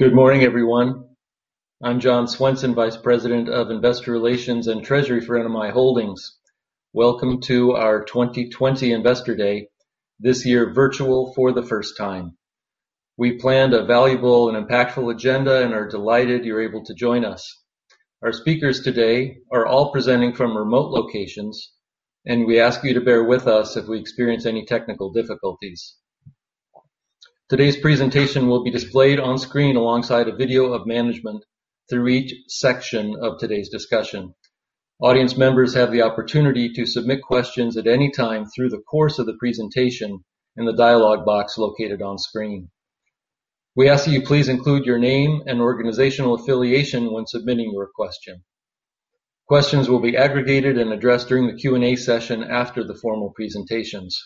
Good morning, everyone. I'm John Swenson, Vice President of Investor Relations and Treasury for NMI Holdings. Welcome to our 2020 Investor Day, this year virtual for the first time. We planned a valuable and impactful agenda and are delighted you're able to join us. Our speakers today are all presenting from remote locations. We ask you to bear with us if we experience any technical difficulties. Today's presentation will be displayed on screen alongside a video of management through each section of today's discussion. Audience members have the opportunity to submit questions at any time through the course of the presentation in the dialog box located on screen. We ask that you please include your name and organizational affiliation when submitting your question. Questions will be aggregated and addressed during the Q&A session after the formal presentations.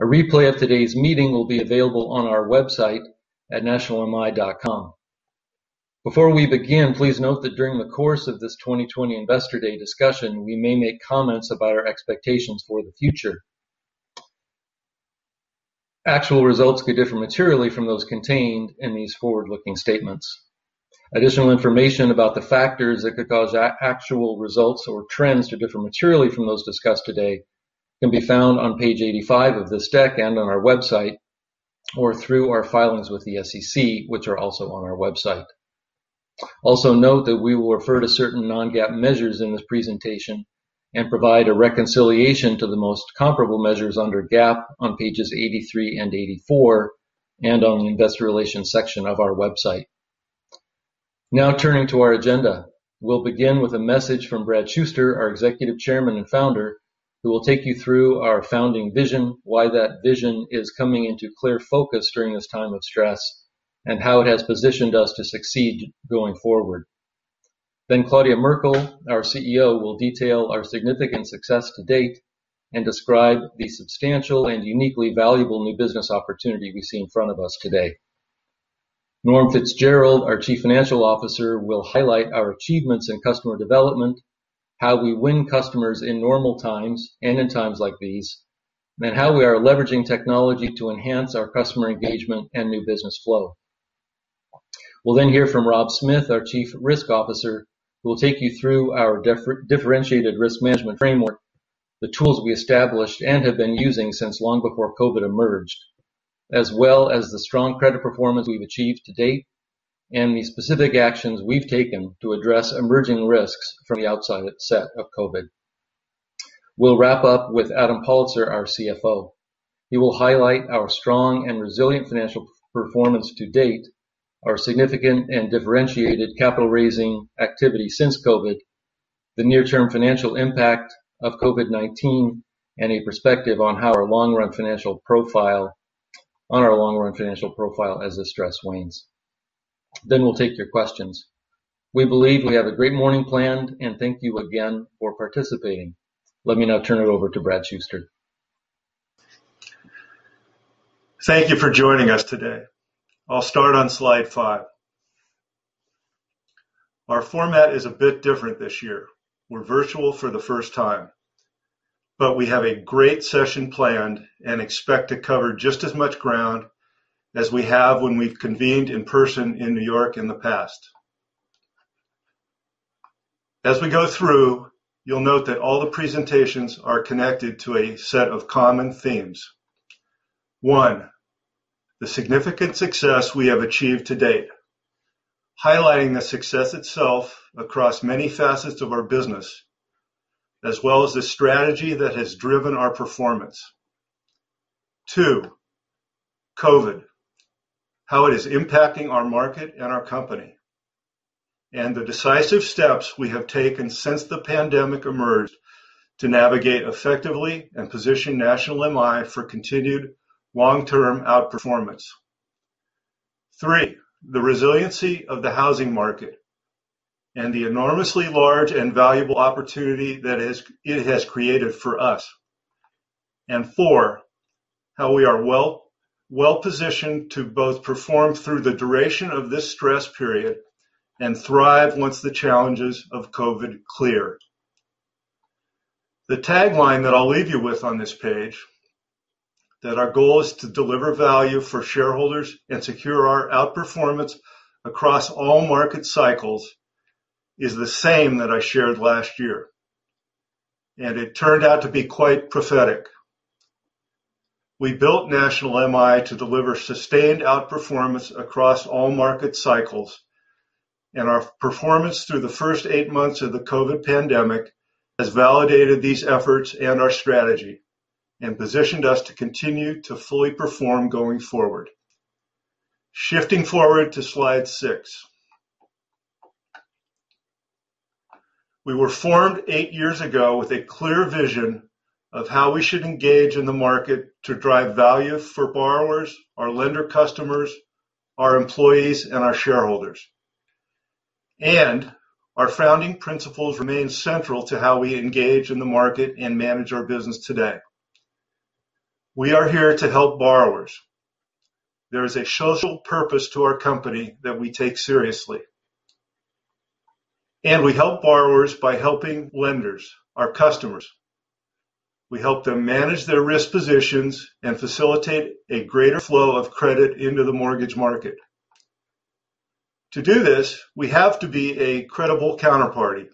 A replay of today's meeting will be available on our website at nationalmi.com. Before we begin, please note that during the course of this 2020 Investor Day discussion, we may make comments about our expectations for the future. Actual results could differ materially from those contained in these forward-looking statements. Additional information about the factors that could cause actual results or trends to differ materially from those discussed today can be found on page 85 of this deck and on our website, or through our filings with the SEC, which are also on our website. Also note that we will refer to certain non-GAAP measures in this presentation and provide a reconciliation to the most comparable measures under GAAP on pages 83 and 84, and on the investor relations section of our website. Now turning to our agenda. We'll begin with a message from Brad Shuster, our Executive Chairman and Founder, who will take you through our founding vision, why that vision is coming into clear focus during this time of stress, and how it has positioned us to succeed going forward. Claudia Merkle, our CEO, will detail our significant success to date and describe the substantial and uniquely valuable new business opportunity we see in front of us today. Norm Fitzgerald, our Chief Financial Officer, will highlight our achievements in customer development, how we win customers in normal times and in times like these, and how we are leveraging technology to enhance our customer engagement and new business flow. We'll then hear from Rob Smith, our Chief Risk Officer, who will take you through our differentiated risk management framework, the tools we established and have been using since long before COVID emerged, as well as the strong credit performance we've achieved to date, and the specific actions we've taken to address emerging risks from the outset of COVID. We'll wrap up with Adam Pollitzer, our CFO. He will highlight our strong and resilient financial performance to date, our significant and differentiated capital-raising activity since COVID, the near-term financial impact of COVID-19, and a perspective on our long-run financial profile as the stress wanes. We'll take your questions. We believe we have a great morning planned and thank you again for participating. Let me now turn it over to Brad Shuster. Thank you for joining us today. I'll start on slide five. Our format is a bit different this year. We're virtual for the first time. We have a great session planned and expect to cover just as much ground as we have when we've convened in person in New York in the past. As we go through, you'll note that all the presentations are connected to a set of common themes. One, the significant success we have achieved to date, highlighting the success itself across many facets of our business, as well as the strategy that has driven our performance. Two, COVID, how it is impacting our market and our company, and the decisive steps we have taken since the pandemic emerged to navigate effectively and position National MI for continued long-term outperformance. Three, the resiliency of the housing market and the enormously large and valuable opportunity that it has created for us. Four, how we are well-positioned to both perform through the duration of this stress period and thrive once the challenges of COVID clear. The tagline that I'll leave you with on this page, that our goal is to deliver value for shareholders and secure our outperformance across all market cycles, is the same that I shared last year, and it turned out to be quite prophetic. We built National MI to deliver sustained outperformance across all market cycles, and our performance through the first eight months of the COVID pandemic has validated these efforts and our strategy and positioned us to continue to fully perform going forward. Shifting forward to slide six. We were formed eight years ago with a clear vision of how we should engage in the market to drive value for borrowers, our lender customers, our employees, and our shareholders. Our founding principles remain central to how we engage in the market and manage our business today. We are here to help borrowers. There is a social purpose to our company that we take seriously. We help borrowers by helping lenders, our customers. We help them manage their risk positions and facilitate a greater flow of credit into the mortgage market. To do this, we have to be a credible counterparty.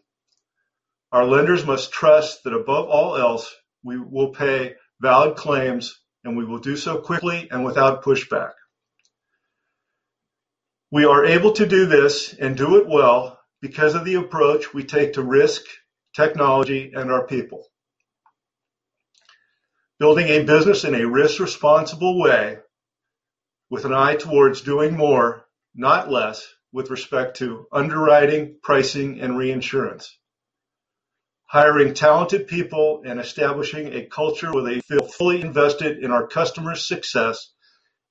Our lenders must trust that above all else, we will pay valid claims, and we will do so quickly and without pushback. We are able to do this and do it well because of the approach we take to risk, technology, and our people. Building a business in a risk-responsible way with an eye towards doing more, not less, with respect to underwriting, pricing, and reinsurance. Hiring talented people and establishing a culture where they feel fully invested in our customers' success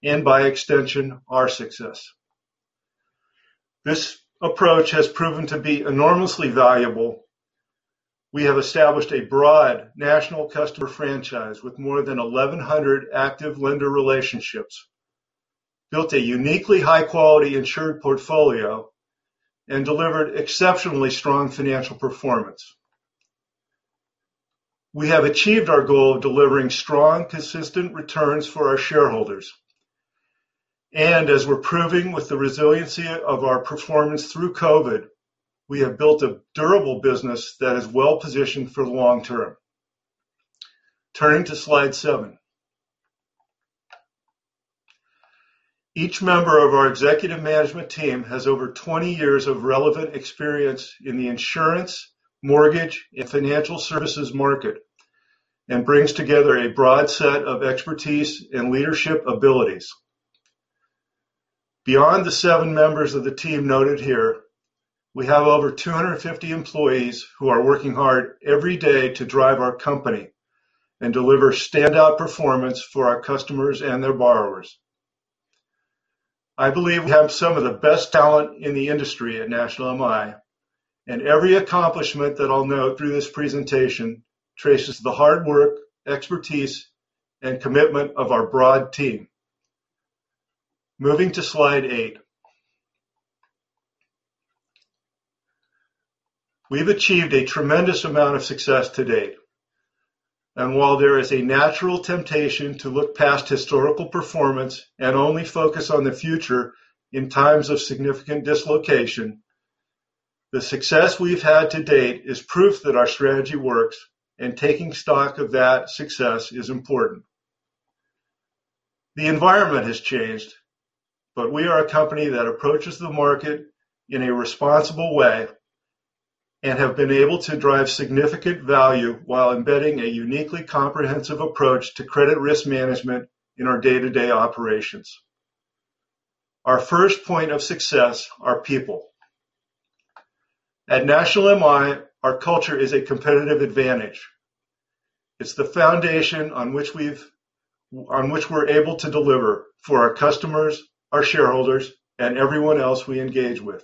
and by extension, our success. This approach has proven to be enormously valuable. We have established a broad national customer franchise with more than 1,100 active lender relationships, built a uniquely high-quality insured portfolio, and delivered exceptionally strong financial performance. We have achieved our goal of delivering strong, consistent returns for our shareholders. As we're proving with the resiliency of our performance through COVID, we have built a durable business that is well-positioned for the long term. Turning to slide seven. Each member of our executive management team has over 20 years of relevant experience in the insurance, mortgage, and financial services market and brings together a broad set of expertise and leadership abilities. Beyond the seven members of the team noted here, we have over 250 employees who are working hard every day to drive our company and deliver standout performance for our customers and their borrowers. I believe we have some of the best talent in the industry at National MI. Every accomplishment that I'll note through this presentation traces the hard work, expertise, and commitment of our broad team. Moving to slide eight. We've achieved a tremendous amount of success to date. While there is a natural temptation to look past historical performance and only focus on the future in times of significant dislocation, the success we've had to date is proof that our strategy works, and taking stock of that success is important. The environment has changed, we are a company that approaches the market in a responsible way and have been able to drive significant value while embedding a uniquely comprehensive approach to credit risk management in our day-to-day operations. Our first point of success are people. At National MI, our culture is a competitive advantage. It's the foundation on which we're able to deliver for our customers, our shareholders, and everyone else we engage with.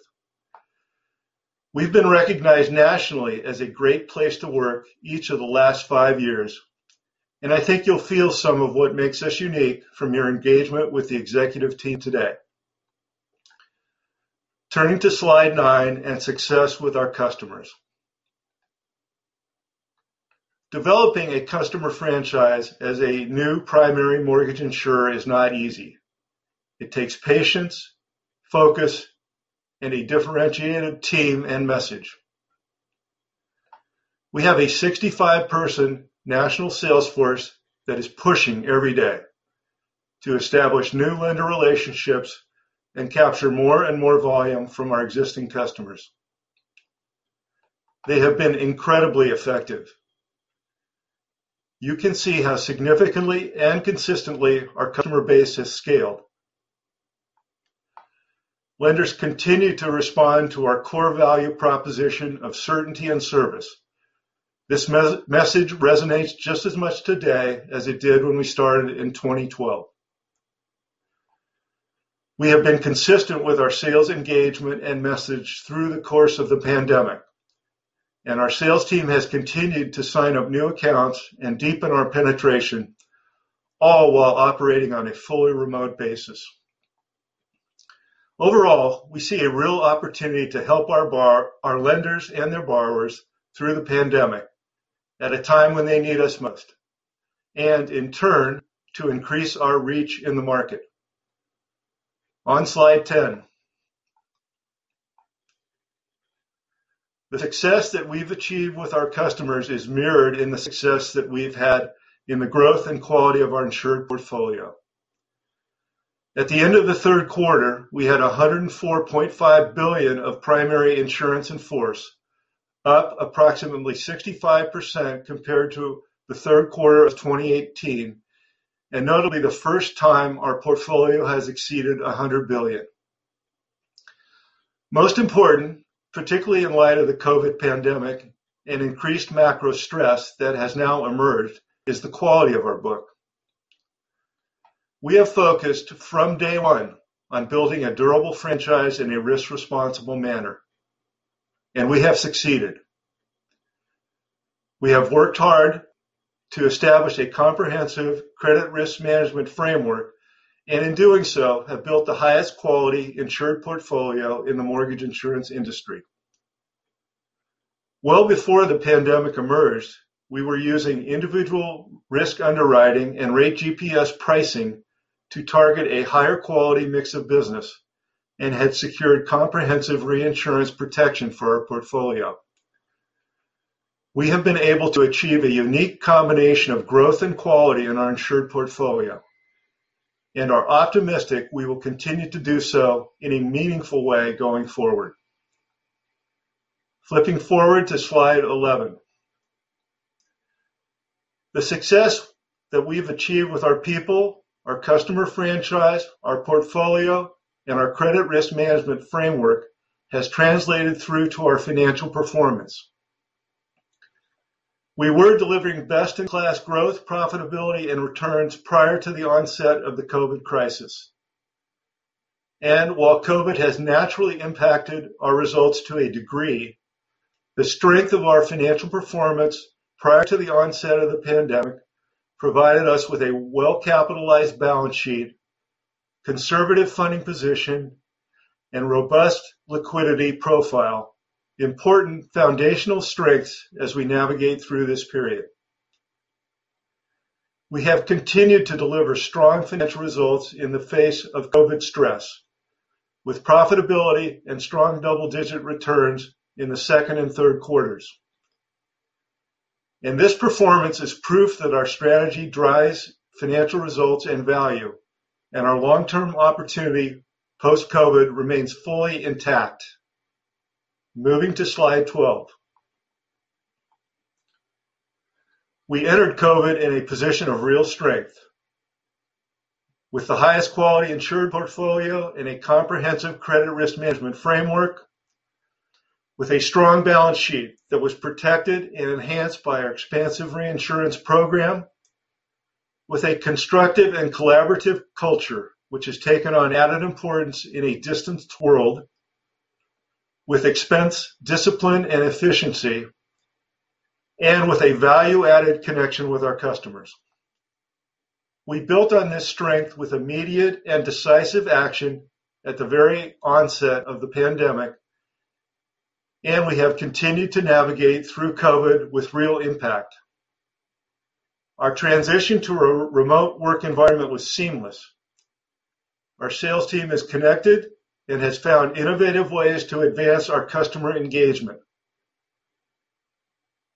We've been recognized nationally as a great place to work each of the last five years, and I think you'll feel some of what makes us unique from your engagement with the executive team today. Turning to slide nine and success with our customers. Developing a customer franchise as a new primary mortgage insurer is not easy. It takes patience, focus, and a differentiated team and message. We have a 65-person national sales force that is pushing every day to establish new lender relationships and capture more and more volume from our existing customers. They have been incredibly effective. You can see how significantly and consistently our customer base has scaled. Lenders continue to respond to our core value proposition of certainty and service. This message resonates just as much today as it did when we started in 2012. We have been consistent with our sales engagement and message through the course of the pandemic, and our sales team has continued to sign up new accounts and deepen our penetration, all while operating on a fully remote basis. Overall, we see a real opportunity to help our lenders and their borrowers through the pandemic at a time when they need us most and in turn, to increase our reach in the market. On slide 10. The success that we've achieved with our customers is mirrored in the success that we've had in the growth and quality of our insured portfolio. At the end of the third quarter, we had $104.5 billion of primary insurance in force, up approximately 65% compared to the third quarter of 2018, and notably the first time our portfolio has exceeded $100 billion. Most important, particularly in light of the COVID pandemic and increased macro stress that has now emerged, is the quality of our book. We have focused from day one on building a durable franchise in a risk-responsible manner, and we have succeeded. We have worked hard to establish a comprehensive credit risk management framework, and in doing so, have built the highest quality insured portfolio in the mortgage insurance industry. Well before the pandemic emerged, we were using individual risk underwriting and Rate GPS pricing to target a higher quality mix of business and had secured comprehensive reinsurance protection for our portfolio. We have been able to achieve a unique combination of growth and quality in our insured portfolio and are optimistic we will continue to do so in a meaningful way going forward. Flipping forward to slide 11. The success that we've achieved with our people, our customer franchise, our portfolio, and our credit risk management framework has translated through to our financial performance. We were delivering best-in-class growth, profitability, and returns prior to the onset of the COVID crisis. While COVID has naturally impacted our results to a degree, the strength of our financial performance prior to the onset of the pandemic provided us with a well-capitalized balance sheet, conservative funding position, and robust liquidity profile, important foundational strengths as we navigate through this period. We have continued to deliver strong financial results in the face of COVID stress, with profitability and strong double-digit returns in the second and third quarters. This performance is proof that our strategy drives financial results and value, and our long-term opportunity post-COVID remains fully intact. Moving to slide 12. We entered COVID in a position of real strength. With the highest quality insured portfolio and a comprehensive credit risk management framework, with a strong balance sheet that was protected and enhanced by our expansive reinsurance program, with a constructive and collaborative culture which has taken on added importance in a distanced world, with expense, discipline, and efficiency, and with a value-added connection with our customers. We built on this strength with immediate and decisive action at the very onset of the pandemic. We have continued to navigate through COVID with real impact. Our transition to a remote work environment was seamless. Our sales team is connected and has found innovative ways to advance our customer engagement.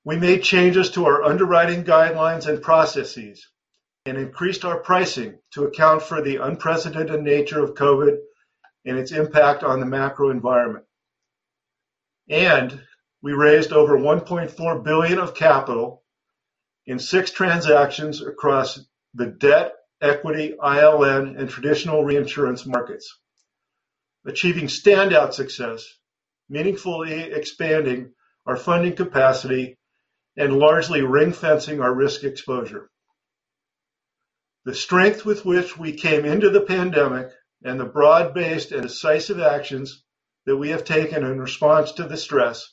We made changes to our underwriting guidelines and processes and increased our pricing to account for the unprecedented nature of COVID and its impact on the macro environment. We raised over $1.4 billion of capital in six transactions across the debt, equity, ILN, and traditional reinsurance markets, achieving standout success, meaningfully expanding our funding capacity, and largely ring-fencing our risk exposure. The strength with which we came into the pandemic and the broad-based and decisive actions that we have taken in response to the stress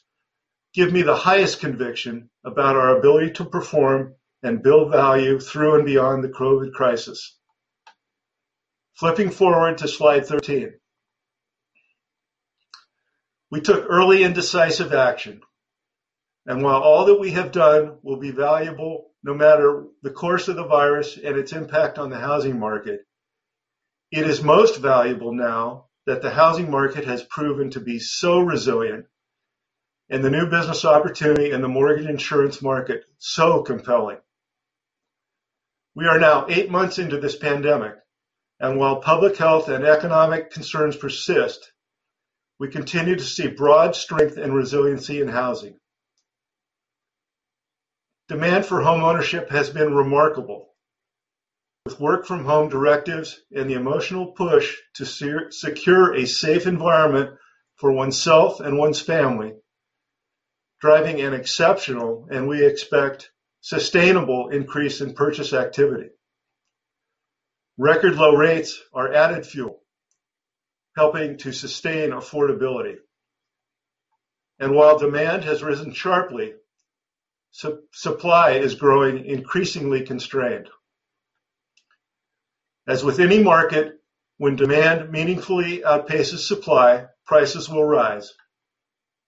give me the highest conviction about our ability to perform and build value through and beyond the COVID crisis. Flipping forward to slide 13. We took early and decisive action, and while all that we have done will be valuable no matter the course of the virus and its impact on the housing market, it is most valuable now that the housing market has proven to be so resilient and the new business opportunity in the mortgage insurance market so compelling. We are now eight months into this pandemic. While public health and economic concerns persist, we continue to see broad strength and resiliency in housing. Demand for homeownership has been remarkable. With work-from-home directives and the emotional push to secure a safe environment for oneself and one's family driving an exceptional, and we expect sustainable increase in purchase activity. Record low rates are added fuel, helping to sustain affordability. While demand has risen sharply, supply is growing increasingly constrained. As with any market, when demand meaningfully outpaces supply, prices will rise.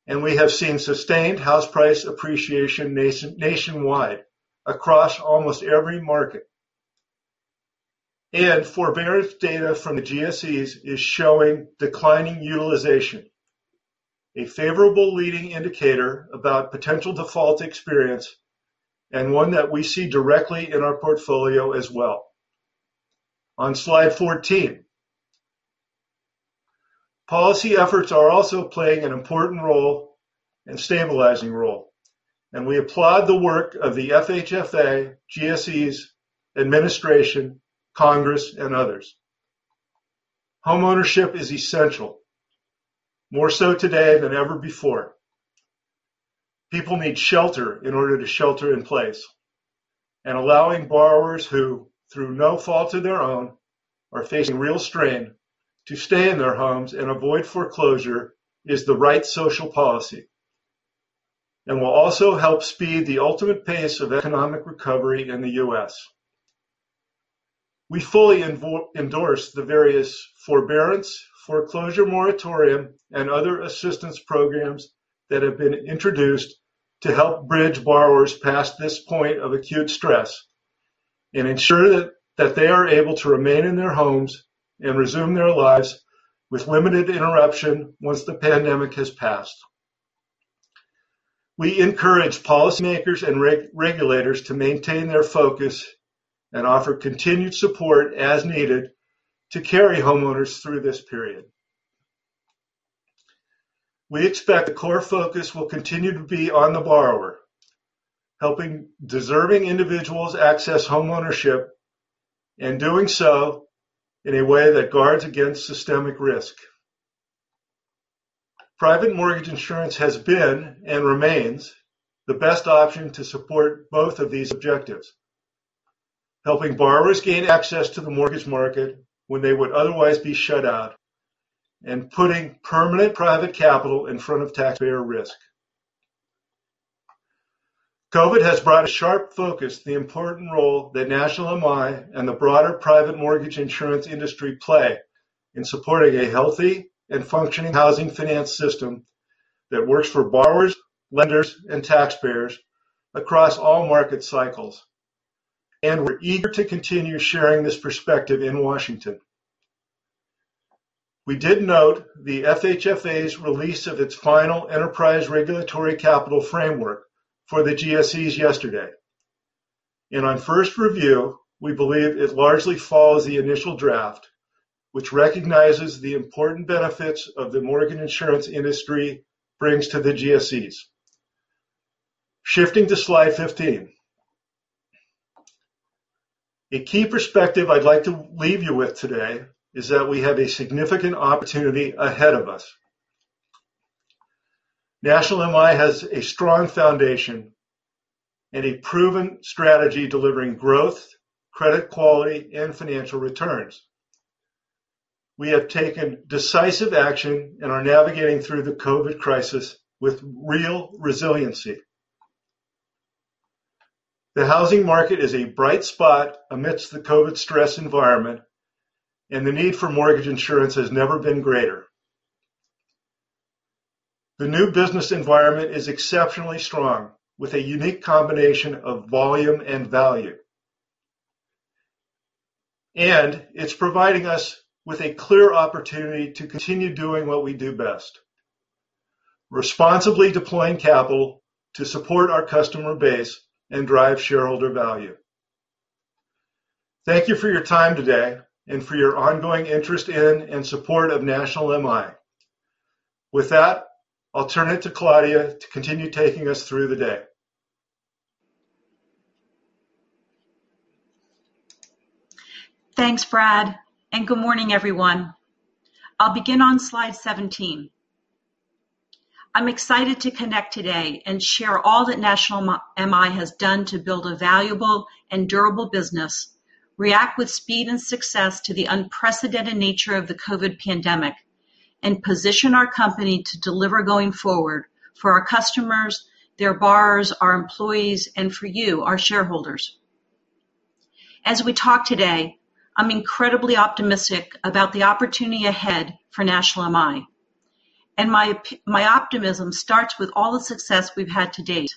We have seen sustained house price appreciation nationwide across almost every market. Forbearance data from the GSEs is showing declining utilization, a favorable leading indicator about potential default experience, and one that we see directly in our portfolio as well. On slide 14. Policy efforts are also playing an important role and stabilizing role. We applaud the work of the FHFA, GSEs, administration, Congress, and others. Homeownership is essential, more so today than ever before. People need shelter in order to shelter in place. Allowing borrowers who, through no fault of their own, are facing real strain to stay in their homes and avoid foreclosure is the right social policy and will also help speed the ultimate pace of economic recovery in the U.S.. We fully endorse the various forbearance, foreclosure moratorium, and other assistance programs that have been introduced to help bridge borrowers past this point of acute stress and ensure that they are able to remain in their homes and resume their lives with limited interruption once the pandemic has passed. We encourage policymakers and regulators to maintain their focus and offer continued support as needed to carry homeowners through this period. We expect the core focus will continue to be on the borrower, helping deserving individuals access homeownership, and doing so in a way that guards against systemic risk. Private mortgage insurance has been and remains the best option to support both of these objectives. Helping borrowers gain access to the mortgage market when they would otherwise be shut out, and putting permanent private capital in front of taxpayer risk. COVID has brought a sharp focus to the important role that National MI and the broader private mortgage insurance industry play in supporting a healthy and functioning housing finance system that works for borrowers, lenders, and taxpayers across all market cycles. We're eager to continue sharing this perspective in Washington. We did note the FHFA's release of its final Enterprise Regulatory Capital Framework for the GSEs yesterday. On first review, we believe it largely follows the initial draft, which recognizes the important benefits of the mortgage insurance industry brings to the GSEs. Shifting to slide 15. A key perspective I'd like to leave you with today is that we have a significant opportunity ahead of us. National MI has a strong foundation and a proven strategy delivering growth, credit quality, and financial returns. We have taken decisive action and are navigating through the COVID crisis with real resiliency. The housing market is a bright spot amidst the COVID stress environment, and the need for mortgage insurance has never been greater. The new business environment is exceptionally strong, with a unique combination of volume and value. It's providing us with a clear opportunity to continue doing what we do best, responsibly deploying capital to support our customer base and drive shareholder value. Thank you for your time today and for your ongoing interest in and support of National MI. With that, I'll turn it to Claudia to continue taking us through the day. Thanks, Brad. Good morning, everyone. I'll begin on slide 17. I'm excited to connect today and share all that National MI has done to build a valuable and durable business, react with speed and success to the unprecedented nature of the COVID pandemic, and position our company to deliver going forward for our customers, their borrowers, our employees, and for you, our shareholders. As we talk today, I'm incredibly optimistic about the opportunity ahead for National MI. My optimism starts with all the success we've had to date.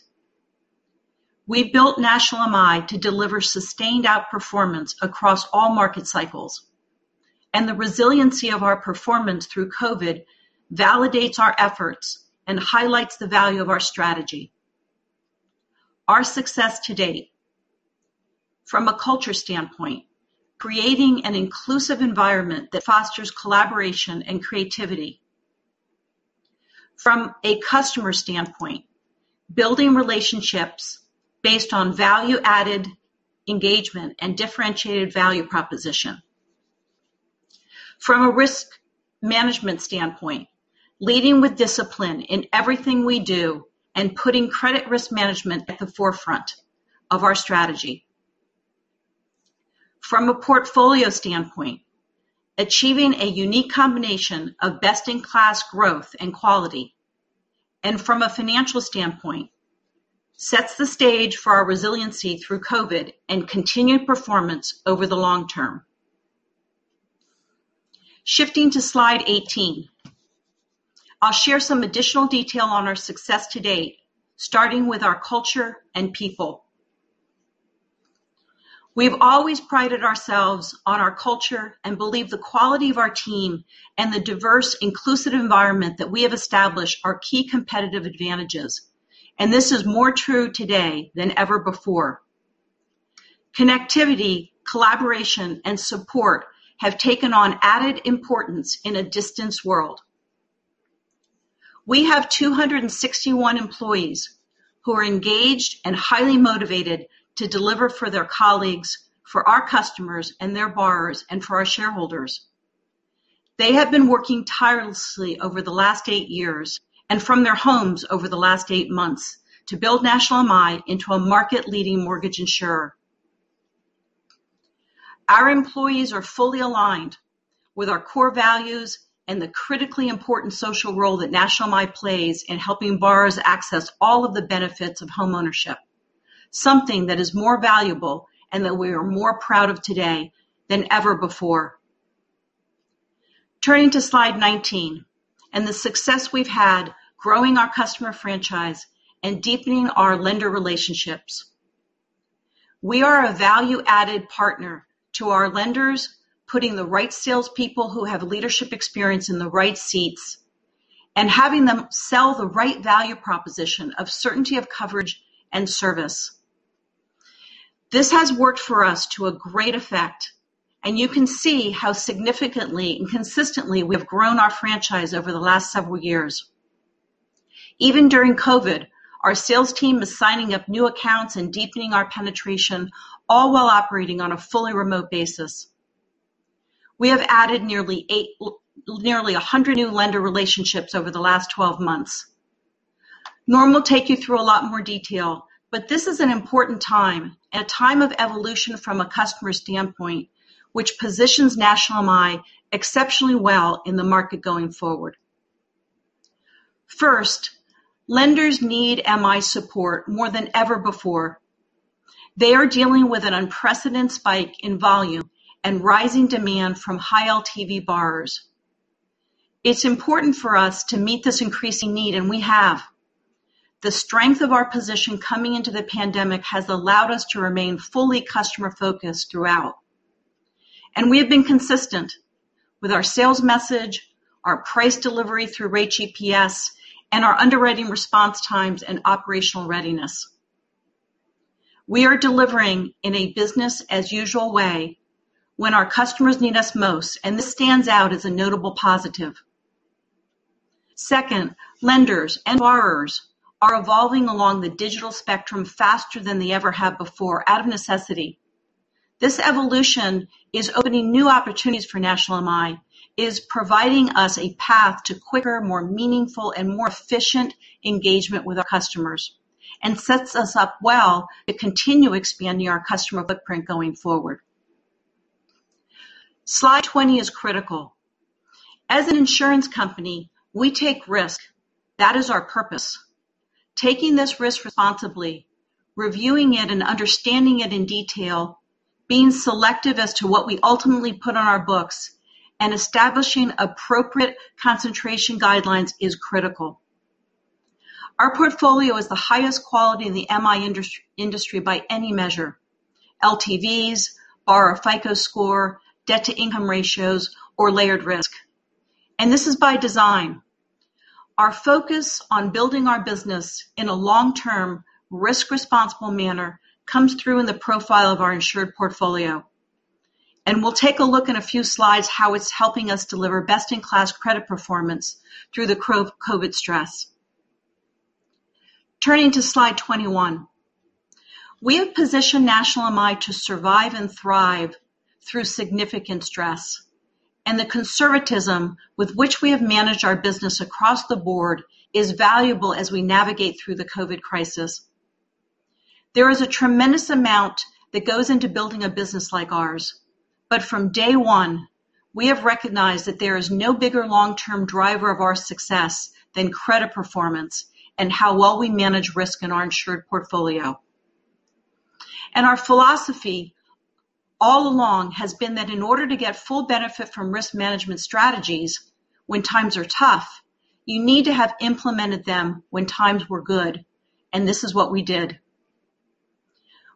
We built National MI to deliver sustained outperformance across all market cycles. The resiliency of our performance through COVID validates our efforts and highlights the value of our strategy. Our success to date, from a culture standpoint, creating an inclusive environment that fosters collaboration and creativity. From a customer standpoint, building relationships based on value-added engagement and differentiated value proposition. From a risk management standpoint, leading with discipline in everything we do and putting credit risk management at the forefront of our strategy. From a portfolio standpoint, achieving a unique combination of best-in-class growth and quality. From a financial standpoint, sets the stage for our resiliency through COVID and continued performance over the long term. Shifting to slide 18, I'll share some additional detail on our success to date, starting with our culture and people. We've always prided ourselves on our culture and believe the quality of our team and the diverse, inclusive environment that we have established are key competitive advantages, and this is more true today than ever before. Connectivity, collaboration, and support have taken on added importance in a distanced world. We have 261 employees who are engaged and highly motivated to deliver for their colleagues, for our customers and their borrowers, and for our shareholders. They have been working tirelessly over the last eight years, and from their homes over the last eight months, to build National MI into a market-leading mortgage insurer. Our employees are fully aligned with our core values and the critically important social role that National MI plays in helping borrowers access all of the benefits of homeownership, something that is more valuable and that we are more proud of today than ever before. Turning to slide 19, and the success we've had growing our customer franchise and deepening our lender relationships. We are a value-added partner to our lenders, putting the right salespeople who have leadership experience in the right seats, and having them sell the right value proposition of certainty of coverage and service. This has worked for us to a great effect, and you can see how significantly and consistently we've grown our franchise over the last several years. Even during COVID, our sales team is signing up new accounts and deepening our penetration, all while operating on a fully remote basis. We have added nearly 100 new lender relationships over the last 12 months. Norm will take you through a lot more detail, but this is an important time, and a time of evolution from a customer standpoint, which positions National MI exceptionally well in the market going forward. First, lenders need MI support more than ever before. They are dealing with an unprecedented spike in volume and rising demand from high LTV borrowers. It's important for us to meet this increasing need. We have. The strength of our position coming into the pandemic has allowed us to remain fully customer-focused throughout. We have been consistent with our sales message, our price delivery through Rate GPS, and our underwriting response times and operational readiness. We are delivering in a business as usual way when our customers need us most, and this stands out as a notable positive. Second, lenders and borrowers are evolving along the digital spectrum faster than they ever have before out of necessity. This evolution is opening new opportunities for National MI, is providing us a path to quicker, more meaningful, and more efficient engagement with our customers, and sets us up well to continue expanding our customer footprint going forward. Slide 20 is critical. As an insurance company, we take risk. That is our purpose. Taking this risk responsibly, reviewing it and understanding it in detail, being selective as to what we ultimately put on our books, and establishing appropriate concentration guidelines is critical. Our portfolio is the highest quality in the MI industry by any measure: LTVs, borrower FICO score, debt-to-income ratios, or layered risk. This is by design. Our focus on building our business in a long-term, risk-responsible manner comes through in the profile of our insured portfolio. We'll take a look in a few slides how it's helping us deliver best-in-class credit performance through the COVID stress. Turning to slide 21. We have positioned National MI to survive and thrive through significant stress, and the conservatism with which we have managed our business across the board is valuable as we navigate through the COVID crisis. There is a tremendous amount that goes into building a business like ours, but from day one, we have recognized that there is no bigger long-term driver of our success than credit performance and how well we manage risk in our insured portfolio. Our philosophy all along has been that in order to get full benefit from risk management strategies when times are tough, you need to have implemented them when times were good, and this is what we did.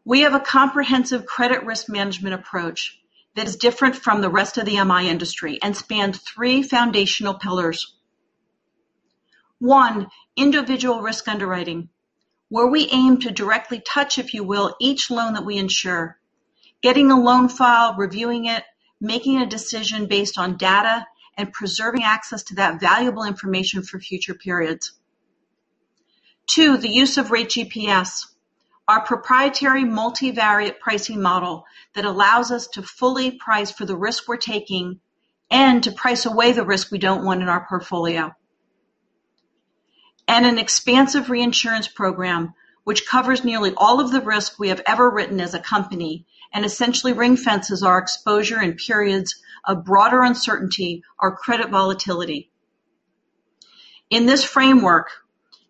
We have a comprehensive credit risk management approach that is different from the rest of the MI industry and spans three foundational pillars. One, individual risk underwriting, where we aim to directly touch, if you will, each loan that we insure. Getting a loan file, reviewing it, making a decision based on data, and preserving access to that valuable information for future periods. Two, the use of Rate GPS, our proprietary multivariate pricing model that allows us to fully price for the risk we're taking and to price away the risk we don't want in our portfolio. An expansive reinsurance program, which covers nearly all of the risk we have ever written as a company, and essentially ring-fences our exposure in periods of broader uncertainty or credit volatility. In this framework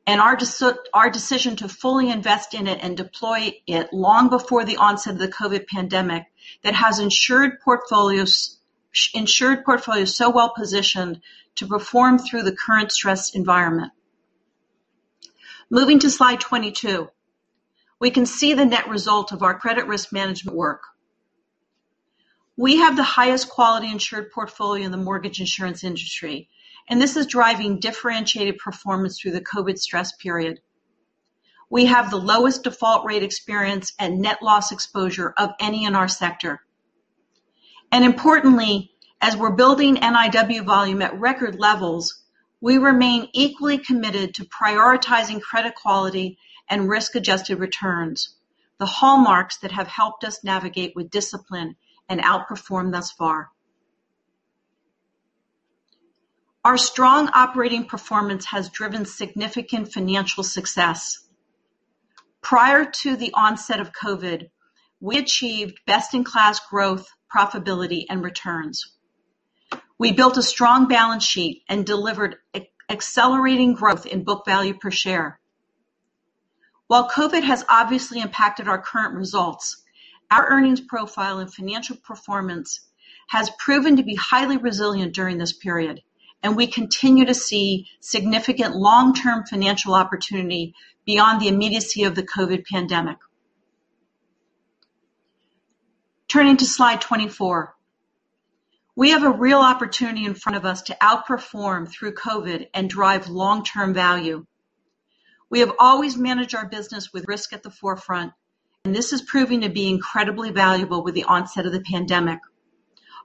and our decision to fully invest in it and deploy it long before the onset of the COVID pandemic that has insured portfolios so well-positioned to perform through the current stress environment. Moving to slide 22. We can see the net result of our credit risk management work. We have the highest quality insured portfolio in the mortgage insurance industry, and this is driving differentiated performance through the COVID stress period. We have the lowest default rate experience and net loss exposure of any in our sector. Importantly, as we're building NIW volume at record levels, we remain equally committed to prioritizing credit quality and risk-adjusted returns, the hallmarks that have helped us navigate with discipline and outperform thus far. Our strong operating performance has driven significant financial success. Prior to the onset of COVID, we achieved best-in-class growth, profitability, and returns. We built a strong balance sheet and delivered accelerating growth in book value per share. While COVID has obviously impacted our current results, our earnings profile and financial performance has proven to be highly resilient during this period, and we continue to see significant long-term financial opportunity beyond the immediacy of the COVID pandemic. Turning to slide 24. We have a real opportunity in front of us to outperform through COVID and drive long-term value. We have always managed our business with risk at the forefront, and this is proving to be incredibly valuable with the onset of the pandemic.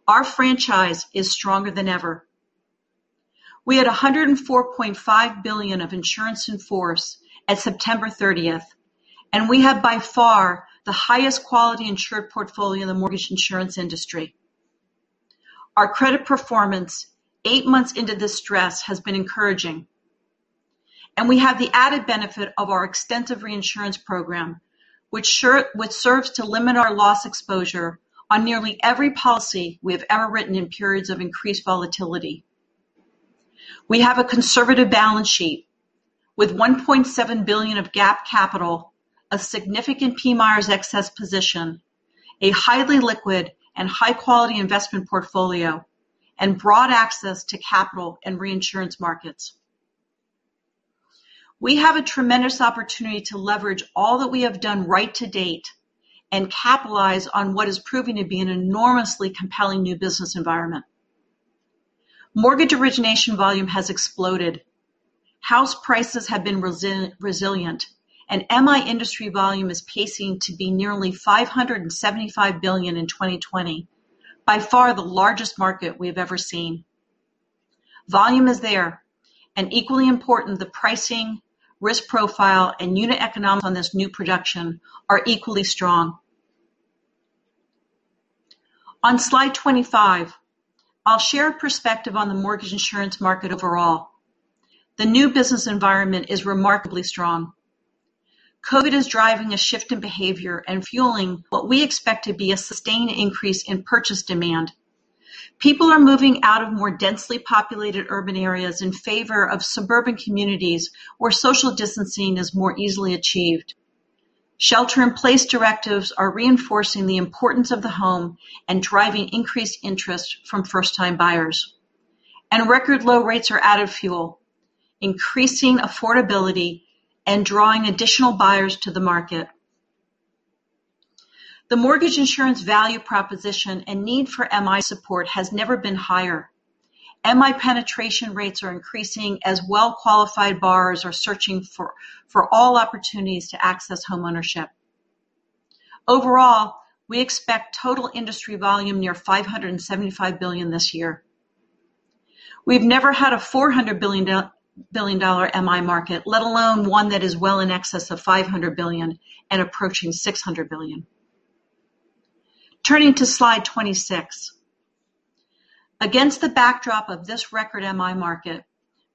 Our franchise is stronger than ever. We had $104.5 billion of insurance in force at September 30th, and we have by far the highest quality insured portfolio in the mortgage insurance industry. Our credit performance eight months into this stress has been encouraging, and we have the added benefit of our extensive reinsurance program, which serves to limit our loss exposure on nearly every policy we have ever written in periods of increased volatility. We have a conservative balance sheet with $1.7 billion of GAAP capital, a significant PMIERs excess position, a highly liquid and high-quality investment portfolio, and broad access to capital and reinsurance markets. We have a tremendous opportunity to leverage all that we have done right to date and capitalize on what is proving to be an enormously compelling new business environment. Mortgage origination volume has exploded, house prices have been resilient, and MI industry volume is pacing to be nearly $575 billion in 2020, by far the largest market we have ever seen. Volume is there, equally important, the pricing, risk profile, and unit economics on this new production are equally strong. On slide 25, I'll share a perspective on the mortgage insurance market overall. The new business environment is remarkably strong. COVID is driving a shift in behavior and fueling what we expect to be a sustained increase in purchase demand. People are moving out of more densely populated urban areas in favor of suburban communities where social distancing is more easily achieved. Shelter-in-place directives are reinforcing the importance of the home and driving increased interest from first-time buyers. Record low rates are added fuel, increasing affordability and drawing additional buyers to the market. The mortgage insurance value proposition and need for MI support has never been higher. MI penetration rates are increasing as well-qualified borrowers are searching for all opportunities to access homeownership. Overall, we expect total industry volume near $575 billion this year. We've never had a $400 billion MI market, let alone one that is well in excess of $500 billion and approaching $600 billion. Turning to slide 26. Against the backdrop of this record MI market,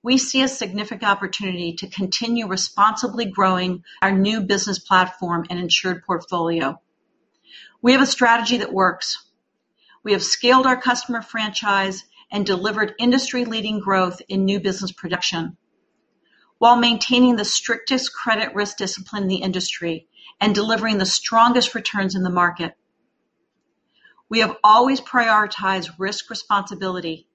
we see a significant opportunity to continue responsibly growing our new business platform and insured portfolio. We have a strategy that works. We have scaled our customer franchise and delivered industry-leading growth in new business production while maintaining the strictest credit risk discipline in the industry and delivering the strongest returns in the market. We have always prioritized risk responsibility,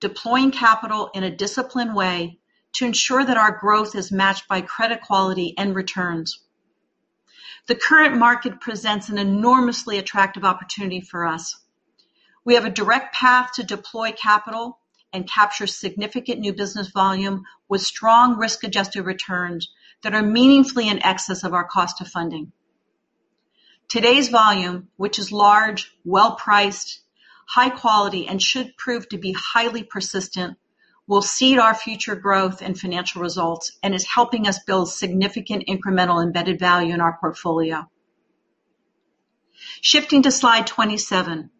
deploying capital in a disciplined way to ensure that our growth is matched by credit quality and returns. The current market presents an enormously attractive opportunity for us. We have a direct path to deploy capital and capture significant new business volume with strong risk-adjusted returns that are meaningfully in excess of our cost of funding. Today's volume, which is large, well-priced, high quality, and should prove to be highly persistent, will seed our future growth and financial results and is helping us build significant incremental embedded value in our portfolio. Shifting to slide 27.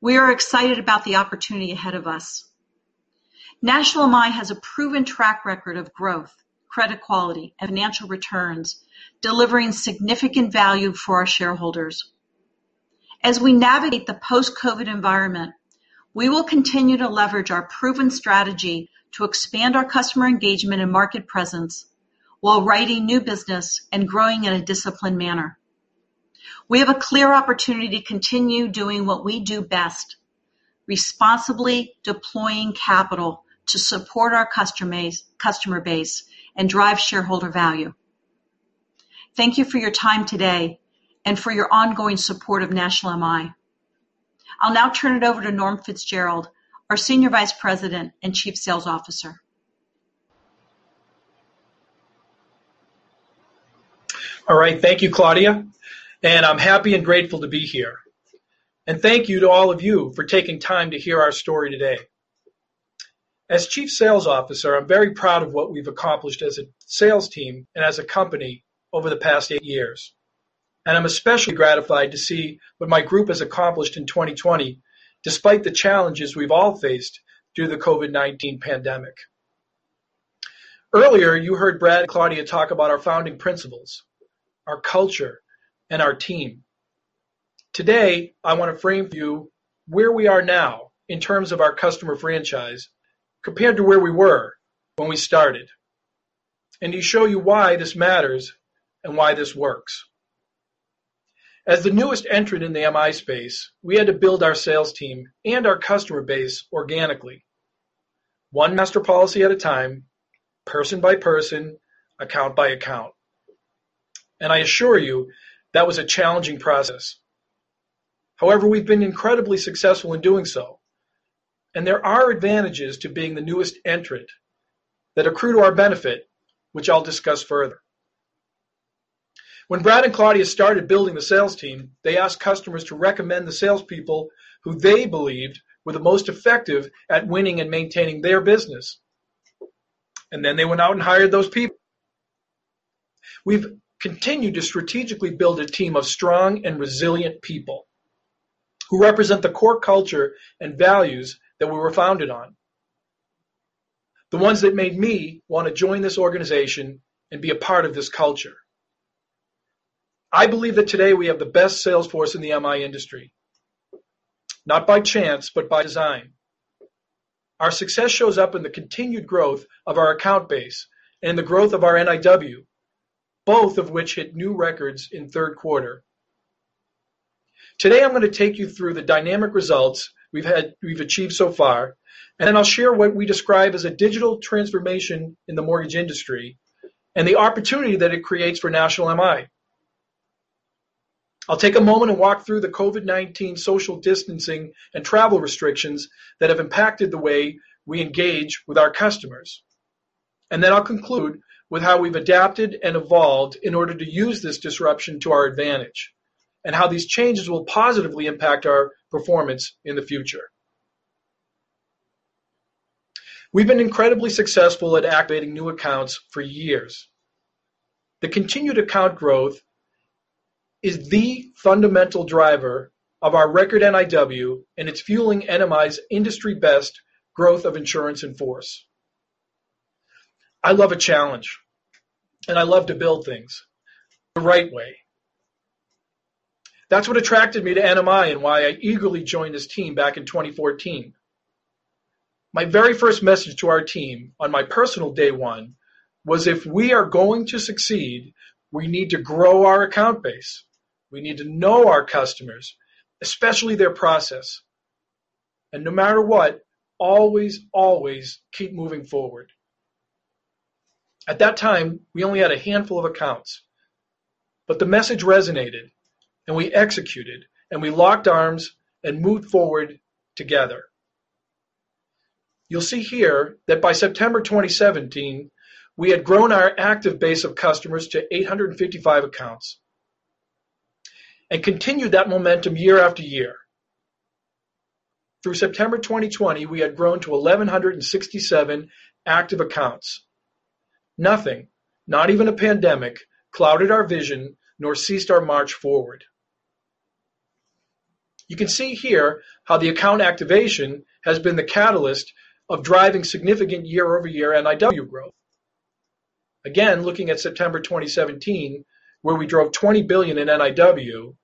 We are excited about the opportunity ahead of us. National MI has a proven track record of growth, credit quality, and financial returns, delivering significant value for our shareholders. As we navigate the post-COVID environment, we will continue to leverage our proven strategy to expand our customer engagement and market presence while writing new business and growing in a disciplined manner. We have a clear opportunity to continue doing what we do best, responsibly deploying capital to support our customer base and drive shareholder value. Thank you for your time today and for your ongoing support of National MI. I'll now turn it over to Norm Fitzgerald, our Senior Vice President and Chief Sales Officer. All right. Thank you, Claudia, and I'm happy and grateful to be here. Thank you to all of you for taking time to hear our story today. As Chief Sales Officer, I'm very proud of what we've accomplished as a sales team and as a company over the past eight years, and I'm especially gratified to see what my group has accomplished in 2020, despite the challenges we've all faced through the COVID-19 pandemic. Earlier, you heard Brad and Claudia talk about our founding principles, our culture, and our team. Today, I want to frame for you where we are now in terms of our customer franchise compared to where we were when we started, and to show you why this matters and why this works. As the newest entrant in the MI space, we had to build our sales team and our customer base organically, one master policy at a time, person by person, account by account. I assure you, that was a challenging process. However, we've been incredibly successful in doing so, and there are advantages to being the newest entrant that accrue to our benefit, which I'll discuss further. When Brad and Claudia started building the sales team, they asked customers to recommend the salespeople who they believed were the most effective at winning and maintaining their business. They went out and hired those people. We've continued to strategically build a team of strong and resilient people who represent the core culture and values that we were founded on, the ones that made me want to join this organization and be a part of this culture. I believe that today we have the best sales force in the MI industry, not by chance, but by design. Our success shows up in the continued growth of our account base and the growth of our NIW, both of which hit new records in the third quarter. Today, I'm going to take you through the dynamic results we've achieved so far. I'll share what we describe as a digital transformation in the mortgage industry and the opportunity that it creates for National MI. I'll take a moment and walk through the COVID-19 social distancing and travel restrictions that have impacted the way we engage with our customers. I'll conclude with how we've adapted and evolved in order to use this disruption to our advantage and how these changes will positively impact our performance in the future. We've been incredibly successful at activating new accounts for years. The continued account growth is the fundamental driver of our record NIW, and it's fueling NMI's industry-best growth of insurance in force. I love a challenge, and I love to build things the right way. That's what attracted me to NMI and why I eagerly joined this team back in 2014. My very first message to our team on my personal day one was, if we are going to succeed, we need to grow our account base. We need to know our customers, especially their process, and no matter what, always keep moving forward. At that time, we only had a handful of accounts, but the message resonated, and we executed, and we locked arms and moved forward together. You'll see here that by September 2017, we had grown our active base of customers to 855 accounts and continued that momentum year after year. Through September 2020, we had grown to 1,167 active accounts. Nothing, not even a pandemic, clouded our vision nor ceased our march forward. You can see here how the account activation has been the catalyst of driving significant year-over-year NIW growth. Again, looking at September 2017, where we drove $20 billion in NIW,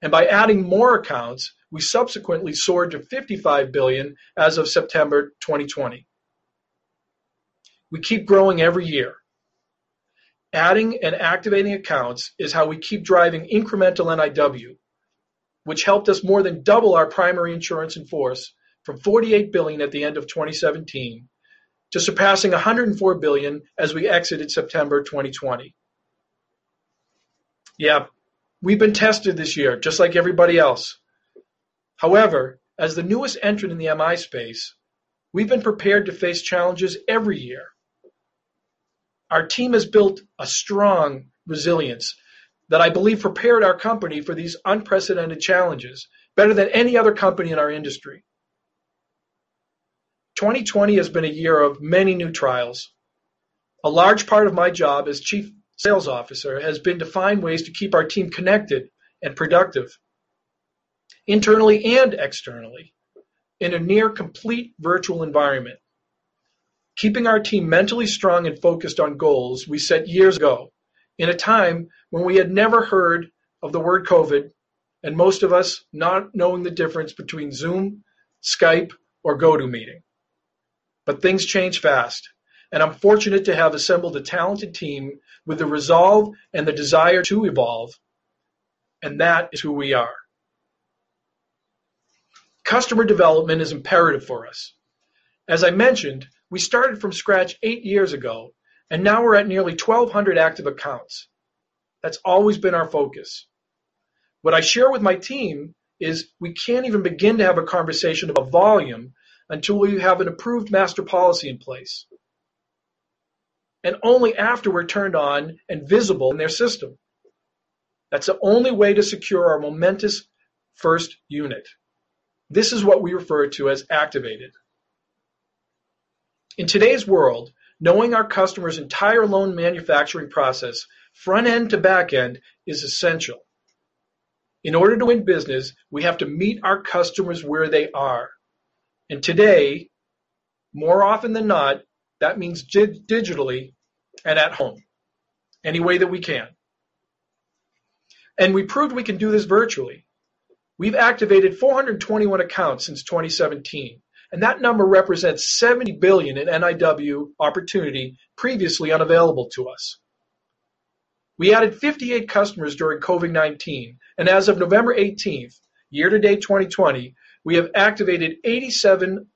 and by adding more accounts, we subsequently soared to $55 billion as of September 2020. We keep growing every year. Adding and activating accounts is how we keep driving incremental NIW, which helped us more than double our primary insurance in force from $48 billion at the end of 2017 to surpassing $104 billion as we exited September 2020. Yeah, we've been tested this year just like everybody else. As the newest entrant in the MI space, we've been prepared to face challenges every year. Our team has built a strong resilience that I believe prepared our company for these unprecedented challenges better than any other company in our industry. 2020 has been a year of many new trials. A large part of my job as Chief Sales Officer has been to find ways to keep our team connected and productive, internally and externally, in a near complete virtual environment, keeping our team mentally strong and focused on goals we set years ago in a time when we had never heard of the word COVID and most of us not knowing the difference between Zoom, Skype, or GoToMeeting. Things change fast, and I'm fortunate to have assembled a talented team with the resolve and the desire to evolve, and that is who we are. Customer development is imperative for us. As I mentioned, we started from scratch eight years ago, now we're at nearly 1,200 active accounts. That's always been our focus. What I share with my team is we can't even begin to have a conversation about volume until you have an approved master policy in place, only after we're turned on and visible in their system. That's the only way to secure our momentous first unit. This is what we refer to as activated. In today's world, knowing our customer's entire loan manufacturing process, front end to back end, is essential. In order to win business, we have to meet our customers where they are. Today, more often than not, that means digitally and at home, any way that we can. We proved we can do this virtually. We've activated 421 accounts since 2017. That number represents $70 billion in NIW opportunity previously unavailable to us. We added 58 customers during COVID-19. As of November 18th, year to date 2020, we have activated 87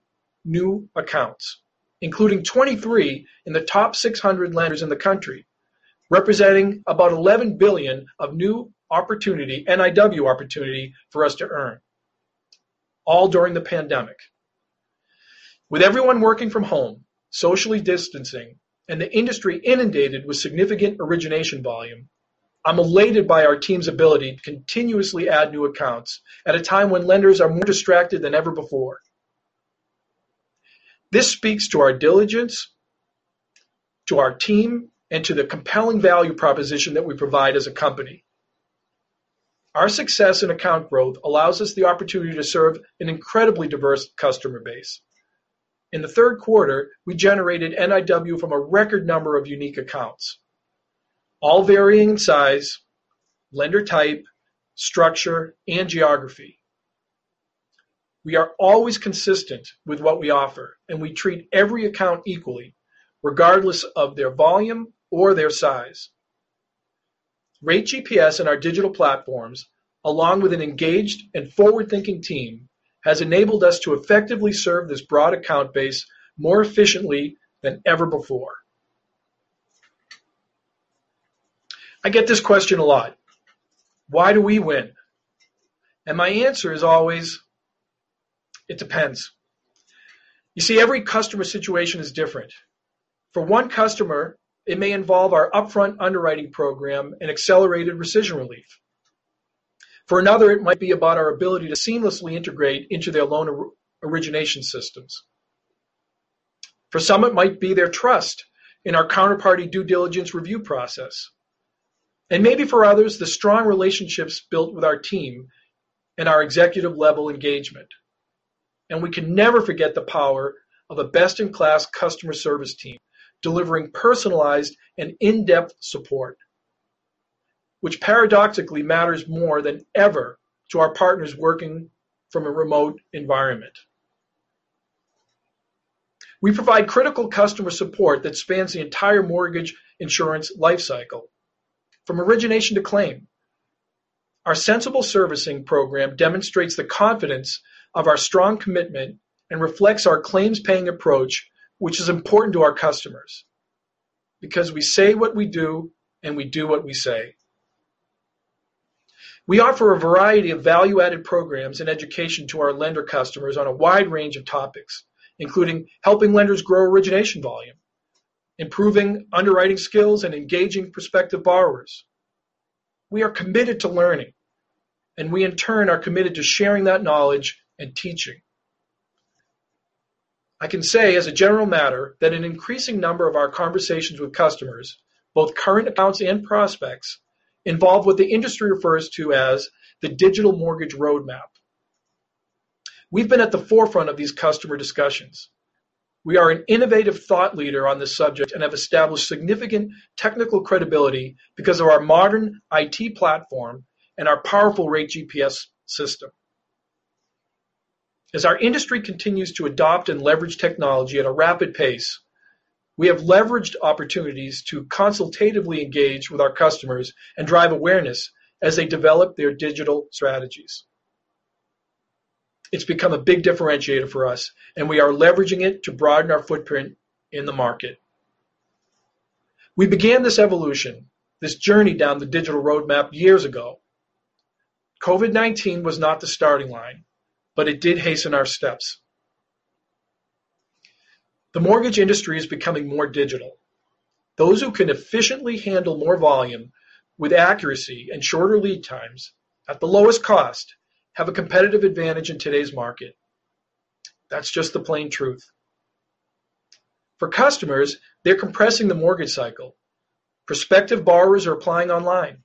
new accounts, including 23 in the top 600 lenders in the country, representing about $11 billion of new NIW opportunity for us to earn, all during the pandemic. With everyone working from home, socially distancing, and the industry inundated with significant origination volume, I'm elated by our team's ability to continuously add new accounts at a time when lenders are more distracted than ever before. This speaks to our diligence, to our team, and to the compelling value proposition that we provide as a company. Our success in account growth allows us the opportunity to serve an incredibly diverse customer base. In the third quarter, we generated NIW from a record number of unique accounts, all varying in size, lender type, structure, and geography. We treat every account equally, regardless of their volume or their size. Rate GPS and our digital platforms, along with an engaged and forward-thinking team, has enabled us to effectively serve this broad account base more efficiently than ever before. I get this question a lot. Why do we win? My answer is always, "It depends." You see, every customer situation is different. For one customer, it may involve our upfront underwriting program and accelerated rescission relief. For another, it might be about our ability to seamlessly integrate into their loan origination systems. For some, it might be their trust in our counterparty due diligence review process. Maybe for others, the strong relationships built with our team and our executive-level engagement. We can never forget the power of a best-in-class customer service team delivering personalized and in-depth support, which paradoxically matters more than ever to our partners working from a remote environment. We provide critical customer support that spans the entire mortgage insurance life cycle, from origination to claim. Our Sensible Servicing program demonstrates the confidence of our strong commitment and reflects our claims-paying approach, which is important to our customers because we say what we do, and we do what we say. We offer a variety of value-added programs and education to our lender customers on a wide range of topics, including helping lenders grow origination volume, improving underwriting skills, and engaging prospective borrowers. We are committed to learning. We, in turn, are committed to sharing that knowledge and teaching. I can say, as a general matter, that an increasing number of our conversations with customers, both current accounts and prospects, involve what the industry refers to as the digital mortgage roadmap. We've been at the forefront of these customer discussions. We are an innovative thought leader on this subject and have established significant technical credibility because of our modern IT platform and our powerful Rate GPS system. As our industry continues to adopt and leverage technology at a rapid pace, we have leveraged opportunities to consultatively engage with our customers and drive awareness as they develop their digital strategies. It's become a big differentiator for us, and we are leveraging it to broaden our footprint in the market. We began this evolution, this journey down the digital roadmap years ago. COVID-19 was not the starting line, but it did hasten our steps. The mortgage industry is becoming more digital. Those who can efficiently handle more volume with accuracy and shorter lead times at the lowest cost have a competitive advantage in today's market. That's just the plain truth. For customers, they're compressing the mortgage cycle. Prospective borrowers are applying online.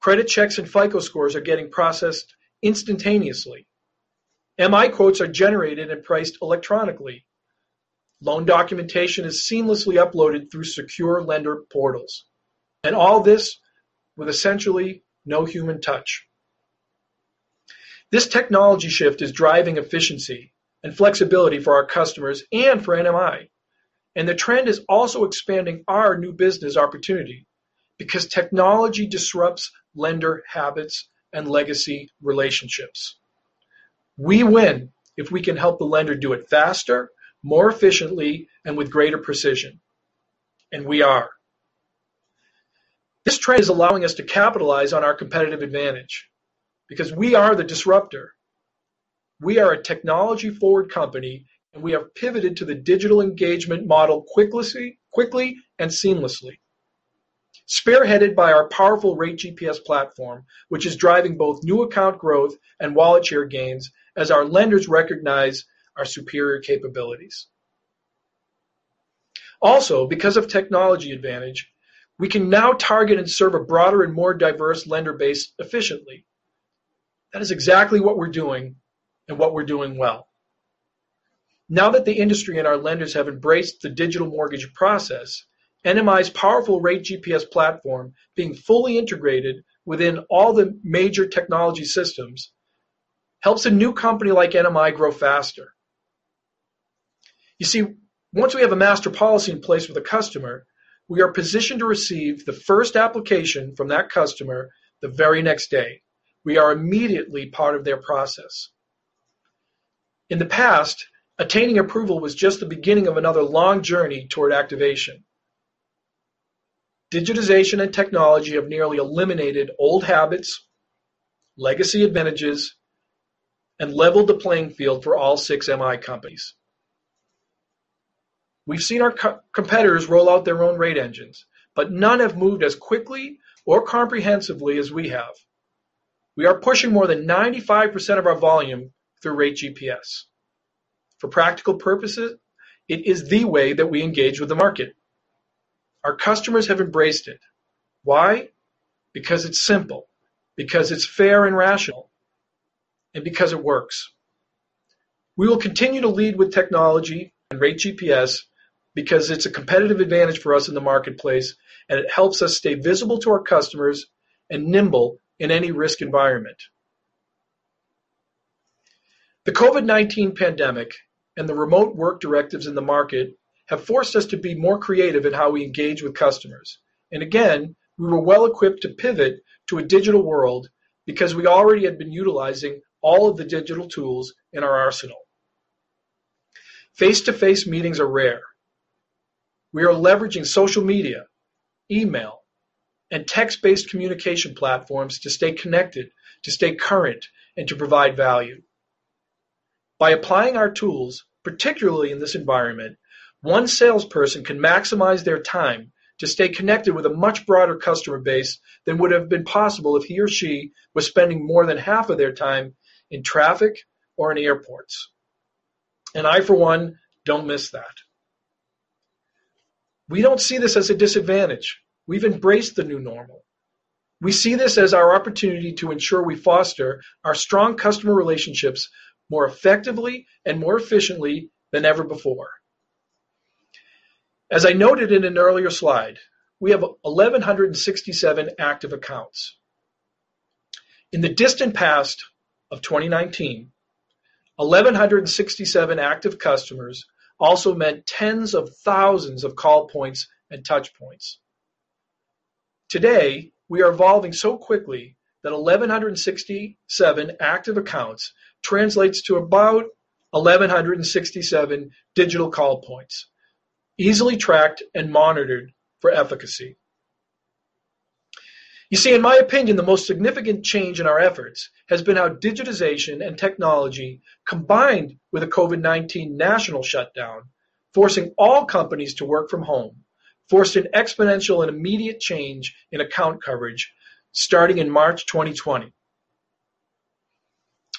Credit checks and FICO scores are getting processed instantaneously. MI quotes are generated and priced electronically. Loan documentation is seamlessly uploaded through secure lender portals. All this with essentially no human touch. This technology shift is driving efficiency and flexibility for our customers and for NMI. The trend is also expanding our new business opportunity because technology disrupts lender habits and legacy relationships. We win if we can help the lender do it faster, more efficiently, and with greater precision. This trend is allowing us to capitalize on our competitive advantage because we are the disruptor. We are a technology-forward company, and we have pivoted to the digital engagement model quickly and seamlessly, spearheaded by our powerful Rate GPS platform, which is driving both new account growth and wallet share gains as our lenders recognize our superior capabilities. Also, because of technology advantage, we can now target and serve a broader and more diverse lender base efficiently. That is exactly what we're doing and what we're doing well. Now that the industry and our lenders have embraced the digital mortgage process, NMI's powerful Rate GPS platform, being fully integrated within all the major technology systems, helps a new company like NMI grow faster. You see, once we have a master policy in place with a customer, we are positioned to receive the first application from that customer the very next day. We are immediately part of their process. In the past, attaining approval was just the beginning of another long journey toward activation. Digitization and technology have nearly eliminated old habits, legacy advantages, and leveled the playing field for all six MI companies. None have moved as quickly or comprehensively as we have. We are pushing more than 95% of our volume through Rate GPS. For practical purposes, it is the way that we engage with the market. Our customers have embraced it. Why? It's simple, because it's fair and rational, and because it works. We will continue to lead with technology and Rate GPS because it's a competitive advantage for us in the marketplace, and it helps us stay visible to our customers and nimble in any risk environment. The COVID-19 pandemic and the remote work directives in the market have forced us to be more creative in how we engage with customers. Again, we were well-equipped to pivot to a digital world because we already had been utilizing all of the digital tools in our arsenal. Face-to-face meetings are rare. We are leveraging social media, email, and text-based communication platforms to stay connected, to stay current, and to provide value. By applying our tools, particularly in this environment, one salesperson can maximize their time to stay connected with a much broader customer base than would have been possible if he or she was spending more than half of their time in traffic or in airports. I, for one, don't miss that. We don't see this as a disadvantage. We've embraced the new normal. We see this as our opportunity to ensure we foster our strong customer relationships more effectively and more efficiently than ever before. As I noted in an earlier slide, we have 1,167 active accounts. In the distant past of 2019, 1,167 active customers also meant tens of thousands of call points and touch points. Today, we are evolving so quickly that 1,167 active accounts translates to about 1,167 digital call points, easily tracked and monitored for efficacy. You see, in my opinion, the most significant change in our efforts has been how digitization and technology combined with a COVID-19 national shutdown, forcing all companies to work from home, forced an exponential and immediate change in account coverage starting in March 2020.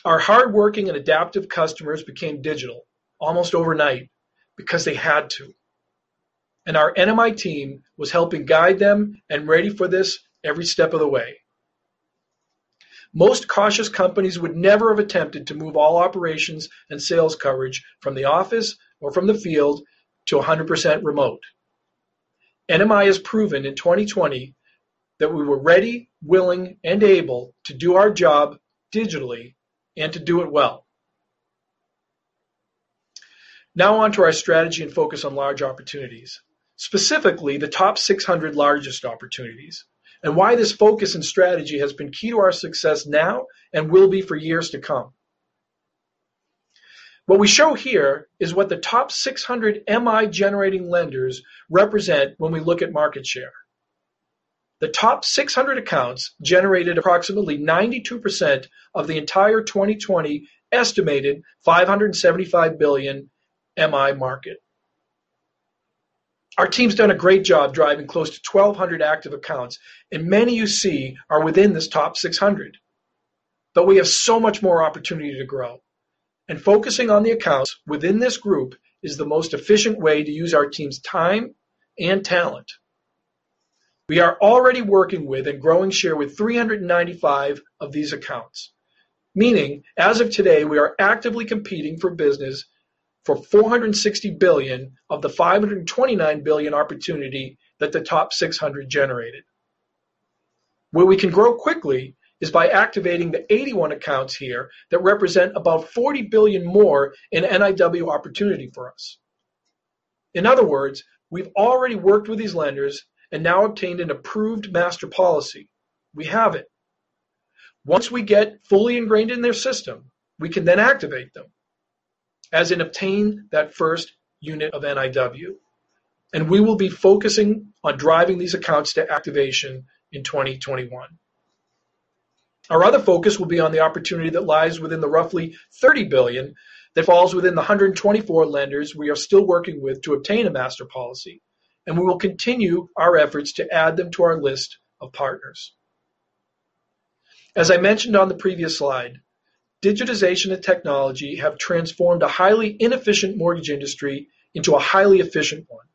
Our hardworking and adaptive customers became digital almost overnight because they had to, and our NMI team was helping guide them and ready for this every step of the way. Most cautious companies would never have attempted to move all operations and sales coverage from the office or from the field to 100% remote. NMI has proven in 2020 that we were ready, willing, and able to do our job digitally and to do it well. Now on to our strategy and focus on large opportunities, specifically the top 600 largest opportunities, and why this focus and strategy has been key to our success now and will be for years to come. What we show here is what the top 600 MI-generating lenders represent when we look at market share. The top 600 accounts generated approximately 92% of the entire 2020 estimated $575 billion MI market. Our team's done a great job driving close to 1,200 active accounts. Many you see are within this top 600. We have so much more opportunity to grow. Focusing on the accounts within this group is the most efficient way to use our team's time and talent. We are already working with and growing share with 395 of these accounts, meaning as of today, we are actively competing for business for $460 billion of the $529 billion opportunity that the top 600 generated. Where we can grow quickly is by activating the 81 accounts here that represent about $40 billion more in NIW opportunity for us. In other words, we've already worked with these lenders and now obtained an approved master policy. We have it. Once we get fully ingrained in their system, we can then activate them, as in obtain that first unit of NIW. We will be focusing on driving these accounts to activation in 2021. Our other focus will be on the opportunity that lies within the roughly $30 billion that falls within the 124 lenders we are still working with to obtain a master policy. We will continue our efforts to add them to our list of partners. As I mentioned on the previous slide, digitization and technology have transformed a highly inefficient mortgage industry into a highly efficient one.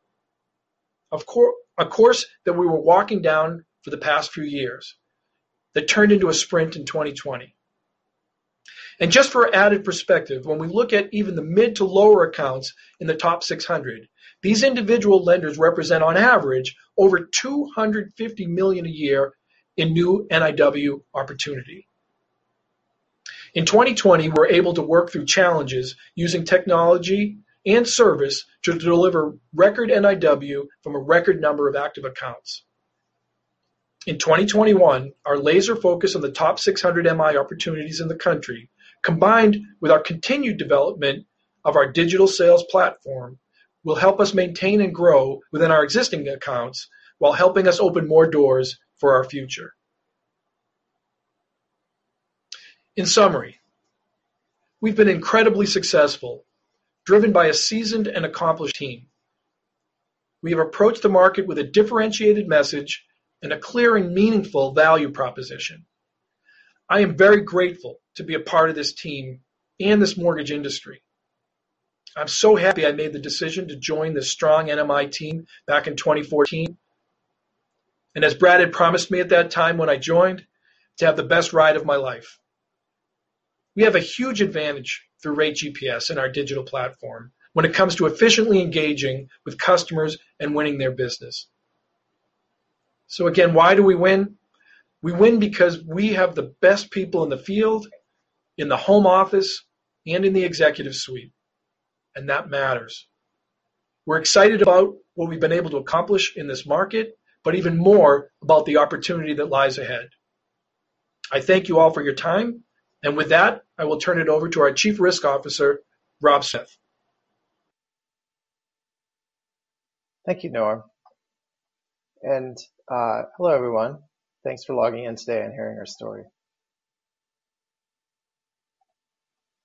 A course that we were walking down for the past few years, that turned into a sprint in 2020. Just for added perspective, when we look at even the mid to lower accounts in the top 600, these individual lenders represent, on average, over $250 million a year in new NIW opportunity. In 2020, we're able to work through challenges using technology and service to deliver record NIW from a record number of active accounts. In 2021, our laser focus on the top 600 MI opportunities in the country, combined with our continued development of our digital sales platform, will help us maintain and grow within our existing accounts while helping us open more doors for our future. In summary, we've been incredibly successful, driven by a seasoned and accomplished team. We have approached the market with a differentiated message and a clear and meaningful value proposition. I am very grateful to be a part of this team and this mortgage industry. I'm so happy I made the decision to join the strong NMI team back in 2014, and as Brad had promised me at that time when I joined, to have the best ride of my life. We have a huge advantage through Rate GPS and our digital platform when it comes to efficiently engaging with customers and winning their business. Again, why do we win? We win because we have the best people in the field, in the home office, and in the executive suite, and that matters. We're excited about what we've been able to accomplish in this market, but even more about the opportunity that lies ahead. I thank you all for your time, and with that, I will turn it over to our Chief Risk Officer, Rob Smith. Thank you, Norm. Hello, everyone. Thanks for logging in today and hearing our story.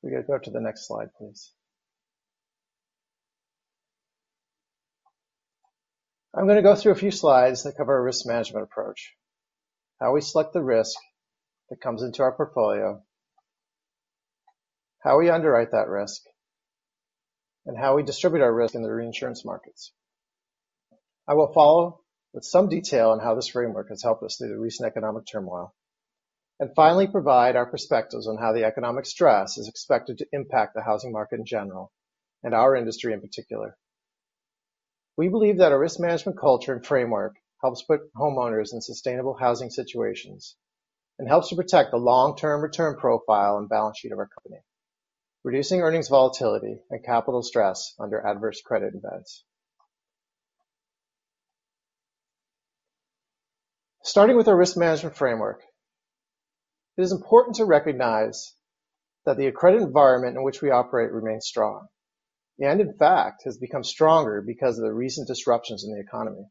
We got to go to the next slide, please. I'm going to go through a few slides that cover our risk management approach, how we select the risk that comes into our portfolio, how we underwrite that risk, and how we distribute our risk in the reinsurance markets. I will follow with some detail on how this framework has helped us through the recent economic turmoil and finally provide our perspectives on how the economic stress is expected to impact the housing market in general and our industry in particular. We believe that a risk management culture and framework helps put homeowners in sustainable housing situations and helps to protect the long-term return profile and balance sheet of our company, reducing earnings volatility and capital stress under adverse credit events. Starting with our risk management framework, it is important to recognize that the credit environment in which we operate remains strong. In fact, it has become stronger because of the recent disruptions in the economy.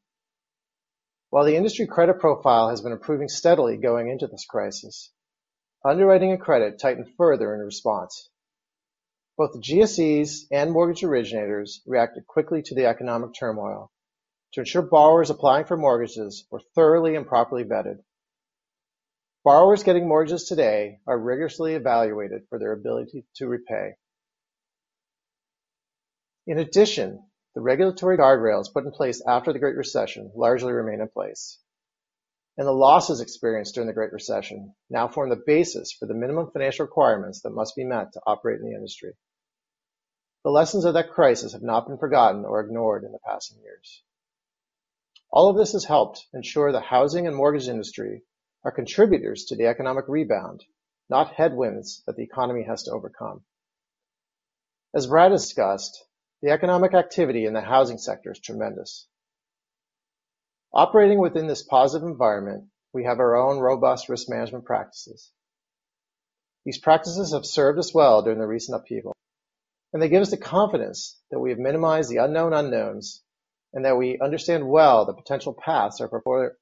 While the industry credit profile has been improving steadily going into this crisis, underwriting of credit tightened further in response. Both the GSEs and mortgage originators reacted quickly to the economic turmoil to ensure borrowers applying for mortgages were thoroughly and properly vetted. Borrowers getting mortgages today are rigorously evaluated for their ability to repay. In addition, the regulatory guardrails put in place after the Great Recession largely remain in place. The losses experienced during the Great Recession now form the basis for the minimum financial requirements that must be met to operate in the industry. The lessons of that crisis have not been forgotten or ignored in the passing years. All of this has helped ensure the housing and mortgage industry are contributors to the economic rebound, not headwinds that the economy has to overcome. As Brad discussed, the economic activity in the housing sector is tremendous. Operating within this positive environment, we have our own robust risk management practices. These practices have served us well during the recent upheaval, and they give us the confidence that we have minimized the unknown unknowns and that we understand well the potential paths our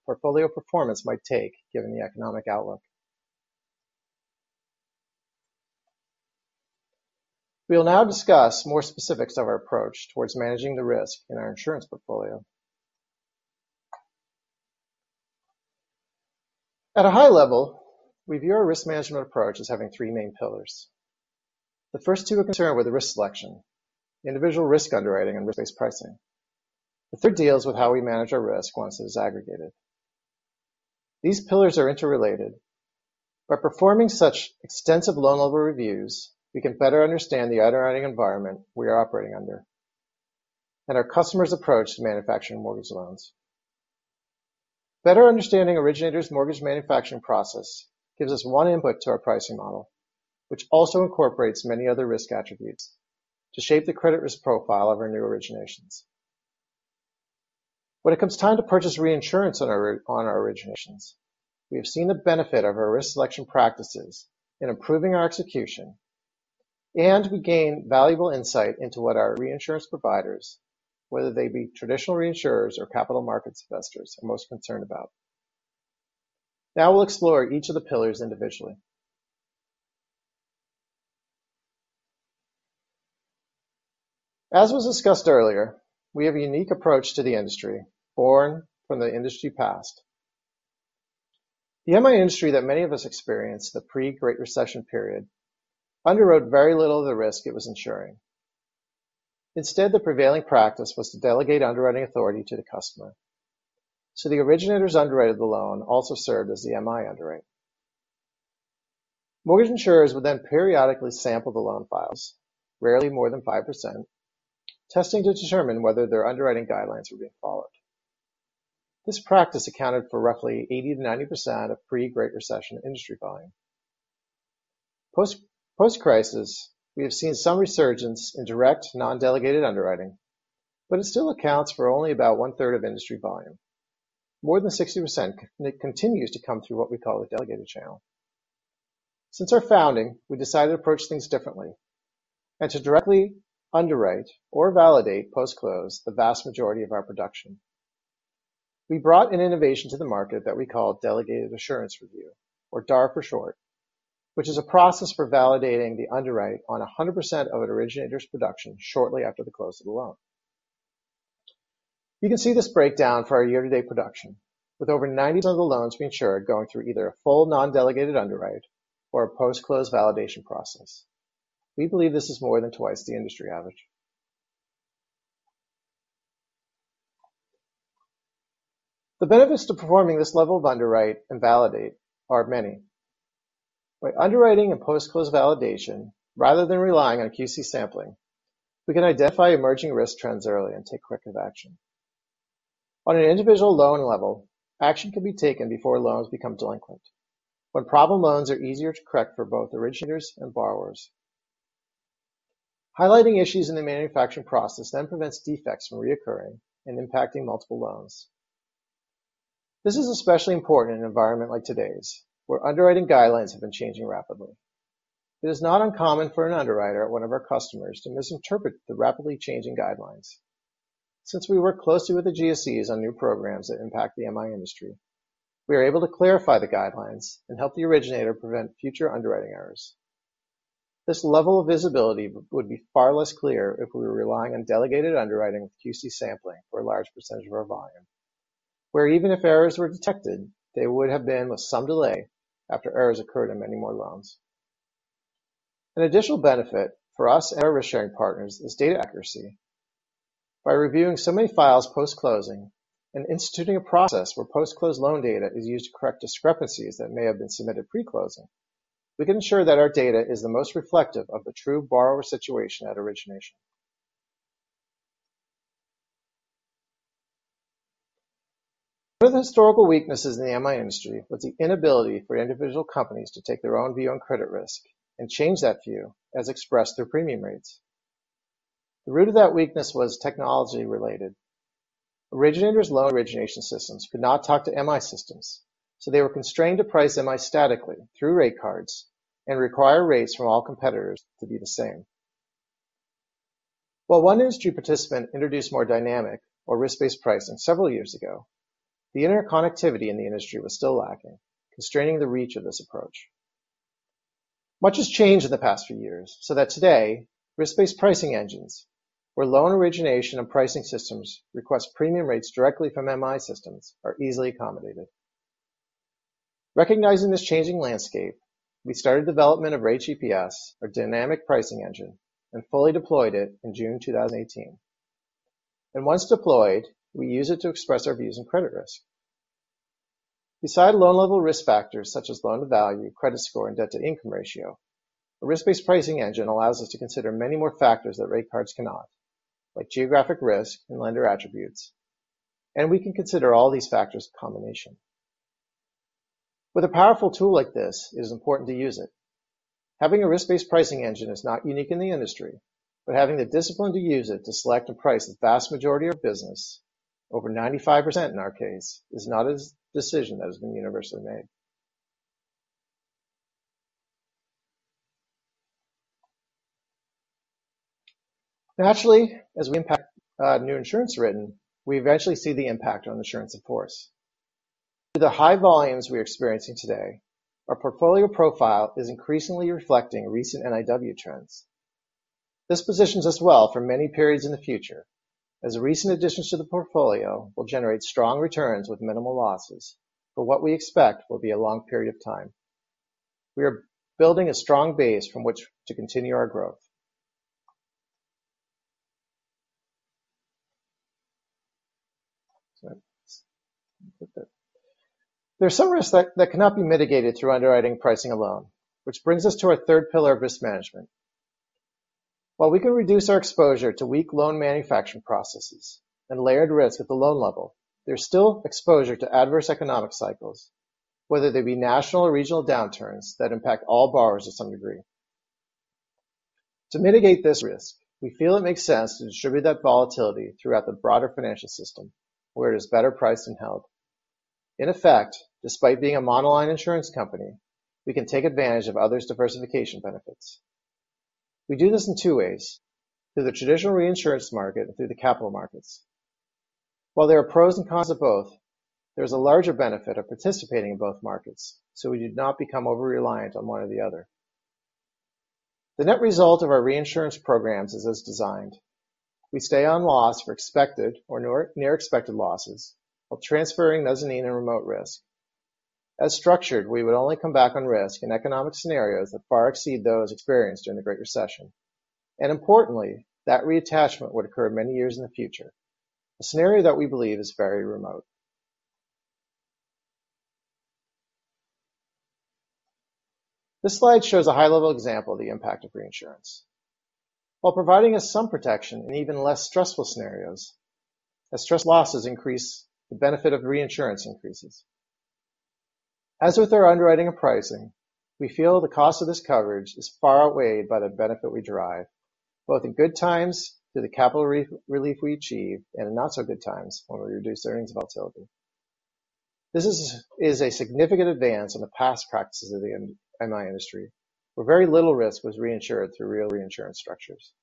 portfolio performance might take given the economic outlook. We will now discuss more specifics of our approach towards managing the risk in our insurance portfolio. At a high level, we view our risk management approach as having three main pillars. The first two are concerned with the risk selection, individual risk underwriting, and risk-based pricing. The third deals with how we manage our risk once it is aggregated. These pillars are interrelated. By performing such extensive loan-level reviews, we can better understand the underwriting environment we are operating under and our customer's approach to manufacturing mortgage loans. Better understanding originator's mortgage manufacturing process gives us one input to our pricing model, which also incorporates many other risk attributes to shape the credit risk profile of our new originations. When it comes time to purchase reinsurance on our originations, we have seen the benefit of our risk selection practices in improving our execution, and we gain valuable insight into what our reinsurance providers, whether they be traditional reinsurers or capital markets investors, are most concerned about. Now we'll explore each of the pillars individually. As was discussed earlier, we have a unique approach to the industry, born from the industry past. The MI industry that many of us experienced, the pre-Great Recession period, underwrote very little of the risk it was insuring. The prevailing practice was to delegate underwriting authority to the customer. The originators underwrote the loan, also served as the MI underwriter. Mortgage insurers would periodically sample the loan files, rarely more than 5%, testing to determine whether their underwriting guidelines were being followed. This practice accounted for roughly 80%-90% of pre-Great Recession industry volume. Post-crisis, we have seen some resurgence in direct non-delegated underwriting, it still accounts for only about one-third of industry volume. More than 60% continues to come through what we call the delegated channel. Since our founding, we decided to approach things differently and to directly underwrite or validate post-close the vast majority of our production. We brought an innovation to the market that we call Delegated Assurance Review, or DAR for short, which is a process for validating the underwrite on 100% of an originator's production shortly after the close of the loan. You can see this breakdown for our year-to-date production with over 90% of the loans we insured going through either a full non-delegated underwrite or a post-close validation process. We believe this is more than twice the industry average. The benefits to performing this level of underwrite and validate are many. By underwriting a post-close validation rather than relying on QC sampling, we can identify emerging risk trends early and take corrective action. On an individual loan level, action can be taken before loans become delinquent. When problem loans are easier to correct for both originators and borrowers. Highlighting issues in the manufacturing process prevents defects from reoccurring and impacting multiple loans. This is especially important in an environment like today's, where underwriting guidelines have been changing rapidly. It is not uncommon for an underwriter at one of our customers to misinterpret the rapidly changing guidelines. Since we work closely with the GSEs on new programs that impact the MI industry, we are able to clarify the guidelines and help the originator prevent future underwriting errors. This level of visibility would be far less clear if we were relying on delegated underwriting with QC sampling for a large percentage of our volume, where even if errors were detected, they would have been with some delay after errors occurred in many more loans. An additional benefit for us and our risk-sharing partners is data accuracy. By reviewing so many files post-closing and instituting a process where post-close loan data is used to correct discrepancies that may have been submitted pre-closing, we can ensure that our data is the most reflective of the true borrower situation at origination. One of the historical weaknesses in the MI industry was the inability for individual companies to take their own view on credit risk and change that view as expressed through premium rates. The root of that weakness was technology related. Originators' loan origination systems could not talk to MI systems, so they were constrained to price MI statically through rate cards and require rates from all competitors to be the same. While one industry participant introduced more dynamic or risk-based pricing several years ago, the interconnectivity in the industry was still lacking, constraining the reach of this approach. Much has changed in the past few years so that today, risk-based pricing engines, where loan origination and pricing systems request premium rates directly from MI systems, are easily accommodated. Recognizing this changing landscape, we started development of Rate GPS, our dynamic pricing engine, and fully deployed it in June 2018. Once deployed, we use it to express our views on credit risk. Beside loan-level risk factors such as loan-to-value, credit score, and debt-to-income ratio, a risk-based pricing engine allows us to consider many more factors that rate cards cannot, like geographic risk and lender attributes. We can consider all these factors in combination. With a powerful tool like this, it is important to use it. Having a risk-based pricing engine is not unique in the industry, but having the discipline to use it to select and price the vast majority of business, over 95% in our case, is not a decision that has been universally made. Naturally, as we impact new insurance written, we eventually see the impact on insurance in force. Through the high volumes we are experiencing today, our portfolio profile is increasingly reflecting recent NIW trends. This positions us well for many periods in the future, as recent additions to the portfolio will generate strong returns with minimal losses for what we expect will be a long period of time. We are building a strong base from which to continue our growth. There's some risk that cannot be mitigated through underwriting pricing alone, which brings us to our third pillar of risk management. While we can reduce our exposure to weak loan manufacturing processes and layered risk at the loan level, there's still exposure to adverse economic cycles, whether they be national or regional downturns that impact all borrowers to some degree. To mitigate this risk, we feel it makes sense to distribute that volatility throughout the broader financial system, where it is better priced and held. In effect, despite being a monoline insurance company, we can take advantage of others' diversification benefits. We do this in two ways, through the traditional reinsurance market and through the capital markets. While there are pros and cons of both, there is a larger benefit of participating in both markets, so we do not become over-reliant on one or the other. The net result of our reinsurance programs is as designed. We stay on loss for expected or near-expected losses while transferring mezzanine and remote risk. As structured, we would only come back on risk in economic scenarios that far exceed those experienced during the Great Recession. Importantly, that reattachment would occur many years in the future, a scenario that we believe is very remote. This slide shows a high-level example of the impact of reinsurance. While providing us some protection in even less stressful scenarios, as stressed losses increase, the benefit of reinsurance increases. As with our underwriting of pricing, we feel the cost of this coverage is far outweighed by the benefit we derive, both in good times through the capital relief we achieve, and in not so good times when we reduce earnings volatility. This is a significant advance on the past practices of the MI industry, where very little risk was reinsured through real reinsurance structures.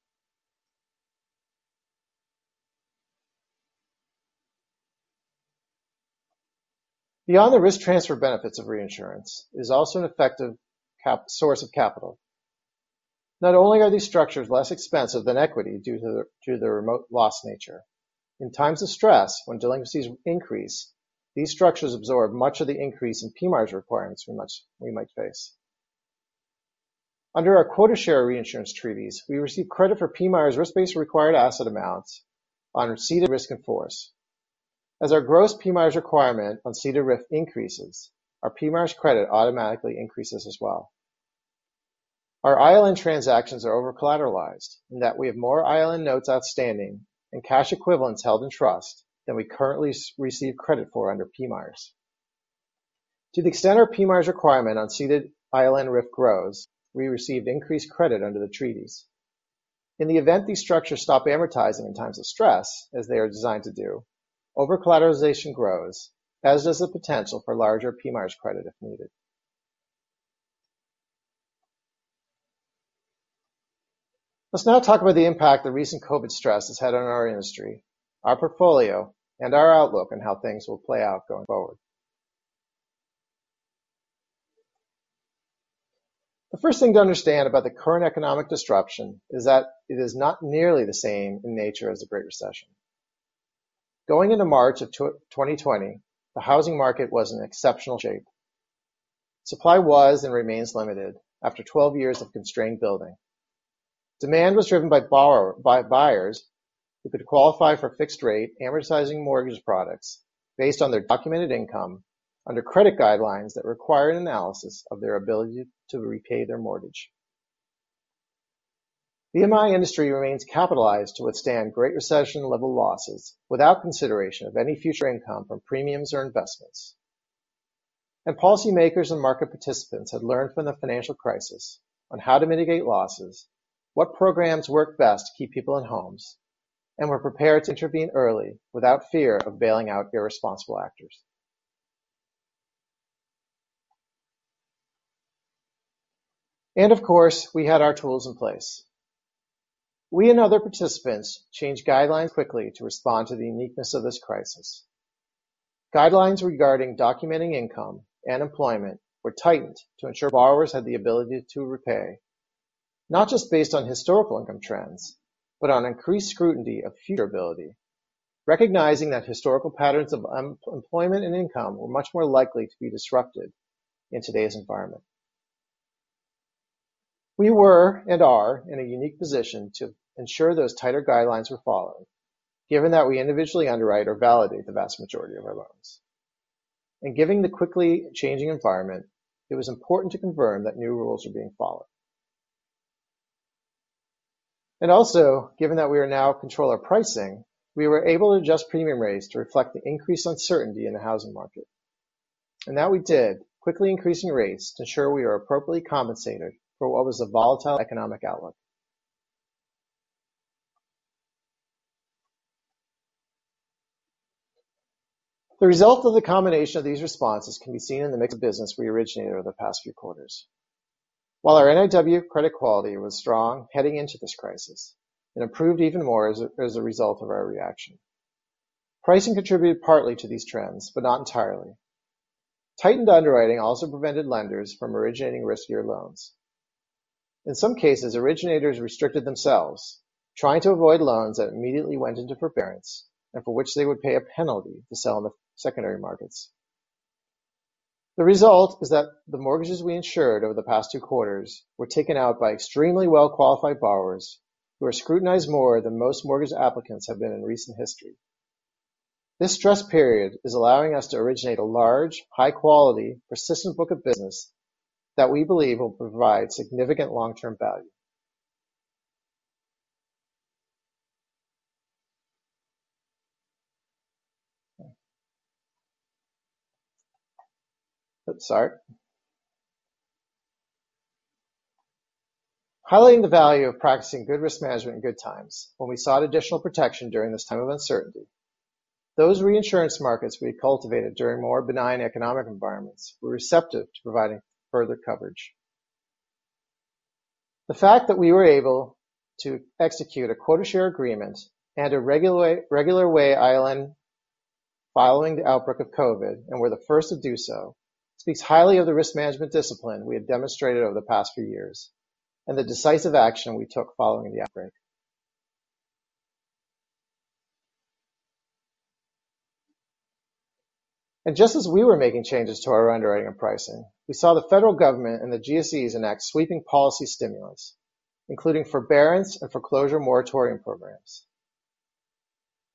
Beyond the risk transfer benefits of reinsurance, it is also an effective source of capital. Not only are these structures less expensive than equity due to their remote loss nature. In times of stress, when delinquencies increase, these structures absorb much of the increase in PMIERs requirements we might face. Under our quota share reinsurance treaties, we receive credit for PMIERs risk-based required asset amounts on ceded risk in force. As our gross PMIERs requirement on ceded RIF increases, our PMIERs credit automatically increases as well. Our ILN transactions are over-collateralized in that we have more ILN notes outstanding and cash equivalents held in trust than we currently receive credit for under PMIERs. To the extent our PMIERs requirement on ceded ILN RIF grows, we receive increased credit under the treaties. In the event these structures stop amortizing in times of stress, as they are designed to do, over-collateralization grows, as does the potential for larger PMIERs credit if needed. Let's now talk about the impact the recent COVID stress has had on our industry, our portfolio, and our outlook on how things will play out going forward. The first thing to understand about the current economic disruption is that it is not nearly the same in nature as the Great Recession. Going into March of 2020, the housing market was in exceptional shape. Supply was and remains limited after 12 years of constrained building. Demand was driven by buyers who could qualify for fixed rate amortizing mortgage products based on their documented income under credit guidelines that required analysis of their ability to repay their mortgage. The MI industry remains capitalized to withstand Great Recession-level losses without consideration of any future income from premiums or investments. Policymakers and market participants had learned from the financial crisis on how to mitigate losses, what programs work best to keep people in homes, and were prepared to intervene early without fear of bailing out irresponsible actors. Of course, we had our tools in place. We and other participants changed guidelines quickly to respond to the uniqueness of this crisis. Guidelines regarding documenting income and employment were tightened to ensure borrowers had the ability to repay, not just based on historical income trends, but on increased scrutiny of future ability, recognizing that historical patterns of employment and income were much more likely to be disrupted in today's environment. We were and are in a unique position to ensure those tighter guidelines were followed, given that we individually underwrite or validate the vast majority of our loans. Given the quickly changing environment, it was important to confirm that new rules were being followed. Also, given that we are now in control of pricing, we were able to adjust premium rates to reflect the increased uncertainty in the housing market. That we did, quickly increasing rates to ensure we are appropriately compensated for what was a volatile economic outlook. The result of the combination of these responses can be seen in the mix of business we originated over the past few quarters. While our NIW credit quality was strong heading into this crisis, it improved even more as a result of our reaction. Pricing contributed partly to these trends, but not entirely. Tightened underwriting also prevented lenders from originating riskier loans. In some cases, originators restricted themselves, trying to avoid loans that immediately went into forbearance and for which they would pay a penalty to sell in the secondary markets. The result is that the mortgages we insured over the past two quarters were taken out by extremely well-qualified borrowers who are scrutinized more than most mortgage applicants have been in recent history. This stress period is allowing us to originate a large, high quality, persistent book of business that we believe will provide significant long-term value. Oops, sorry. Highlighting the value of practicing good risk management in good times when we sought additional protection during this time of uncertainty, those reinsurance markets we cultivated during more benign economic environments were receptive to providing further coverage. The fact that we were able to execute a quota share agreement and a regular way ILN following the outbreak of COVID, and were the first to do so, speaks highly of the risk management discipline we have demonstrated over the past few years and the decisive action we took following the outbreak. Just as we were making changes to our underwriting and pricing, we saw the federal government and the GSEs enact sweeping policy stimulus, including forbearance and foreclosure moratorium programs.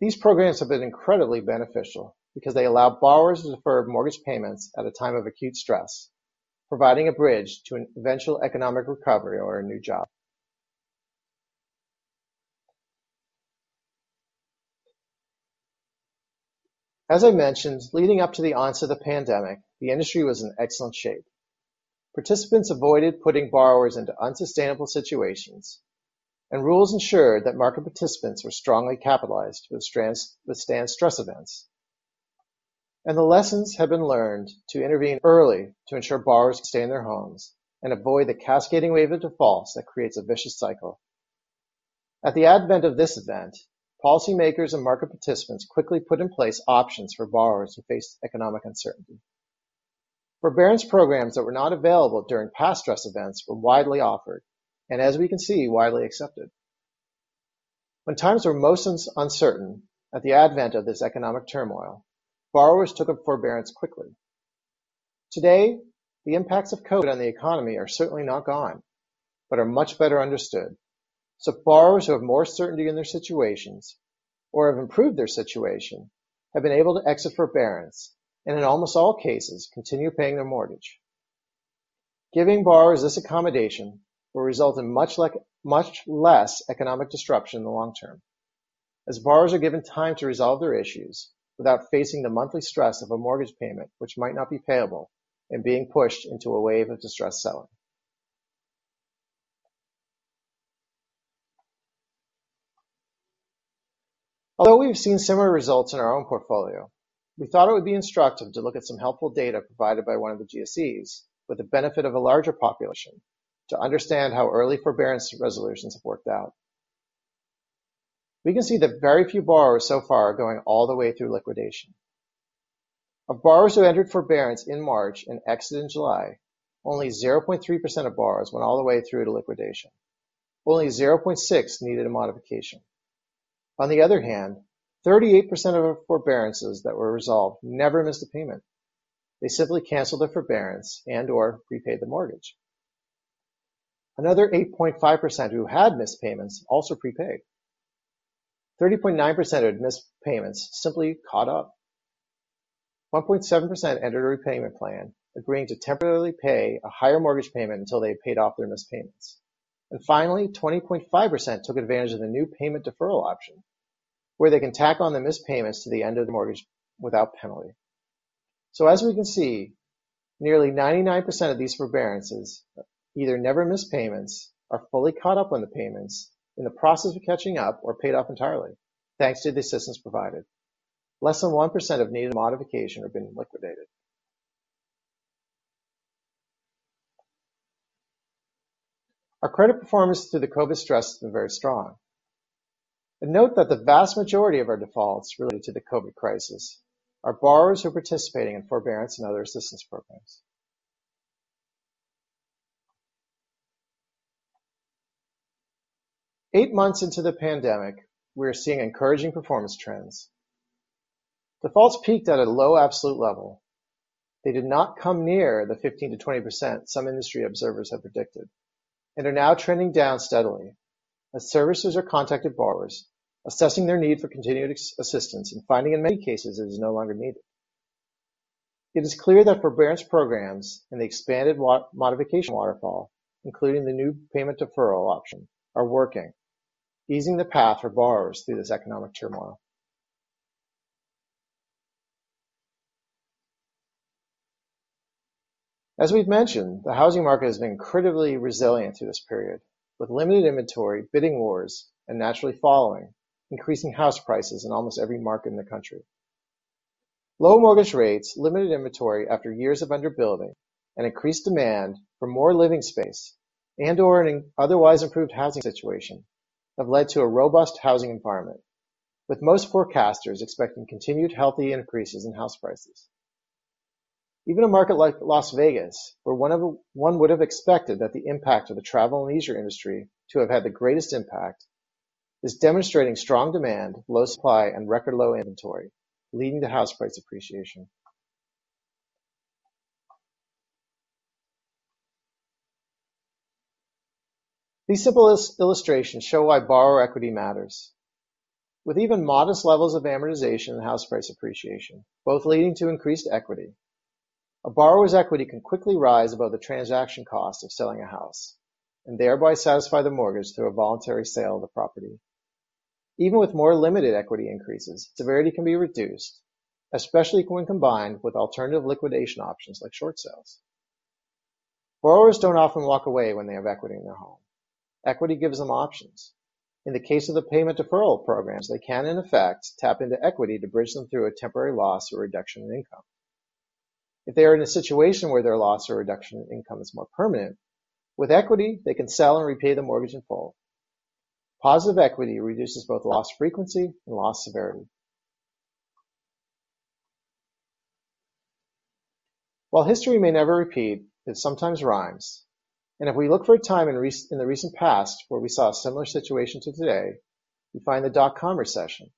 These programs have been incredibly beneficial because they allow borrowers to defer mortgage payments at a time of acute stress, providing a bridge to an eventual economic recovery or a new job. As I mentioned, leading up to the onset of the pandemic, the industry was in excellent shape. Participants avoided putting borrowers into unsustainable situations, rules ensured that market participants were strongly capitalized to withstand stress events. The lessons have been learned to intervene early to ensure borrowers can stay in their homes and avoid the cascading wave of defaults that creates a vicious cycle. At the advent of this event, policymakers and market participants quickly put in place options for borrowers who faced economic uncertainty. Forbearance programs that were not available during past stress events were widely offered, and as we can see, widely accepted. When times were most uncertain at the advent of this economic turmoil, borrowers took up forbearance quickly. Today, the impacts of COVID on the economy are certainly not gone but are much better understood. Borrowers who have more certainty in their situations, or have improved their situation, have been able to exit forbearance, and in almost all cases, continue paying their mortgage. Giving borrowers this accommodation will result in much less economic disruption in the long term, as borrowers are given time to resolve their issues without facing the monthly stress of a mortgage payment which might not be payable and being pushed into a wave of distressed selling. We've seen similar results in our own portfolio, we thought it would be instructive to look at some helpful data provided by one of the GSEs with the benefit of a larger population to understand how early forbearance resolutions have worked out. We can see that very few borrowers so far are going all the way through liquidation. Of borrowers who entered forbearance in March and exited in July, only 0.3% of borrowers went all the way through to liquidation. Only 0.6% needed a modification. On the other hand, 38% of the forbearances that were resolved never missed a payment. They simply canceled the forbearance and/or prepaid the mortgage. Another 8.5% who had missed payments also prepaid. 30.9% who had missed payments simply caught up. 1.7% entered a repayment plan, agreeing to temporarily pay a higher mortgage payment until they had paid off their missed payments. Finally, 20.5% took advantage of the new payment deferral option, where they can tack on the missed payments to the end of the mortgage without penalty. As we can see, nearly 99% of these forbearances either never missed payments, are fully caught up on the payments, in the process of catching up or paid off entirely, thanks to the assistance provided. Less than 1% have needed a modification or been liquidated. Our credit performance through the COVID stress has been very strong. Note that the vast majority of our defaults related to the COVID crisis are borrowers who are participating in forbearance and other assistance programs. eight months into the pandemic, we are seeing encouraging performance trends. Defaults peaked at a low absolute level. They did not come near the 15%-20% some industry observers had predicted and are now trending down steadily as servicers are contacting borrowers, assessing their need for continued assistance and finding in many cases it is no longer needed. It is clear that forbearance programs and the expanded modification waterfall, including the new payment deferral option, are working, easing the path for borrowers through this economic turmoil. As we've mentioned, the housing market has been incredibly resilient through this period, with limited inventory, bidding wars, and naturally following, increasing house prices in almost every market in the country. Low mortgage rates, limited inventory after years of under-building, and increased demand for more living space and/or an otherwise improved housing situation have led to a robust housing environment, with most forecasters expecting continued healthy increases in house prices. Even a market like Las Vegas, where one would have expected that the impact of the travel and leisure industry to have had the greatest impact, is demonstrating strong demand, low supply, and record low inventory, leading to house price appreciation. These simple illustrations show why borrower equity matters. With even modest levels of amortization and house price appreciation, both leading to increased equity, a borrower's equity can quickly rise above the transaction cost of selling a house and thereby satisfy the mortgage through a voluntary sale of the property. Even with more limited equity increases, severity can be reduced, especially when combined with alternative liquidation options like short sales. Borrowers don't often walk away when they have equity in their home. Equity gives them options. In the case of the payment deferral programs, they can, in effect, tap into equity to bridge them through a temporary loss or reduction in income. If they are in a situation where their loss or reduction in income is more permanent, with equity, they can sell and repay the mortgage in full. Positive equity reduces both loss frequency and loss severity. While history may never repeat, it sometimes rhymes. If we look for a time in the recent past where we saw a similar situation to today, we find the dot-com recession,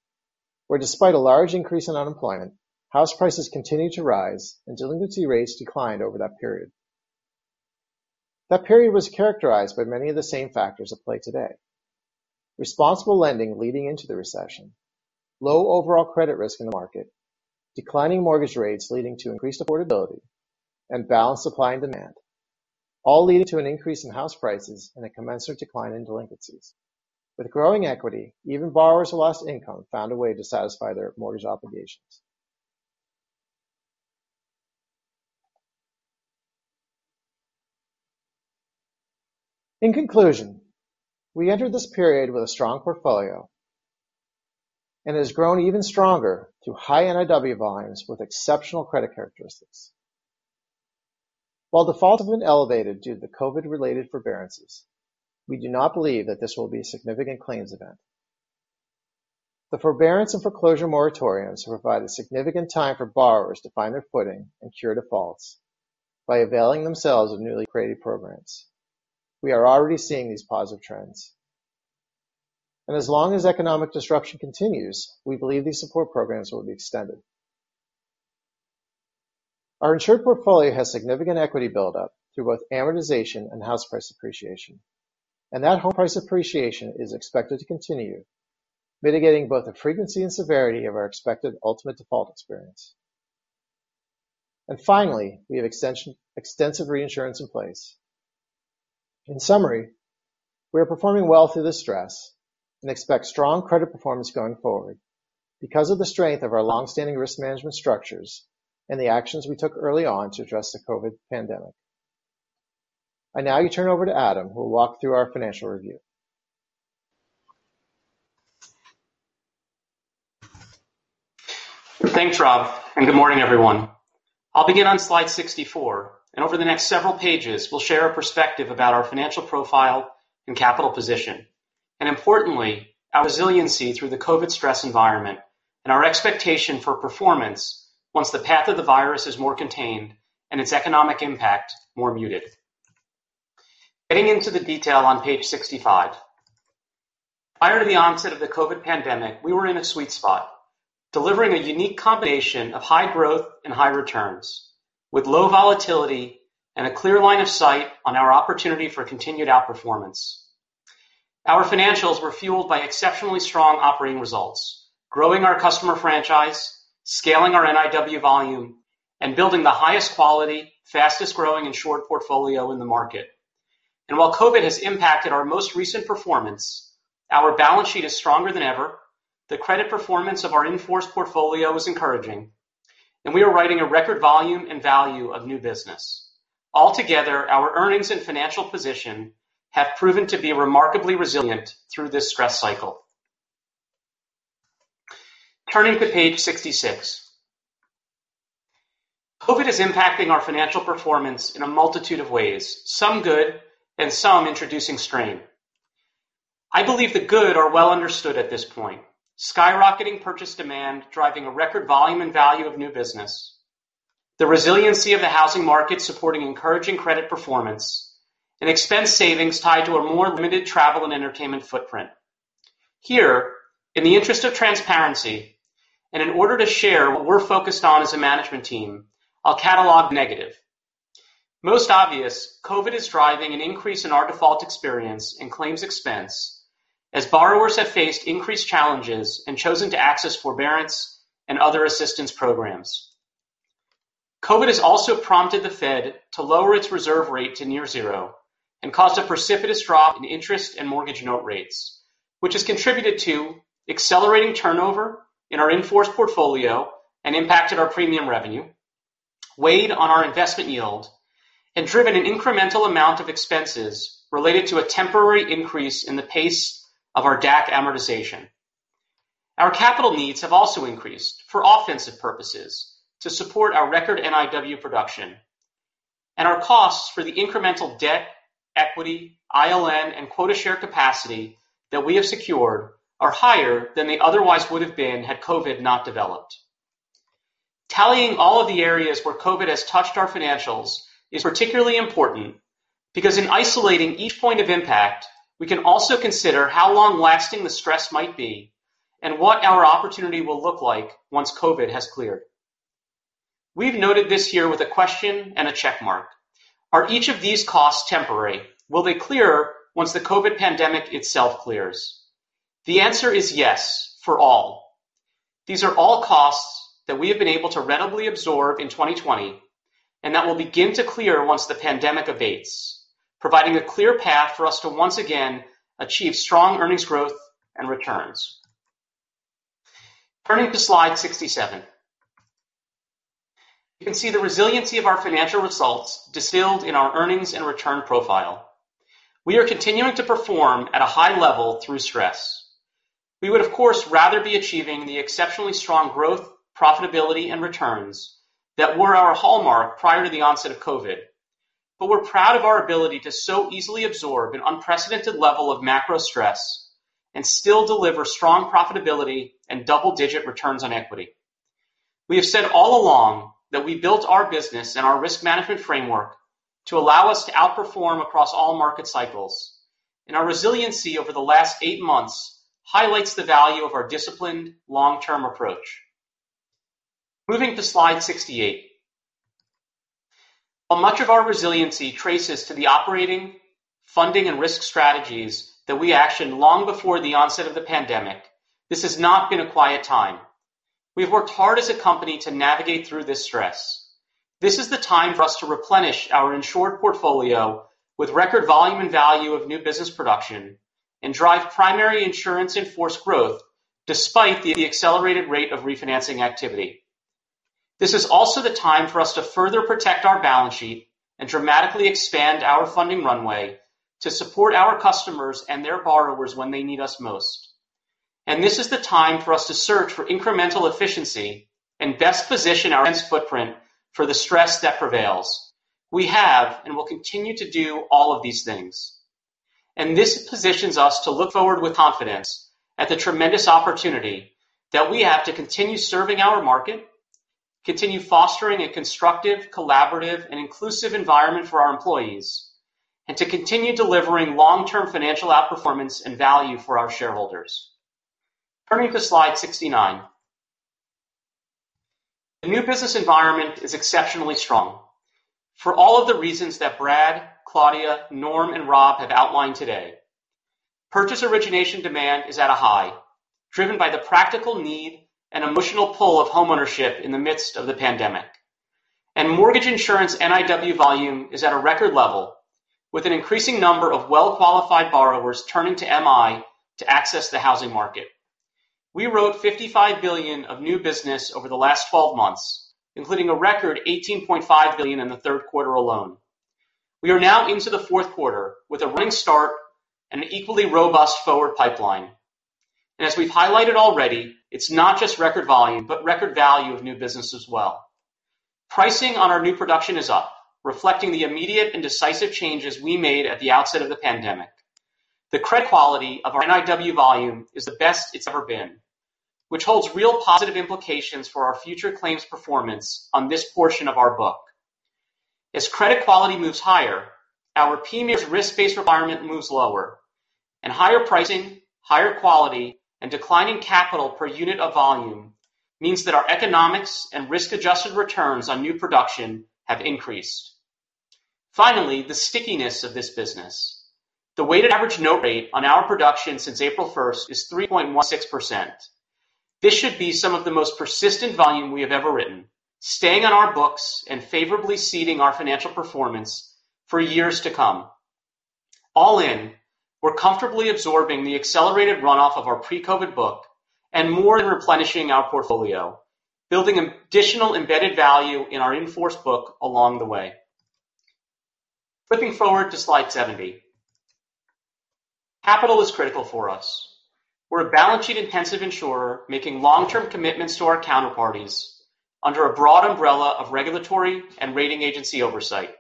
where despite a large increase in unemployment, house prices continued to rise and delinquency rates declined over that period. That period was characterized by many of the same factors at play today. Responsible lending leading into the recession, low overall credit risk in the market, declining mortgage rates leading to increased affordability, and balanced supply and demand all leading to an increase in house prices and a commensurate decline in delinquencies. With growing equity, even borrowers who lost income found a way to satisfy their mortgage obligations. In conclusion, we entered this period with a strong portfolio and it has grown even stronger through high NIW volumes with exceptional credit characteristics. While defaults have been elevated due to the COVID-related forbearances, we do not believe that this will be a significant claims event. The forbearance and foreclosure moratoriums have provided significant time for borrowers to find their footing and cure defaults by availing themselves of newly created programs. We are already seeing these positive trends. As long as economic disruption continues, we believe these support programs will be extended. Our insured portfolio has significant equity buildup through both amortization and house price appreciation, and that home price appreciation is expected to continue mitigating both the frequency and severity of our expected ultimate default experience. Finally, we have extensive reinsurance in place. In summary, we are performing well through this stress and expect strong credit performance going forward because of the strength of our longstanding risk management structures and the actions we took early on to address the COVID pandemic. I now turn it over to Adam, who will walk through our financial review. Thanks, Rob. Good morning, everyone. I'll begin on slide 64, and over the next several pages, we'll share a perspective about our financial profile and capital position, and importantly, our resiliency through the COVID stress environment and our expectation for performance once the path of the virus is more contained and its economic impact more muted. Getting into the detail on page 65. Prior to the onset of the COVID pandemic, we were in a sweet spot, delivering a unique combination of high growth and high returns with low volatility and a clear line of sight on our opportunity for continued outperformance. Our financials were fueled by exceptionally strong operating results, growing our customer franchise, scaling our NIW volume, and building the highest quality, fastest-growing, insured portfolio in the market. While COVID has impacted our most recent performance, our balance sheet is stronger than ever. The credit performance of our enforced portfolio is encouraging, and we are writing a record volume and value of new business. Altogether, our earnings and financial position have proven to be remarkably resilient through this stress cycle. Turning to page 66. COVID is impacting our financial performance in a multitude of ways, some good and some introducing strain. I believe the good are well understood at this point. Skyrocketing purchase demand driving a record volume and value of new business, the resiliency of the housing market supporting encouraging credit performance, and expense savings tied to a more limited travel and entertainment footprint. Here, in the interest of transparency, and in order to share what we're focused on as a management team, I'll catalog negative. Most obvious, COVID is driving an increase in our default experience and claims expense as borrowers have faced increased challenges and chosen to access forbearance and other assistance programs. COVID has also prompted the Fed to lower its reserve rate to near zero and caused a precipitous drop in interest and mortgage note rates, which has contributed to accelerating turnover in our enforced portfolio and impacted our premium revenue, weighed on our investment yield, and driven an incremental amount of expenses related to a temporary increase in the pace of our DAC amortization. Our capital needs have also increased for offensive purposes to support our record NIW production, and our costs for the incremental debt, equity, ILN, and quota share capacity that we have secured are higher than they otherwise would have been had COVID not developed. Tallying all of the areas where COVID has touched our financials is particularly important because in isolating each point of impact, we can also consider how long-lasting the stress might be and what our opportunity will look like once COVID has cleared. We've noted this here with a question and a check mark. Are each of these costs temporary? Will they clear once the COVID pandemic itself clears? The answer is yes for all. These are all costs that we have been able to rentably absorb in 2020 and that will begin to clear once the pandemic abates, providing a clear path for us to once again achieve strong earnings growth and returns. Turning to slide 67. You can see the resiliency of our financial results distilled in our earnings and return profile. We are continuing to perform at a high level through stress. We would, of course, rather be achieving the exceptionally strong growth, profitability, and returns that were our hallmark prior to the onset of COVID. We're proud of our ability to so easily absorb an unprecedented level of macro stress and still deliver strong profitability and double-digit returns on equity. We have said all along that we built our business and our risk management framework to allow us to outperform across all market cycles, and our resiliency over the last eight months highlights the value of our disciplined long-term approach. Moving to slide 68. While much of our resiliency traces to the operating, funding, and risk strategies that we actioned long before the onset of the pandemic, this has not been a quiet time. We've worked hard as a company to navigate through this stress. This is the time for us to replenish our insured portfolio with record volume and value of new business production and drive primary insurance in force growth despite the accelerated rate of refinancing activity. This is also the time for us to further protect our balance sheet and dramatically expand our funding runway to support our customers and their borrowers when they need us most. This is the time for us to search for incremental efficiency and best position our footprint for the stress that prevails. We have and will continue to do all of these things. This positions us to look forward with confidence at the tremendous opportunity that we have to continue serving our market, continue fostering a constructive, collaborative, and inclusive environment for our employees, and to continue delivering long-term financial outperformance and value for our shareholders. Turning to slide 69. The new business environment is exceptionally strong for all of the reasons that Brad, Claudia, Norm, and Rob have outlined today. Purchase origination demand is at a high, driven by the practical need and emotional pull of homeownership in the midst of the pandemic. Mortgage insurance NIW volume is at a record level, with an increasing number of well-qualified borrowers turning to MI to access the housing market. We wrote $55 billion of new business over the last 12 months, including a record $18.5 billion in the third quarter alone. We are now into the fourth quarter with a running start and an equally robust forward pipeline. As we've highlighted already, it's not just record volume, but record value of new business as well. Pricing on our new production is up, reflecting the immediate and decisive changes we made at the outset of the pandemic. The credit quality of our NIW volume is the best it's ever been, which holds real positive implications for our future claims performance on this portion of our book. As credit quality moves higher, our PMIERs risk-based requirement moves lower, and higher pricing, higher quality, and declining capital per unit of volume means that our economics and risk-adjusted returns on new production have increased. Finally, the stickiness of this business. The weighted average note rate on our production since April 1st is 3.16%. This should be some of the most persistent volume we have ever written, staying on our books and favorably seeding our financial performance for years to come. All in, we're comfortably absorbing the accelerated runoff of our pre-COVID book and more than replenishing our portfolio, building additional embedded value in our in-force book along the way. Flipping forward to slide 70. Capital is critical for us. We're a balance sheet-intensive insurer making long-term commitments to our counterparties under a broad umbrella of regulatory and rating agency oversight.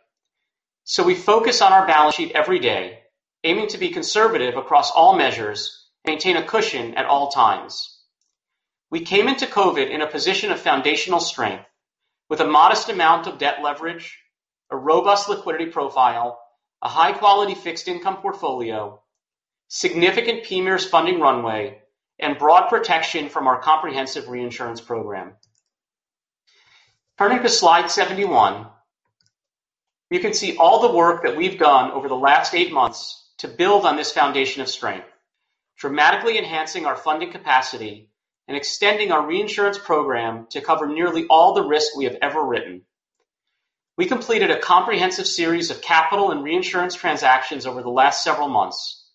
We focus on our balance sheet every day, aiming to be conservative across all measures and maintain a cushion at all times. We came into COVID in a position of foundational strength with a modest amount of debt leverage, a robust liquidity profile, a high-quality fixed income portfolio, significant PMIERs funding runway, and broad protection from our comprehensive reinsurance program. Turning to slide 71, you can see all the work that we've done over the last eight months to build on this foundation of strength, dramatically enhancing our funding capacity and extending our reinsurance program to cover nearly all the risk we have ever written. We completed a comprehensive series of capital and reinsurance transactions over the last several months,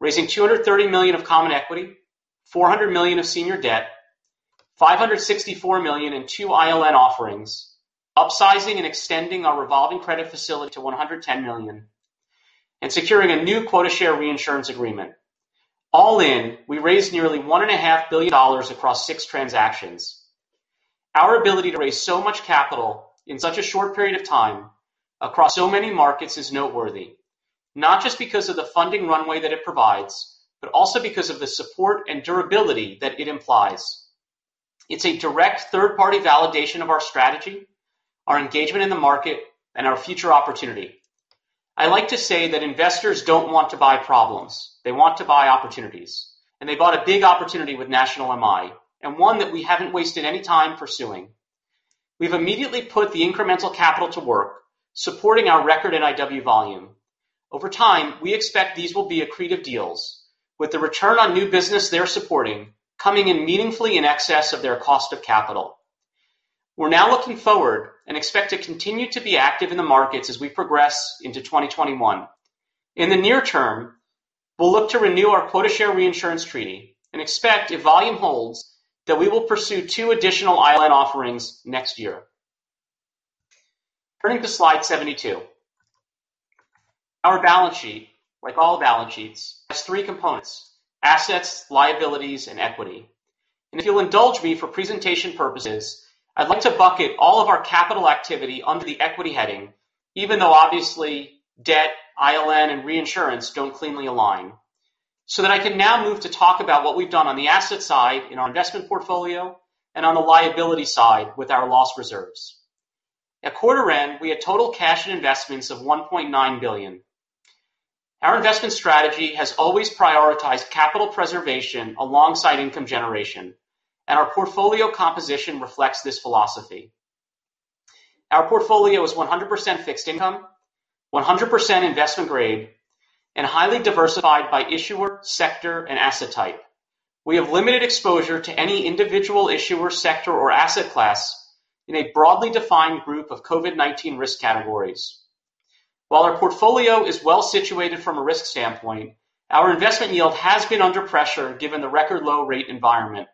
raising $230 million of common equity, $400 million of senior debt, $564 million in two ILN offerings, upsizing and extending our revolving credit facility to $110 million, and securing a new quota share reinsurance agreement. All in, we raised nearly $1.5 billion across six transactions. Our ability to raise so much capital in such a short period of time across so many markets is noteworthy. Not just because of the funding runway that it provides, but also because of the support and durability that it implies. It's a direct third-party validation of our strategy, our engagement in the market, and our future opportunity. I like to say that investors don't want to buy problems. They want to buy opportunities, and they bought a big opportunity with National MI and one that we haven't wasted any time pursuing. We've immediately put the incremental capital to work supporting our record NIW volume. Over time, we expect these will be accretive deals with the return on new business they're supporting coming in meaningfully in excess of their cost of capital. We're now looking forward and expect to continue to be active in the markets as we progress into 2021. In the near term, we'll look to renew our quota share reinsurance treaty and expect if volume holds, that we will pursue two additional ILN offerings next year. Turning to slide 72. Our balance sheet, like all balance sheets, has three components. Assets, liabilities, and equity. If you'll indulge me for presentation purposes, I'd like to bucket all of our capital activity under the equity heading, even though obviously debt, ILN, and reinsurance don't cleanly align, so that I can now move to talk about what we've done on the asset side in our investment portfolio and on the liability side with our loss reserves. At quarter end, we had total cash and investments of $1.9 billion. Our investment strategy has always prioritized capital preservation alongside income generation, and our portfolio composition reflects this philosophy. Our portfolio is 100% fixed income, 100% investment grade, and highly diversified by issuer, sector, and asset type. We have limited exposure to any individual issuer, sector, or asset class in a broadly defined group of COVID-19 risk categories. While our portfolio is well-situated from a risk standpoint, our investment yield has been under pressure given the record low rate environment,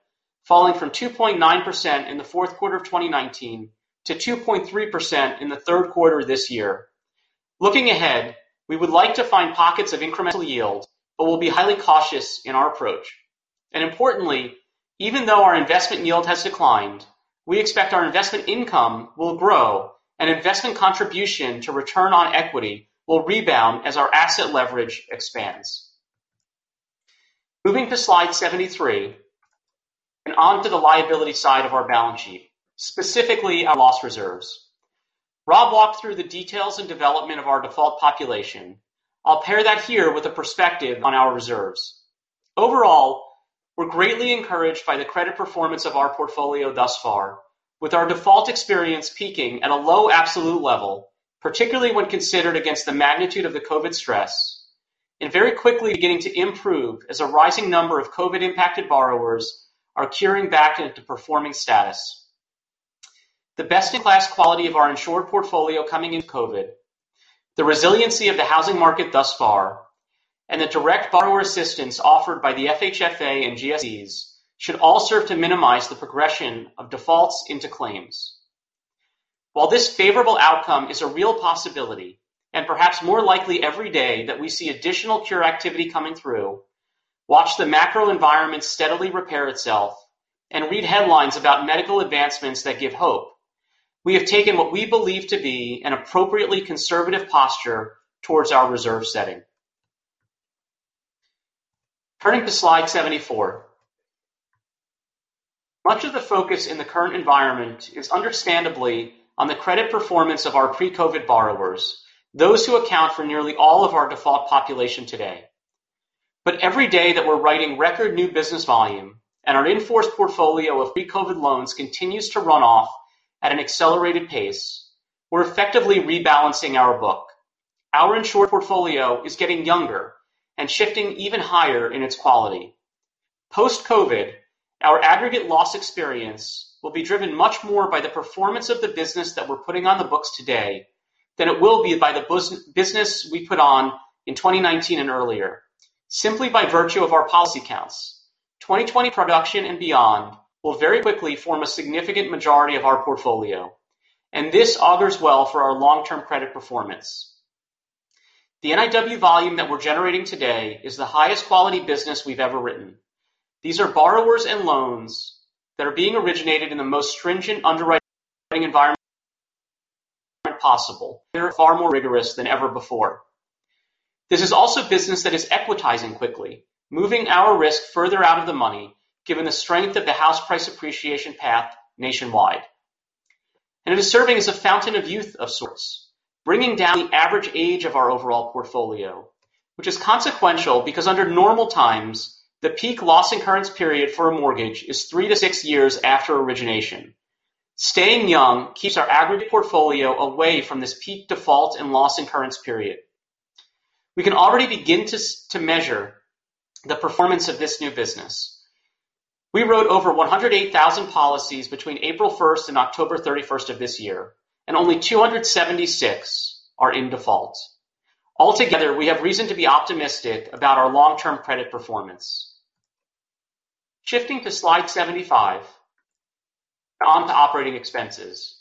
falling from 2.9% in the fourth quarter of 2019 to 2.3% in the third quarter of this year. Importantly, even though our investment yield has declined, we expect our investment income will grow, and investment contribution to return on equity will rebound as our asset leverage expands. Moving to slide 73 and onto the liability side of our balance sheet, specifically our loss reserves. Rob walked through the details and development of our default population. I'll pair that here with a perspective on our reserves. Overall, we're greatly encouraged by the credit performance of our portfolio thus far, with our default experience peaking at a low absolute level, particularly when considered against the magnitude of the COVID stress, and very quickly beginning to improve as a rising number of COVID-impacted borrowers are curing back into performing status. The best-in-class quality of our insured portfolio coming into COVID, the resiliency of the housing market thus far, and the direct borrower assistance offered by the FHFA and GSEs should all serve to minimize the progression of defaults into claims. While this favorable outcome is a real possibility and perhaps more likely every day that we see additional cure activity coming through, watch the macro environment steadily repair itself and read headlines about medical advancements that give hope, we have taken what we believe to be an appropriately conservative posture towards our reserve setting. Turning to slide 74. Much of the focus in the current environment is understandably on the credit performance of our pre-COVID borrowers, those who account for nearly all of our default population today. Every day that we're writing record new business volume and our in-force portfolio of pre-COVID loans continues to run off at an accelerated pace, we're effectively rebalancing our book. Our insured portfolio is getting younger and shifting even higher in its quality. Post-COVID, our aggregate loss experience will be driven much more by the performance of the business that we're putting on the books today than it will be by the business we put on in 2019 and earlier. Simply by virtue of our policy counts, 2020 production and beyond will very quickly form a significant majority of our portfolio, and this augurs well for our long-term credit performance. The NIW volume that we're generating today is the highest quality business we've ever written. These are borrowers and loans that are being originated in the most stringent underwriting environment possible. They're far more rigorous than ever before. This is also business that is equitizing quickly, moving our risk further out of the money, given the strength of the house price appreciation path nationwide. It is serving as a fountain of youth of sorts, bringing down the average age of our overall portfolio, which is consequential because under normal times, the peak loss incurrence period for a mortgage is three to six years after origination. Staying young keeps our aggregate portfolio away from this peak default and loss incurrence period. We can already begin to measure the performance of this new business. We wrote over 108,000 policies between April 1st and October 31st of this year, and only 276 are in default. Altogether, we have reason to be optimistic about our long-term credit performance. Shifting to slide 75. On to operating expenses.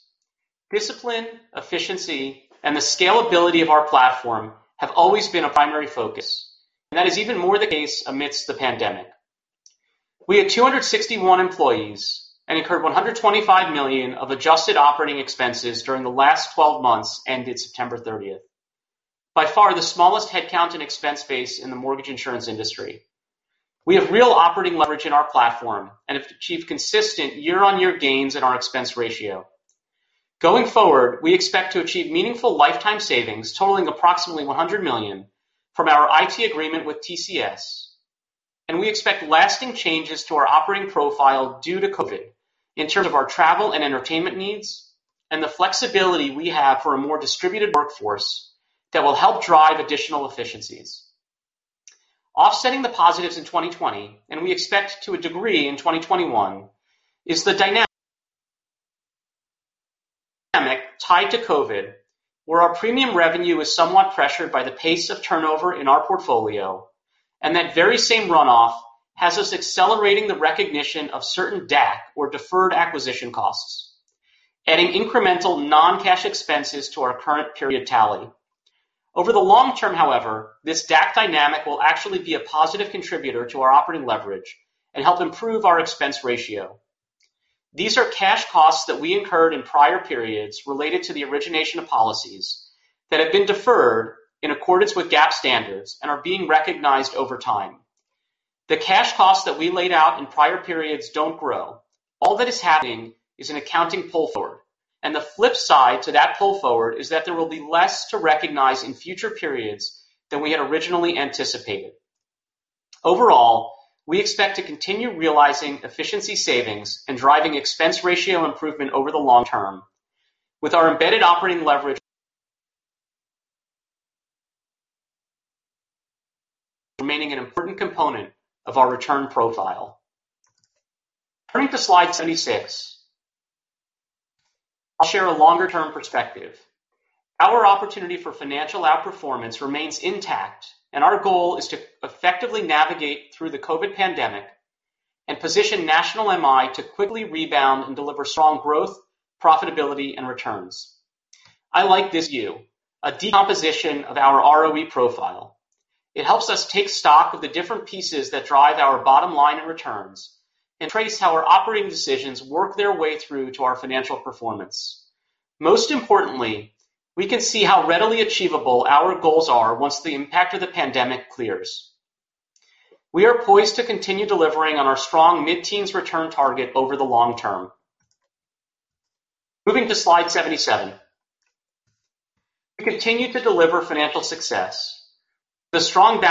Discipline, efficiency, and the scalability of our platform have always been a primary focus, and that is even more the case amidst the pandemic. We had 261 employees and incurred $125 million of adjusted operating expenses during the last 12 months ended September 30th, by far the smallest headcount and expense base in the mortgage insurance industry. We have real operating leverage in our platform and have achieved consistent year-on-year gains in our expense ratio. Going forward, we expect to achieve meaningful lifetime savings totaling approximately $100 million from our IT agreement with TCS. We expect lasting changes to our operating profile due to COVID in terms of our travel and entertainment needs and the flexibility we have for a more distributed workforce that will help drive additional efficiencies. Offsetting the positives in 2020, and we expect to a degree in 2021, is the dynamic tied to COVID, where our premium revenue is somewhat pressured by the pace of turnover in our portfolio, and that very same runoff has us accelerating the recognition of certain DAC, or Deferred Acquisition Costs, adding incremental non-cash expenses to our current period tally. Over the long term, however, this DAC dynamic will actually be a positive contributor to our operating leverage and help improve our expense ratio. These are cash costs that we incurred in prior periods related to the origination of policies that have been deferred in accordance with GAAP standards and are being recognized over time. The cash costs that we laid out in prior periods don't grow. All that is happening is an accounting pull-forward. The flip side to that pull forward is that there will be less to recognize in future periods than we had originally anticipated. Overall, we expect to continue realizing efficiency savings and driving expense ratio improvement over the long term with our embedded operating leverage remaining an important component of our return profile. Turning to slide 76. I'll share a longer-term perspective. Our opportunity for financial outperformance remains intact, and our goal is to effectively navigate through the COVID pandemic and position National MI to quickly rebound and deliver strong growth, profitability, and returns. I like this view, a decomposition of our ROE profile. It helps us take stock of the different pieces that drive our bottom line and returns and trace how our operating decisions work their way through to our financial performance. Most importantly, we can see how readily achievable our goals are once the impact of the pandemic clears. We are poised to continue delivering on our strong mid-teens return target over the long term. Moving to slide 77. We continue to deliver financial success with a strong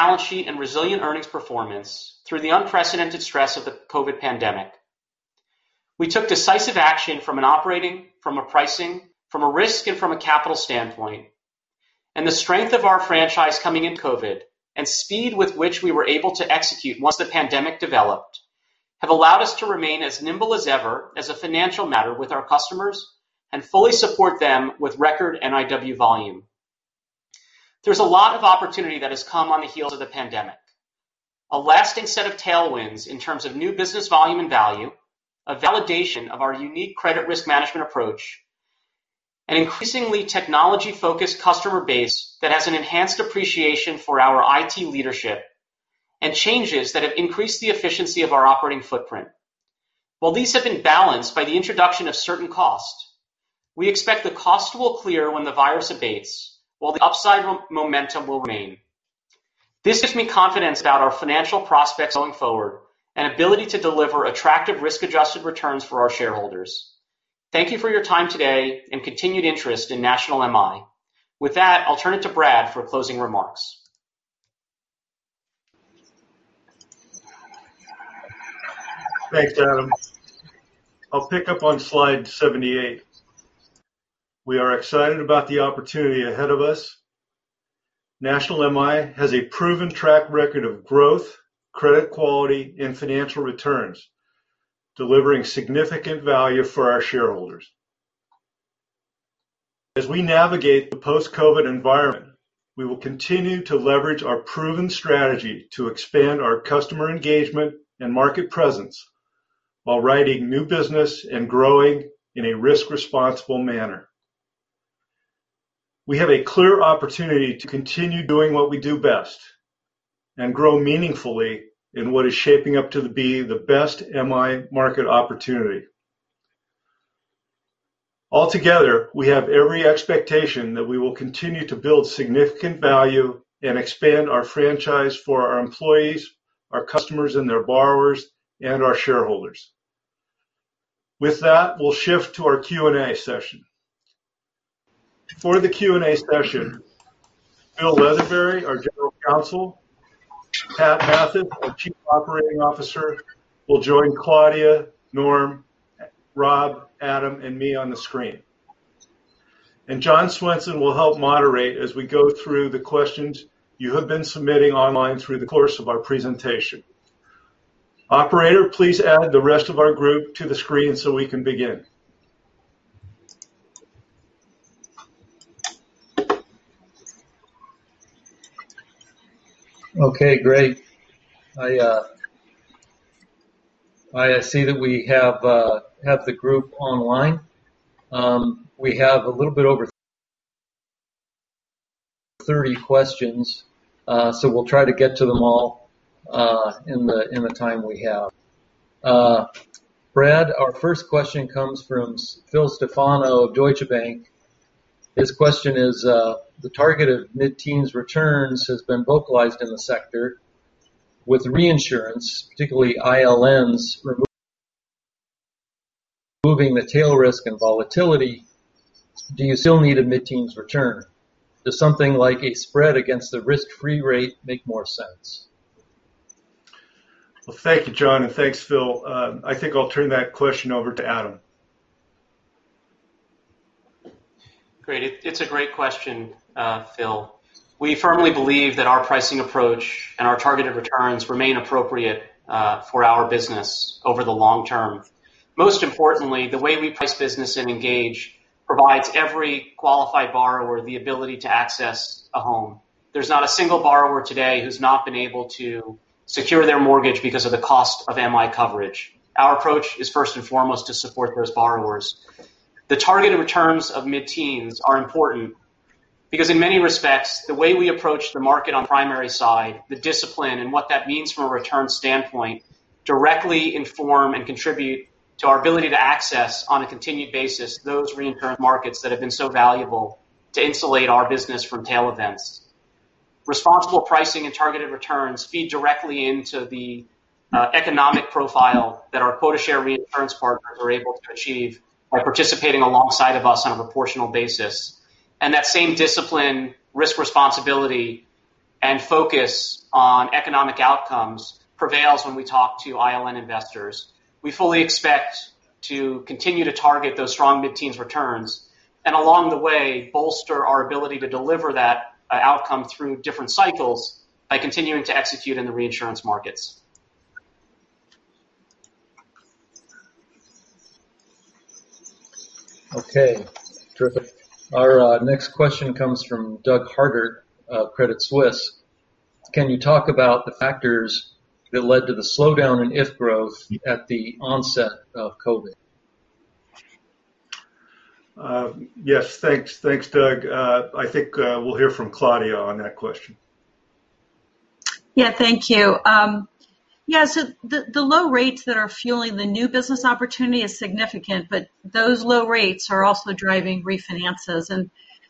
balance sheet and resilient earnings performance through the unprecedented stress of the COVID pandemic. We took decisive action from an operating, from a pricing, from a risk, and from a capital standpoint. The strength of our franchise coming in COVID and speed with which we were able to execute once the pandemic developed, have allowed us to remain as nimble as ever as a financial matter with our customers and fully support them with record NIW volume. There's a lot of opportunity that has come on the heels of the pandemic. A lasting set of tailwinds in terms of new business volume and value, a validation of our unique credit risk management approach, an increasingly technology-focused customer base that has an enhanced appreciation for our IT leadership, and changes that have increased the efficiency of our operating footprint. While these have been balanced by the introduction of certain costs, we expect the cost will clear when the virus abates, while the upside momentum will remain. This gives me confidence about our financial prospects going forward and ability to deliver attractive risk-adjusted returns for our shareholders. Thank you for your time today and continued interest in National MI. With that, I'll turn it to Brad for closing remarks. Thanks, Adam. I'll pick up on slide 78. We are excited about the opportunity ahead of us. National MI has a proven track record of growth, credit quality, and financial returns, delivering significant value for our shareholders. As we navigate the post-COVID environment, we will continue to leverage our proven strategy to expand our customer engagement and market presence while writing new business and growing in a risk-responsible manner. We have a clear opportunity to continue doing what we do best and grow meaningfully in what is shaping up to be the best MI market opportunity. Altogether, we have every expectation that we will continue to build significant value and expand our franchise for our employees, our customers and their borrowers, and our shareholders. With that, we'll shift to our Q&A session. For the Q&A session, Bill Leatherberry, our General Counsel, Pat Mathis, our Chief Operating Officer, will join Claudia, Norm, Rob, Adam, and me on the screen. John Swenson will help moderate as we go through the questions you have been submitting online through the course of our presentation. Operator, please add the rest of our group to the screen so we can begin. Okay, great. I see that we have the group online. We have a little bit over 30 questions. We'll try to get to them all in the time we have. Brad, our first question comes from Phil Stefano of Deutsche Bank. His question is, "The target of mid-teens returns has been vocalized in the sector with reinsurance, particularly ILNs moving the tail risk and volatility, do you still need a mid-teens return? Does something like a spread against the risk-free rate make more sense? Well, thank you, John, and thanks, Phil. I think I'll turn that question over to Adam. Great. It's a great question, Phil. We firmly believe that our pricing approach and our targeted returns remain appropriate for our business over the long term. Most importantly, the way we price business and engage provides every qualified borrower the ability to access a home. There's not a single borrower today who's not been able to secure their mortgage because of the cost of MI coverage. Our approach is first and foremost to support those borrowers. The targeted returns of mid-teens are important because in many respects, the way we approach the market on the primary side, the discipline and what that means from a return standpoint directly inform and contribute to our ability to access, on a continued basis, those reinsurance markets that have been so valuable to insulate our business from tail events. Responsible pricing and targeted returns feed directly into the economic profile that our quota share reinsurance partners are able to achieve by participating alongside of us on a proportional basis. That same discipline, risk responsibility, and focus on economic outcomes prevails when we talk to ILN investors. We fully expect to continue to target those strong mid-teens returns, and along the way, bolster our ability to deliver that outcome through different cycles by continuing to execute in the reinsurance markets. Okay. Terrific. Our next question comes from Doug Harter of Credit Suisse. Can you talk about the factors that led to the slowdown in in-force growth at the onset of COVID? Yes. Thanks, Doug. I think we'll hear from Claudia on that question. Thank you. The low rates that are fueling the new business opportunity is significant, but those low rates are also driving refinances.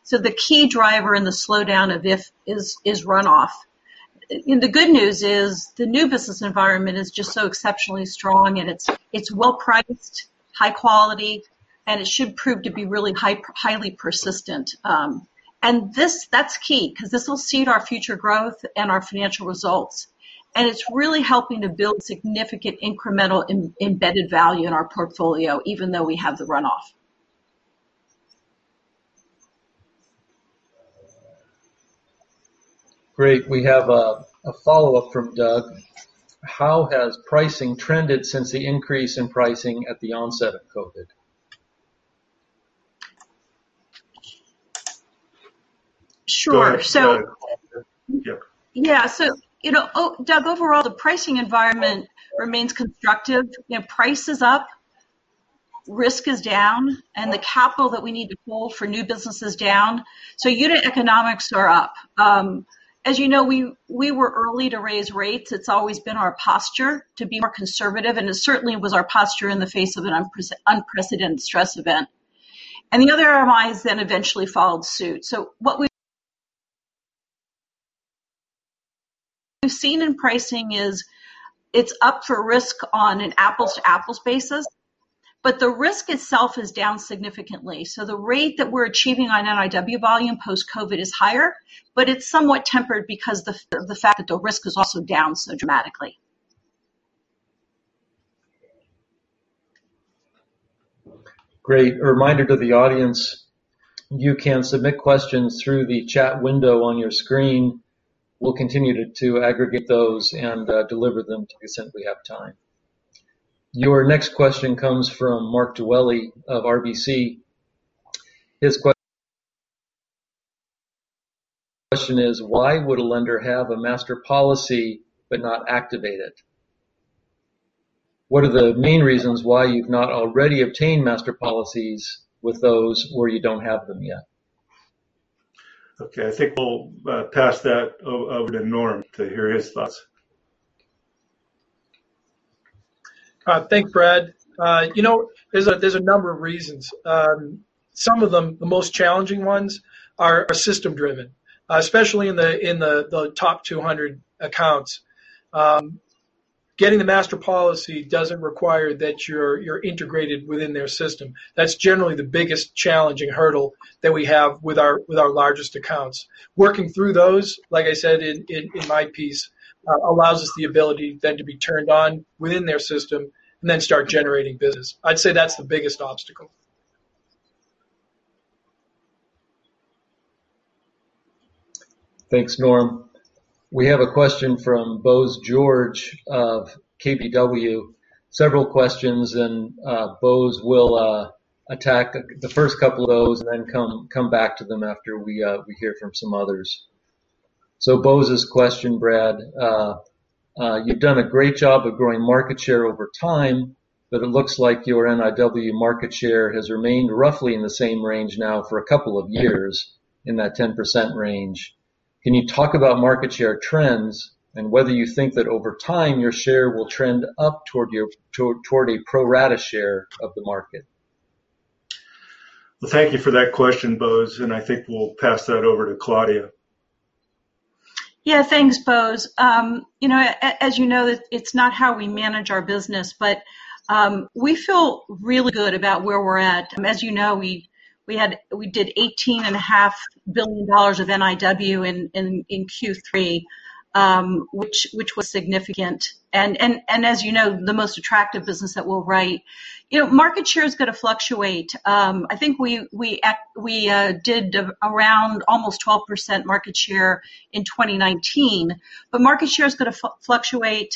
The key driver in the slowdown of IIF is runoff. The good news is the new business environment is just so exceptionally strong, and it's well-priced, high quality, and it should prove to be really highly persistent. That's key, because this will seed our future growth and our financial results. It's really helping to build significant incremental embedded value in our portfolio, even though we have the runoff. Great. We have a follow-up from Doug. How has pricing trended since the increase in pricing at the onset of COVID? Sure. Go ahead, Claudia. Yeah. Yeah. Doug, overall, the pricing environment remains constructive. Price is up, risk is down, the capital that we need to hold for new business is down. Unit economics are up. As you know, we were early to raise rates. It's always been our posture to be more conservative, it certainly was our posture in the face of an unprecedented stress event. The other MIs eventually followed suit. What we've seen in pricing is it's up for risk on an apples-to-apples basis, the risk itself is down significantly. The rate that we're achieving on NIW volume post-COVID is higher, it's somewhat tempered because of the fact that the risk is also down so dramatically. Great. A reminder to the audience, you can submit questions through the chat window on your screen. We'll continue to aggregate those and deliver them to the extent we have time. Your next question comes from Mark Dwelle of RBC. His question is, why would a lender have a master policy but not activate it? What are the main reasons why you've not already obtained master policies with those where you don't have them yet? Okay. I think we'll pass that over to Norm to hear his thoughts. Thanks, Brad. There is a number of reasons. Some of them, the most challenging ones, are system driven, especially in the top 200 accounts. Getting the master policy doesn't require that you are integrated within their system. That is generally the biggest challenging hurdle that we have with our largest accounts. Working through those, like I said in my piece, allows us the ability then to be turned on within their system and then start generating business. I would say that is the biggest obstacle. Thanks, Norm. We have a question from Bose George of KBW. Several questions, and Bose will attack the first couple of those and then come back to them after we hear from some others. Bose's question, Brad, you've done a great job of growing market share over time, but it looks like your NIW market share has remained roughly in the same range now for a couple of years in that 10% range. Can you talk about market share trends and whether you think that over time your share will trend up toward a pro rata share of the market? Well, thank you for that question, Bose, and I think we'll pass that over to Claudia. Thanks, Bose. As you know, it's not how we manage our business, but we feel really good about where we're at. As you know, we did $18.5 billion of NIW in Q3, which was significant. As you know, the most attractive business that we'll write. Market share is going to fluctuate. I think we did around almost 12% market share in 2019, but market share is going to fluctuate.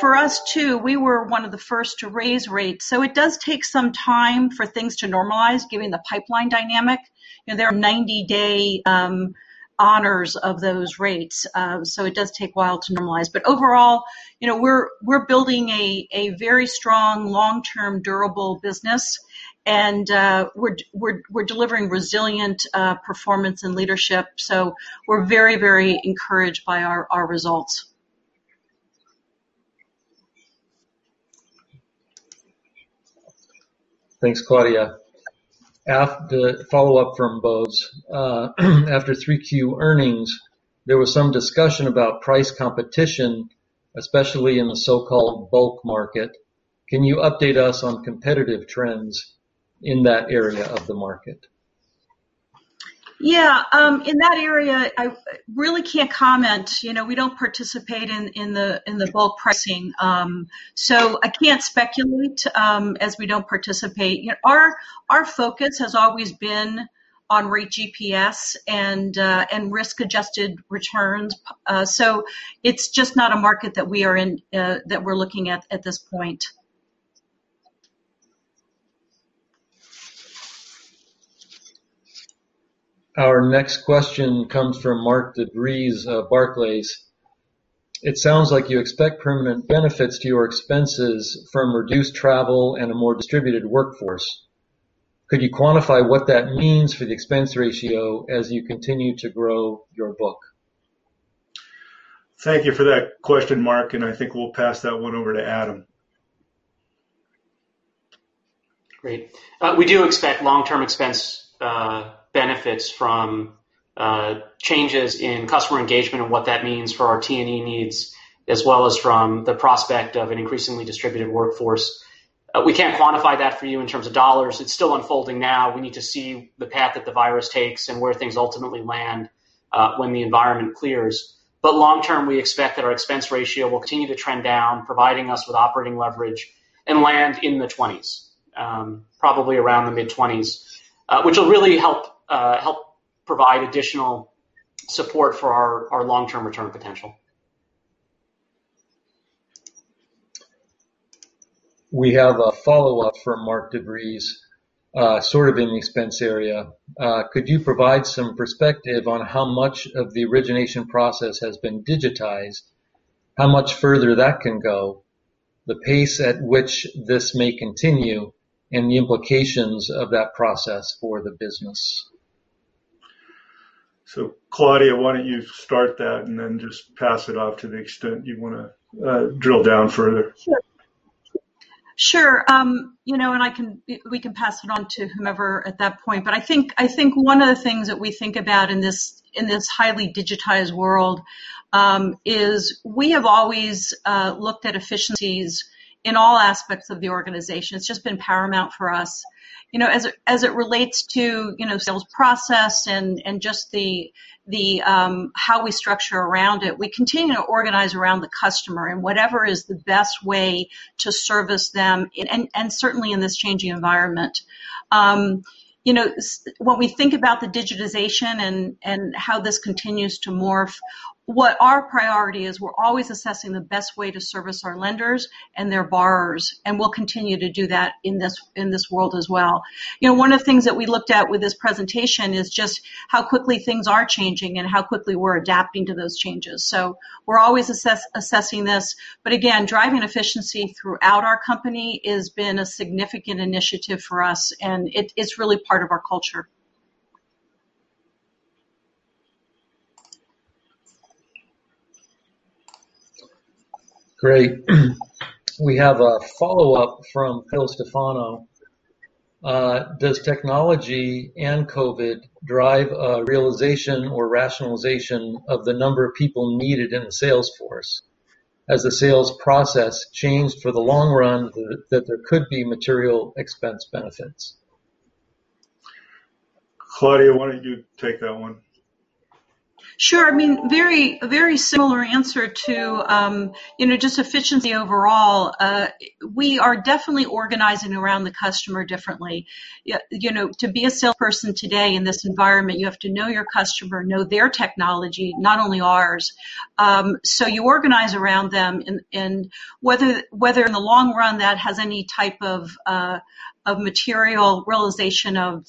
For us, too, we were one of the first to raise rates. It does take some time for things to normalize given the pipeline dynamic. There are 90-day honors of those rates, so it does take a while to normalize. Overall, we're building a very strong, long-term, durable business. We're delivering resilient performance and leadership. We're very encouraged by our results. Thanks, Claudia. The follow-up from Bose. After 3Q earnings, there was some discussion about price competition, especially in the so-called bulk market. Can you update us on competitive trends in that area of the market? Yeah. In that area, I really can't comment. We don't participate in the bulk pricing. I can't speculate as we don't participate. Our focus has always been on Rate GPS and risk-adjusted returns. It's just not a market that we're looking at at this point. Our next question comes from Mark DeVries of Barclays. It sounds like you expect permanent benefits to your expenses from reduced travel and a more distributed workforce. Could you quantify what that means for the expense ratio as you continue to grow your book? Thank you for that question, Mark, and I think we'll pass that one over to Adam. Great. We do expect long-term expense benefits from changes in customer engagement and what that means for our T&E needs, as well as from the prospect of an increasingly distributed workforce. We can't quantify that for you in terms of US dollar. It's still unfolding now. We need to see the path that the virus takes and where things ultimately land when the environment clears. Long term, we expect that our expense ratio will continue to trend down, providing us with operating leverage, and land in the 20s. Probably around the mid-20s. Which will really help provide additional support for our long-term return potential. We have a follow-up from Mark DeVries sort of in the expense area. Could you provide some perspective on how much of the origination process has been digitized, how much further that can go, the pace at which this may continue, and the implications of that process for the business? Claudia, why don't you start that and then just pass it off to the extent you want to drill down further? Sure. We can pass it on to whomever at that point. I think one of the things that we think about in this highly digitized world is we have always looked at efficiencies in all aspects of the organization. It's just been paramount for us. As it relates to sales process and just how we structure around it, we continue to organize around the customer and whatever is the best way to service them, and certainly in this changing environment. When we think about the digitization and how this continues to morph, what our priority is, we're always assessing the best way to service our lenders and their borrowers, and we'll continue to do that in this world as well. One of the things that we looked at with this presentation is just how quickly things are changing and how quickly we're adapting to those changes. We're always assessing this, but again, driving efficiency throughout our company has been a significant initiative for us, and it's really part of our culture. Great. We have a follow-up from Phil Stefano. Does technology and COVID drive a realization or rationalization of the number of people needed in the sales force as the sales process changed for the long run that there could be material expense benefits? Claudia, why don't you take that one? Sure. Very similar answer to just efficiency overall. We are definitely organizing around the customer differently. To be a salesperson today in this environment, you have to know your customer, know their technology, not only ours. You organize around them, and whether in the long run that has any type of material realization of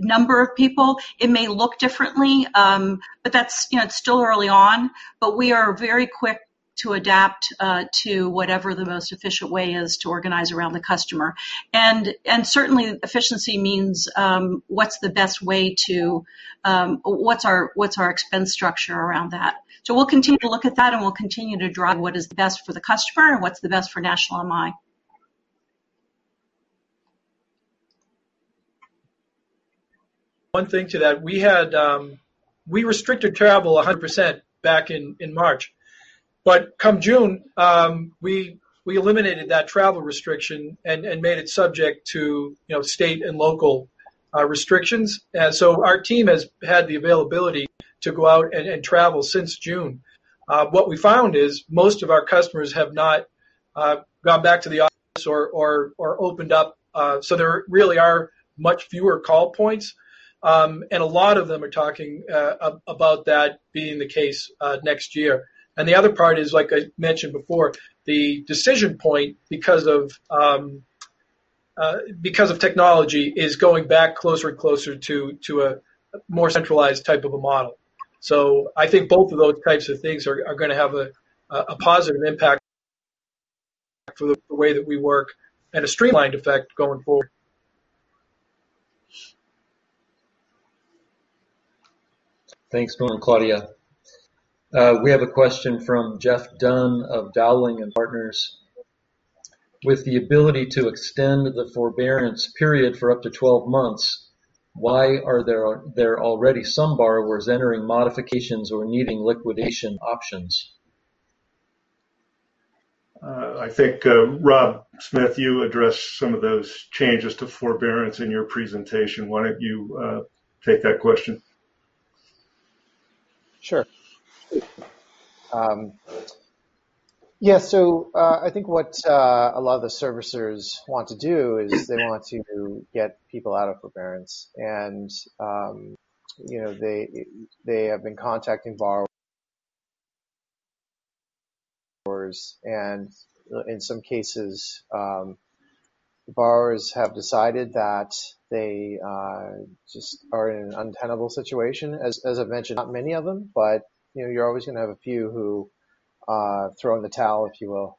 number of people, it may look differently. It's still early on, but we are very quick to adapt to whatever the most efficient way is to organize around the customer. Certainly, efficiency means what's our expense structure around that. We'll continue to look at that, and we'll continue to drive what is best for the customer and what's the best for National MI. One thing to that, we restricted travel 100% back in March. Come June, we eliminated that travel restriction and made it subject to state and local restrictions. Our team has had the availability to go out and travel since June. What we found is most of our customers have not gone back to the office or opened up, so there really are much fewer call points. A lot of them are talking about that being the case next year. The other part is, like I mentioned before, the decision point because of technology, is going back closer and closer to a more centralized type of a model. I think both of those types of things are going to have a positive impact for the way that we work and a streamlined effect going forward. Thanks, Norm and Claudia. We have a question from Geoff Dunn of Dowling & Partners. With the ability to extend the forbearance period for up to 12 months, why are there already some borrowers entering modifications or needing liquidation options? I think, Rob Smith, you addressed some of those changes to forbearance in your presentation. Why don't you take that question? Sure. Yeah, I think what a lot of the servicers want to do is they want to get people out of forbearance. They have been contacting borrowers, and in some cases, borrowers have decided that they just are in an untenable situation. As I've mentioned, not many of them, you're always going to have a few who throw in the towel, if you will,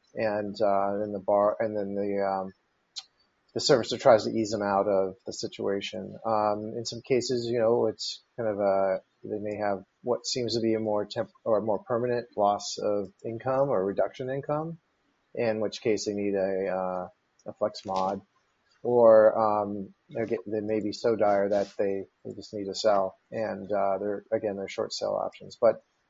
the servicer tries to ease them out of the situation. In some cases, they may have what seems to be a more permanent loss of income or reduction income, in which case they need a Flex Mod. They may be so dire that they just need to sell, again, there are short sale options.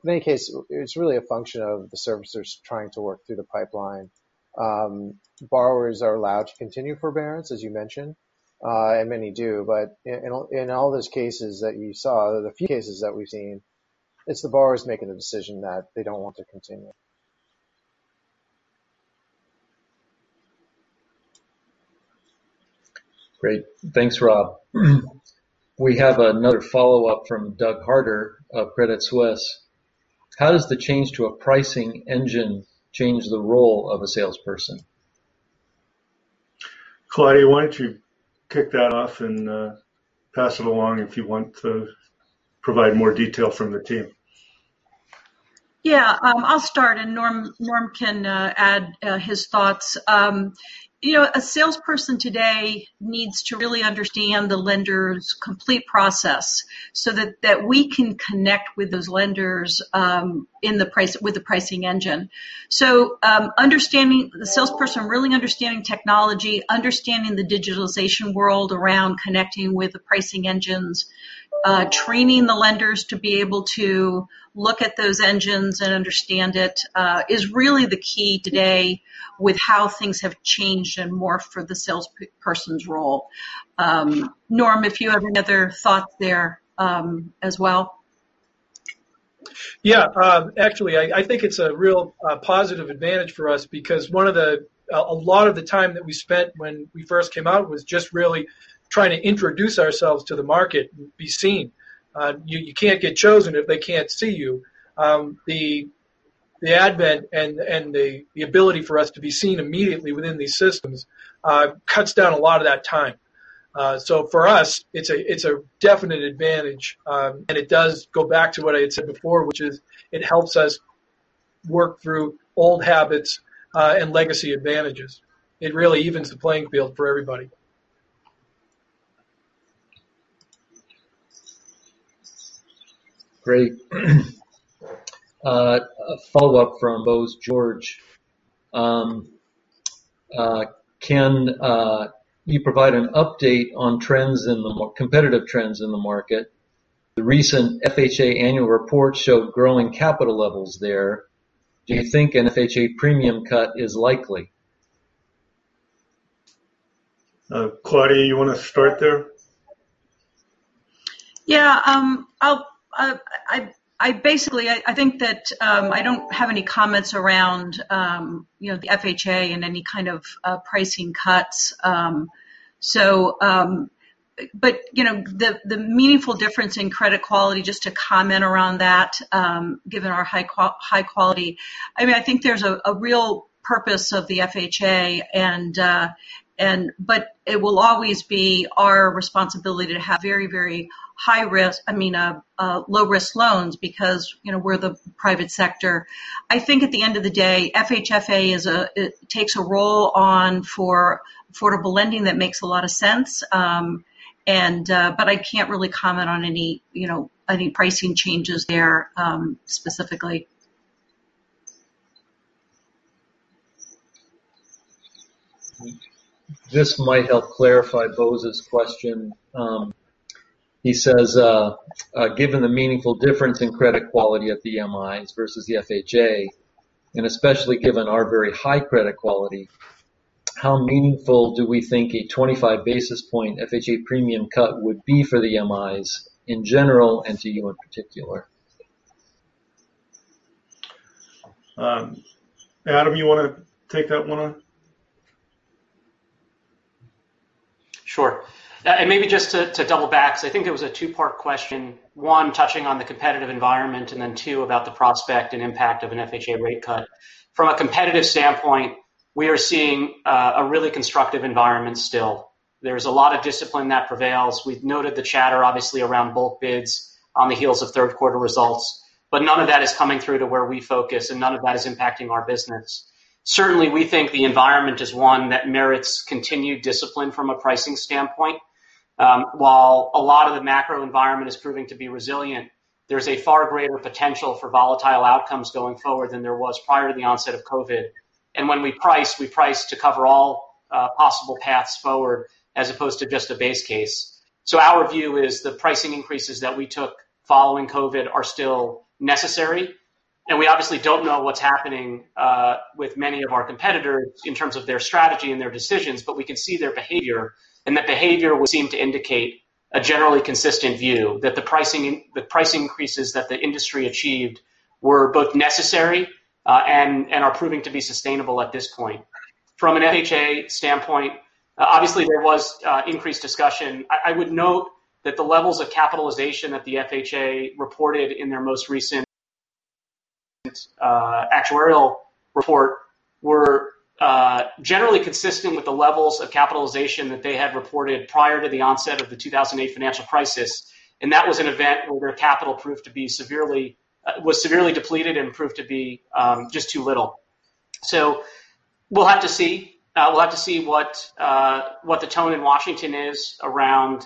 In any case, it's really a function of the servicers trying to work through the pipeline. Borrowers are allowed to continue forbearance, as you mentioned, and many do. In all those cases that you saw, the few cases that we've seen, it's the borrowers making the decision that they don't want to continue. Great. Thanks, Rob. We have another follow-up from Doug Harter of Credit Suisse. How does the change to a pricing engine change the role of a salesperson? Claudia, why don't you kick that off and pass it along if you want to provide more detail from the team? Yeah. I'll start, and Norm can add his thoughts. A salesperson today needs to really understand the lender's complete process so that we can connect with those lenders with the pricing engine. The salesperson really understanding technology, understanding the digitalization world around connecting with the pricing engines, training the lenders to be able to look at those engines and understand it is really the key today with how things have changed and more for the salesperson's role. Norm, if you have another thought there as well. Yeah. Actually, I think it's a real positive advantage for us because a lot of the time that we spent when we first came out was just really trying to introduce ourselves to the market and be seen. You can't get chosen if they can't see you. The advent and the ability for us to be seen immediately within these systems cuts down a lot of that time. For us, it's a definite advantage, and it does go back to what I had said before, which is it helps us work through old habits and legacy advantages. It really evens the playing field for everybody. Great. A follow-up from Bose George. Can you provide an update on competitive trends in the market? The recent FHA annual report showed growing capital levels there. Do you think an FHA premium cut is likely? Claudia, you want to start there? Yeah. I think that I don't have any comments around the FHA and any kind of pricing cuts. The meaningful difference in credit quality, just to comment around that, given our high quality, I think there's a real purpose of the FHA, but it will always be our responsibility to have very low-risk loans because we're the private sector. I think at the end of the day, FHFA takes a role on for affordable lending that makes a lot of sense. I can't really comment on any pricing changes there specifically. This might help clarify Bose's question. He says, "Given the meaningful difference in credit quality at the MIs versus the FHA, and especially given our very high credit quality, how meaningful do we think a 25 basis point FHA premium cut would be for the MIs in general, and to you in particular? Adam, you want to take that one on? Sure. Maybe just to double back, because I think it was a two-part question, one touching on the competitive environment, then two about the prospect and impact of an FHA rate cut. From a competitive standpoint, we are seeing a really constructive environment still. There's a lot of discipline that prevails. We've noted the chatter obviously around bulk bids on the heels of third quarter results, but none of that is coming through to where we focus and none of that is impacting our business. Certainly, we think the environment is one that merits continued discipline from a pricing standpoint. While a lot of the macro environment is proving to be resilient, there's a far greater potential for volatile outcomes going forward than there was prior to the onset of COVID. When we price, we price to cover all possible paths forward as opposed to just a base case. Our view is the pricing increases that we took following COVID are still necessary, and we obviously don't know what's happening with many of our competitors in terms of their strategy and their decisions, but we can see their behavior, and that behavior would seem to indicate a generally consistent view that the price increases that the industry achieved were both necessary and are proving to be sustainable at this point. From an FHA standpoint, obviously there was increased discussion. I would note that the levels of capitalization that the FHA reported in their most recent actuarial report were generally consistent with the levels of capitalization that they had reported prior to the onset of the 2008 financial crisis, and that was an event where capital was severely depleted and proved to be just too little. We'll have to see. We'll have to see what the tone in Washington is around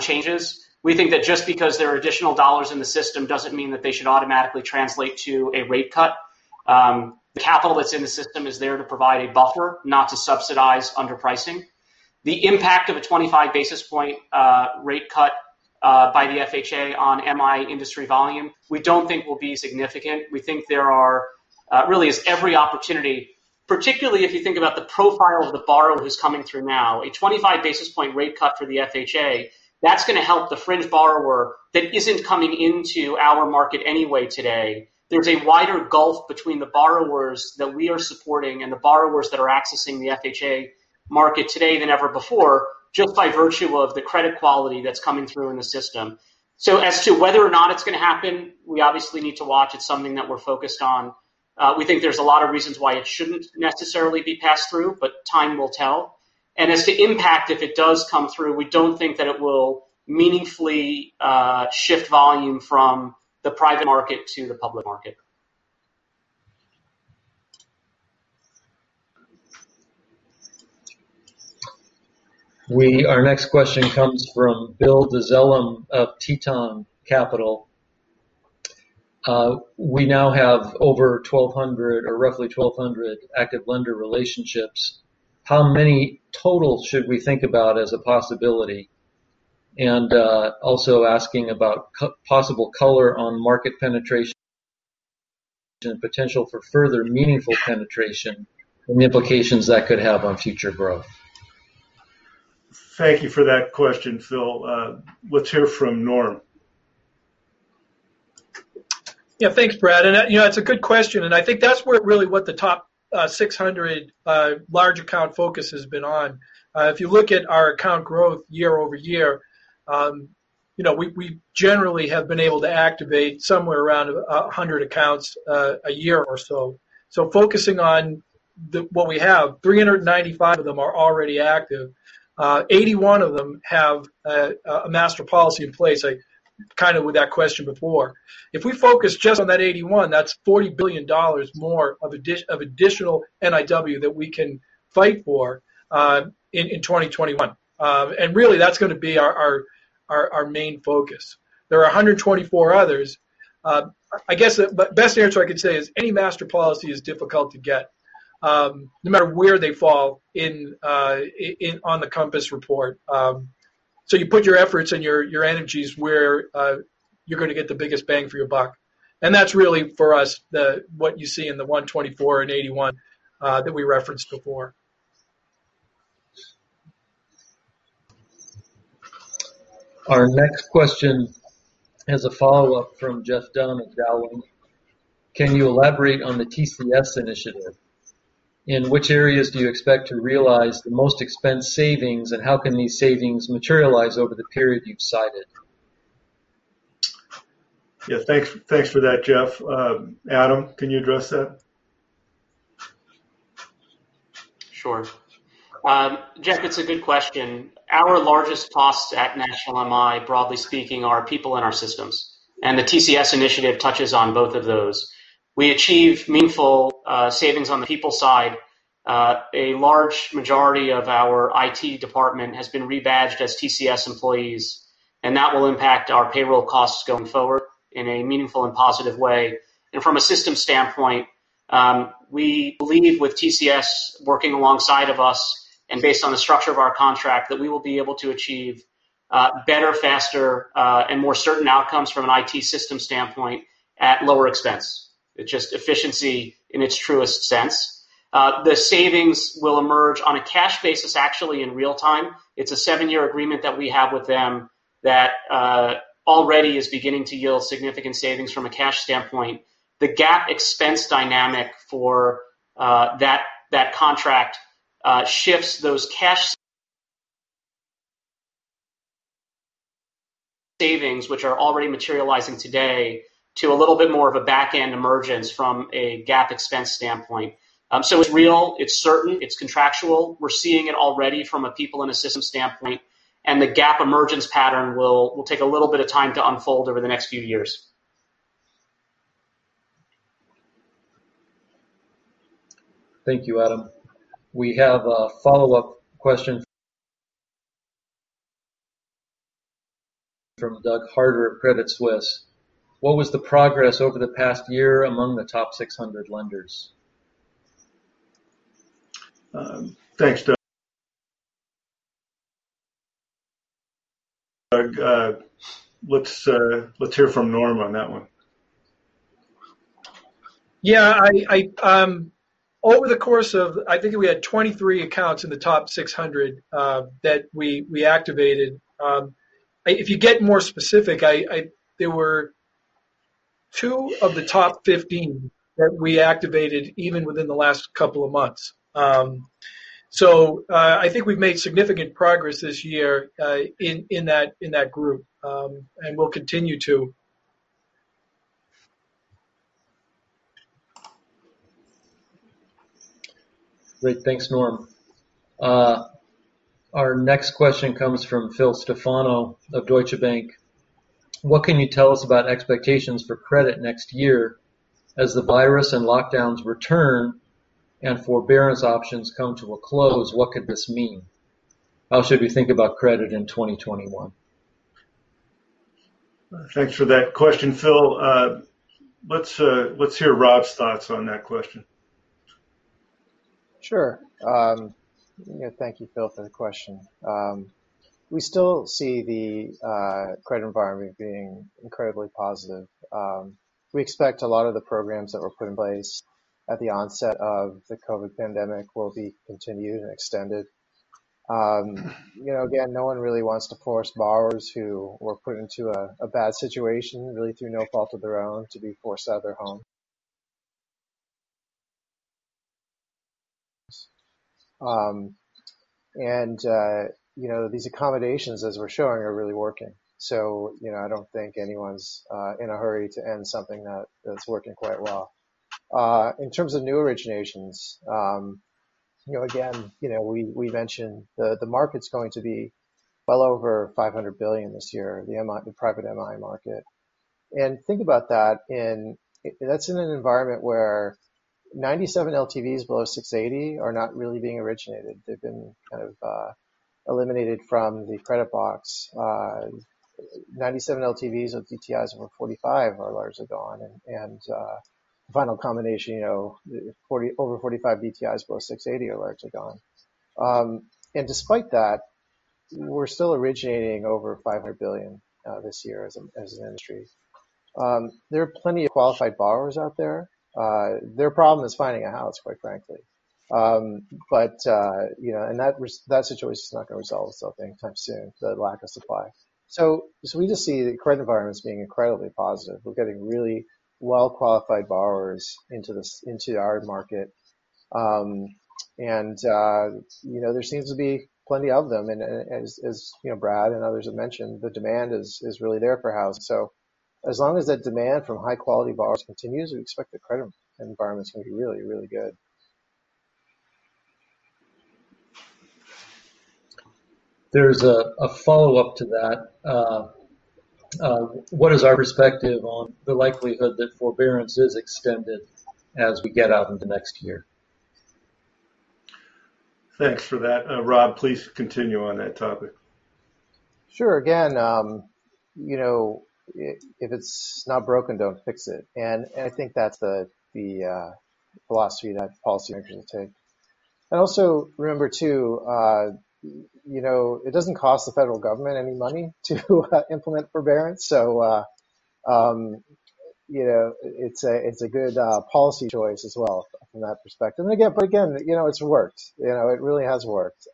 changes. We think that just because there are additional dollars in the system doesn't mean that they should automatically translate to a rate cut. The capital that's in the system is there to provide a buffer, not to subsidize underpricing. The impact of a 25 basis point rate cut by the FHA on MI industry volume we don't think will be significant. We think there really is every opportunity, particularly if you think about the profile of the borrower who's coming through now. A 25 basis point rate cut for the FHA, that's going to help the fringe borrower that isn't coming into our market anyway today. There's a wider gulf between the borrowers that we are supporting and the borrowers that are accessing the FHA market today than ever before, just by virtue of the credit quality that's coming through in the system. As to whether or not it's going to happen, we obviously need to watch. It's something that we're focused on. We think there's a lot of reasons why it shouldn't necessarily be passed through, time will tell. As to impact, if it does come through, we don't think that it will meaningfully shift volume from the private market to the public market. Our next question comes from Bill Dezellem of Tieton Capital. We now have over 1,200 or roughly 1,200 active lender relationships. How many total should we think about as a possibility? Also asking about possible color on market penetration potential for further meaningful penetration and the implications that could have on future growth. Thank you for that question, Bill. Let's hear from Norm. Thanks, Brad. It's a good question, and I think that's where really what the top 600 large account focus has been on. If you look at our account growth year-over-year, we generally have been able to activate somewhere around 100 accounts a year or so. Focusing on what we have, 395 of them are already active. 81 of them have a master policy in place, kind of with that question before. If we focus just on that 81, that's $40 billion more of additional NIW that we can fight for in 2021. Really, that's going to be our main focus. There are 124 others. I guess the best answer I could say is any master policy is difficult to get, no matter where they fall on the Compass report. You put your efforts and your energies where you're going to get the biggest bang for your buck. That's really for us what you see in the 124 and 81 that we referenced before. Our next question is a follow-up from Geoff Dunn at Dowling. Can you elaborate on the TCS initiative? In which areas do you expect to realize the most expense savings, and how can these savings materialize over the period you've cited? Thanks for that, Geoff. Adam, can you address that? Sure. Geoff, it's a good question. Our largest costs at National MI, broadly speaking, are people and our systems. The TCS initiative touches on both of those. We achieve meaningful savings on the people side. A large majority of our IT department has been rebadged as TCS employees. That will impact our payroll costs going forward in a meaningful and positive way. From a systems standpoint, we believe with TCS working alongside of us, and based on the structure of our contract, that we will be able to achieve better, faster, and more certain outcomes from an IT system standpoint at lower expense. It's just efficiency in its truest sense. The savings will emerge on a cash basis, actually in real time. It's a seven-year agreement that we have with them that already is beginning to yield significant savings from a cash standpoint. The GAAP expense dynamic for that contract shifts those cash savings, which are already materializing today, to a little bit more of a back-end emergence from a GAAP expense standpoint. It's real, it's certain, it's contractual. We're seeing it already from a people and a systems standpoint. The GAAP emergence pattern will take a little bit of time to unfold over the next few years. Thank you, Adam. We have a follow-up question from Doug Harter at Credit Suisse. What was the progress over the past year among the top 600 lenders? Thanks, Doug. Let's hear from Norm on that one. Yeah. I think we had 23 accounts in the top 600 that we activated. If you get more specific, there were two of the top 15 that we activated even within the last couple of months. I think we've made significant progress this year in that group and will continue to. Great. Thanks, Norm. Our next question comes from Phil Stefano of Deutsche Bank. What can you tell us about expectations for credit next year as the virus and lockdowns return and forbearance options come to a close, what could this mean? How should we think about credit in 2021? Thanks for that question, Phil. Let's hear Rob's thoughts on that question. Sure. Thank you, Phil, for the question. We still see the credit environment being incredibly positive. We expect a lot of the programs that were put in place at the onset of the COVID pandemic will be continued and extended. No one really wants to force borrowers who were put into a bad situation, really through no fault of their own, to be forced out of their homes. These accommodations, as we're showing, are really working. I don't think anyone's in a hurry to end something that's working quite well. In terms of new originations, again, we mentioned the market's going to be well over $500 billion this year, the private MI market. Think about that in, that's in an environment where 97% LTVs below 680 are not really being originated. They've been kind of eliminated from the credit box. 97% LTVs with DTIs over 45% are largely gone. Final combination, over 45% DTIs below 680 are largely gone. Despite that, we're still originating over $500 billion this year as an industry. There are plenty of qualified borrowers out there. Their problem is finding a house, quite frankly. That situation's not going to resolve itself anytime soon, the lack of supply. We just see the credit environment as being incredibly positive. We're getting really well-qualified borrowers into our market. There seems to be plenty of them, and as Brad and others have mentioned, the demand is really there for houses. As long as that demand from high-quality borrowers continues, we expect the credit environment's going to be really, really good. There's a follow-up to that. What is our perspective on the likelihood that forbearance is extended as we get out into next year? Thanks for that. Rob, please continue on that topic. Sure. Again, if it's not broken, don't fix it. I think that's the philosophy that policymakers will take. Also remember too, it doesn't cost the federal government any money to implement forbearance. It's a good policy choice as well from that perspective. Again it's worked. It really has worked.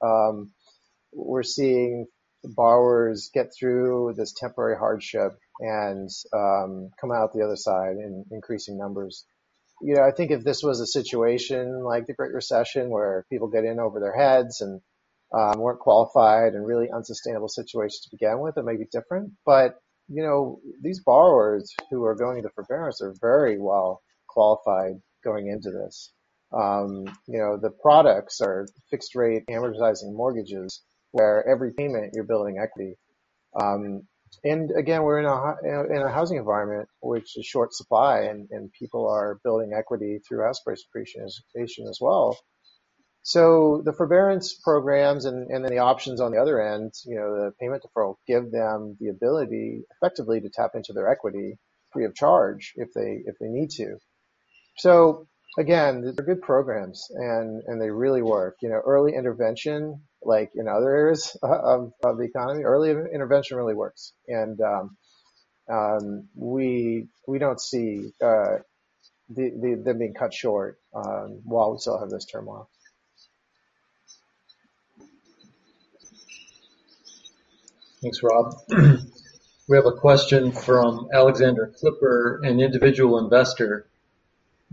We're seeing borrowers get through this temporary hardship and come out the other side in increasing numbers. I think if this was a situation like the Great Recession where people get in over their heads and weren't qualified and really unsustainable situations to begin with, it may be different. These borrowers who are going into forbearance are very well qualified going into this. The products are fixed-rate amortizing mortgages, where every payment you're building equity. Again, we're in a housing environment which is short supply and people are building equity through house price appreciation as well. The forbearance programs and then the options on the other end, the payment deferral, give them the ability, effectively, to tap into their equity free of charge if they need to. Again, they're good programs, and they really work. Early intervention, like in other areas of the economy, early intervention really works. We don't see them being cut short while we still have this turmoil. Thanks, Rob. We have a question from Alexander Clipper, an individual investor.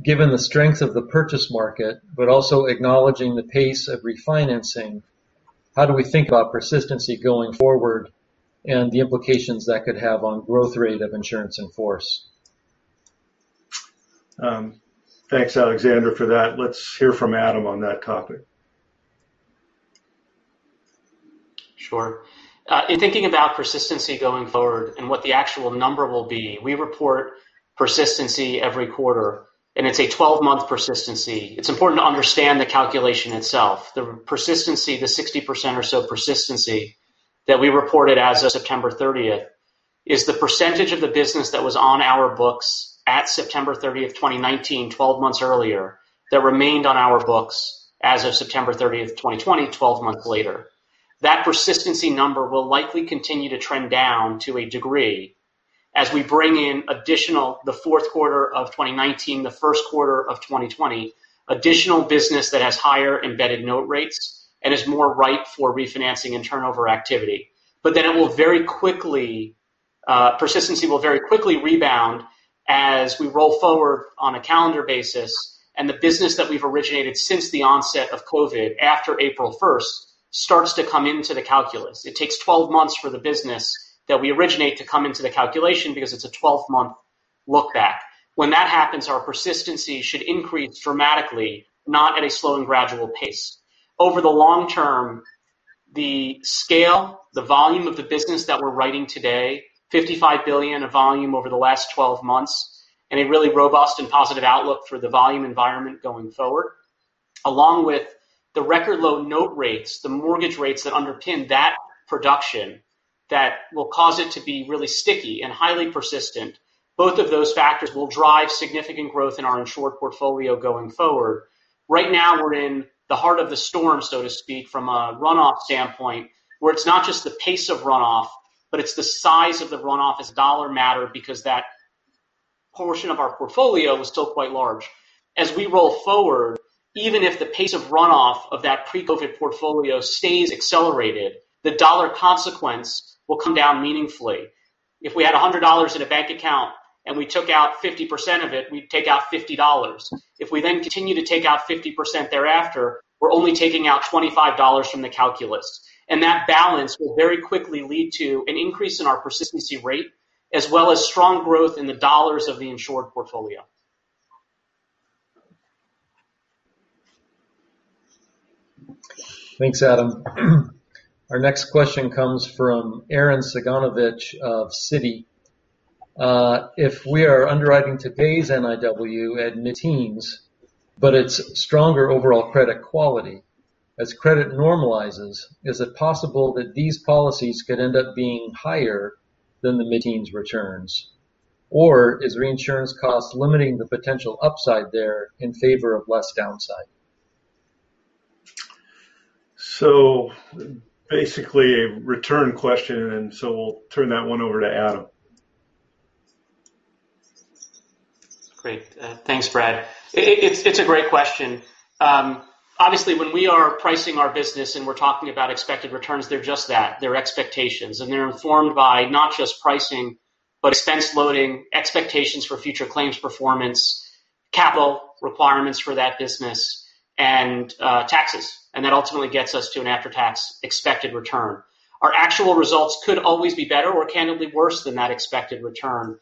Given the strength of the purchase market, but also acknowledging the pace of refinancing, how do we think about persistency going forward and the implications that could have on growth rate of insurance in force? Thanks, Alexander, for that. Let's hear from Adam on that topic. Sure. In thinking about persistency going forward and what the actual number will be, we report persistency every quarter, and it's a 12-month persistency. It's important to understand the calculation itself. The persistency, the 60% or so persistency that we reported as of September 30th, is the percentage of the business that was on our books at September 30th, 2019, 12 months earlier, that remained on our books as of September 30th, 2020, 12 months later. That persistency number will likely continue to trend down to a degree as we bring in the fourth quarter of 2019, the first quarter of 2020, additional business that has higher embedded note rates and is more ripe for refinancing and turnover activity. Persistency will very quickly rebound as we roll forward on a calendar basis and the business that we've originated since the onset of COVID, after April 1st, starts to come into the calculus. It takes 12 months for the business that we originate to come into the calculation because it's a 12-month look-back. When that happens, our persistency should increase dramatically, not at a slow and gradual pace. Over the long term, the scale, the volume of the business that we're writing today, $55 billion of volume over the last 12 months, and a really robust and positive outlook for the volume environment going forward, along with the record low note rates, the mortgage rates that underpin that production, that will cause it to be really sticky and highly persistent. Both of those factors will drive significant growth in our insured portfolio going forward. Right now, we're in the heart of the storm, so to speak, from a runoff standpoint, where it's not just the pace of runoff, but it's the size of the runoff as dollar matter because that portion of our portfolio was still quite large. As we roll forward, even if the pace of runoff of that pre-COVID portfolio stays accelerated, the dollar consequence will come down meaningfully. If we had $100 in a bank account and we took out 50% of it, we'd take out $50. If we then continue to take out 50% thereafter, we're only taking out $25 from the calculus. That balance will very quickly lead to an increase in our persistency rate, as well as strong growth in the dollars of the insured portfolio. Thanks, Adam. Our next question comes from Arren Cyganovich of Citi. If we are underwriting today's NIW at mid-teens, but it's stronger overall credit quality, as credit normalizes, is it possible that these policies could end up being higher than the mid-teens returns? Is reinsurance cost limiting the potential upside there in favor of less downside? Basically, a return question, and so we'll turn that one over to Adam. Great. Thanks, Brad. It's a great question. Obviously, when we are pricing our business and we're talking about expected returns, they're just that. They're expectations, and they're informed by not just pricing, but expense loading, expectations for future claims performance, capital requirements for that business, and taxes. That ultimately gets us to an after-tax expected return. Our actual results could always be better or candidly worse than that expected return.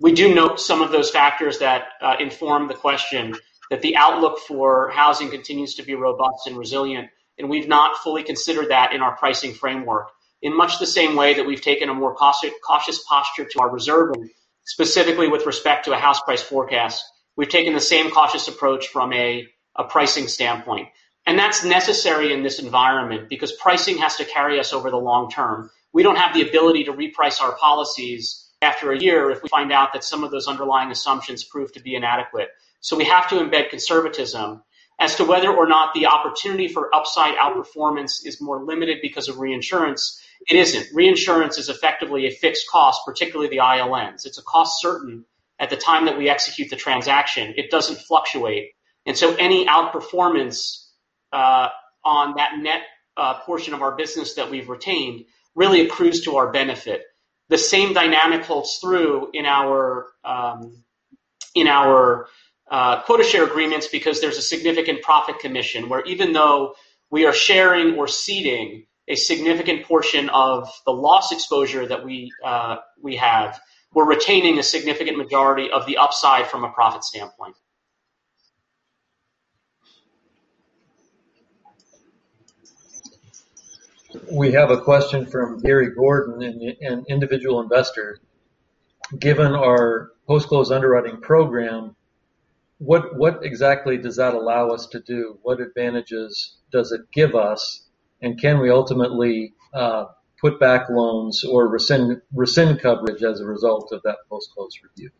We do note some of those factors that inform the question that the outlook for housing continues to be robust and resilient, and we've not fully considered that in our pricing framework. In much the same way that we've taken a more cautious posture to our reserving, specifically with respect to a house price forecast, we've taken the same cautious approach from a pricing standpoint. That's necessary in this environment because pricing has to carry us over the long term. We don't have the ability to reprice our policies after a year if we find out that some of those underlying assumptions prove to be inadequate. We have to embed conservatism as to whether or not the opportunity for upside outperformance is more limited because of reinsurance. It isn't. Reinsurance is effectively a fixed cost, particularly the ILNs. It's a cost certain at the time that we execute the transaction. It doesn't fluctuate. Any outperformance on that net portion of our business that we've retained really accrues to our benefit. The same dynamic holds true in our quota share agreements because there is a significant profit commission where even though we are sharing or ceding a significant portion of the loss exposure that we have, we are retaining a significant majority of the upside from a profit standpoint. We have a question from Gary Gordon, an individual investor. Given our post-close underwriting program, what exactly does that allow us to do? What advantages does it give us? Can we ultimately put back loans or rescind coverage as a result of that post-close review?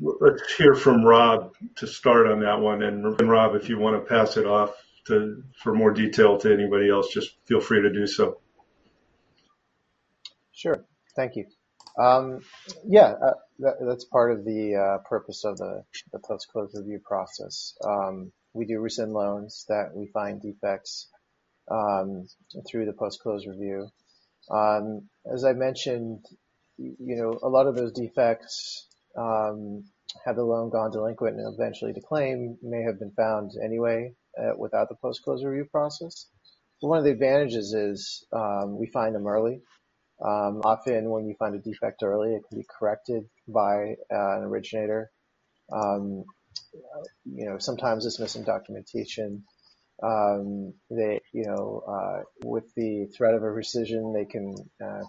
Let's hear from Rob to start on that one. Rob, if you want to pass it off for more detail to anybody else, just feel free to do so. Sure. Thank you. That's part of the purpose of the post-close review process. We do rescind loans that we find defects through the post-close review. As I mentioned, a lot of those defects, had the loan gone delinquent and eventually to claim, may have been found anyway without the post-close review process. One of the advantages is we find them early. Often when we find a defect early, it can be corrected by an originator. Sometimes it's missing documentation. With the threat of a rescission, they can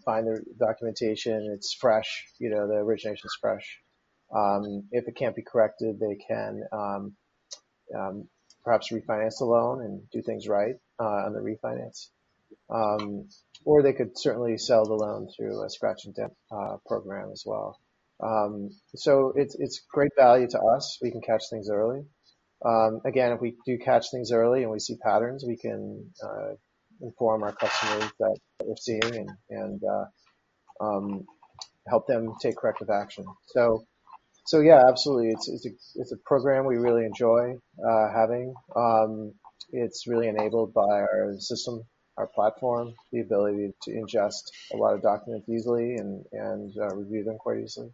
find their documentation, it's fresh, the origination's fresh. If it can't be corrected, they can perhaps refinance the loan and do things right on the refinance. They could certainly sell the loan through a scratch and dent program as well. It's great value to us. We can catch things early. Again, if we do catch things early and we see patterns, we can inform our customers that we're seeing and help them take corrective action. Yeah, absolutely. It's a program we really enjoy having. It's really enabled by our system, our platform, the ability to ingest a lot of documents easily and review them quite easily.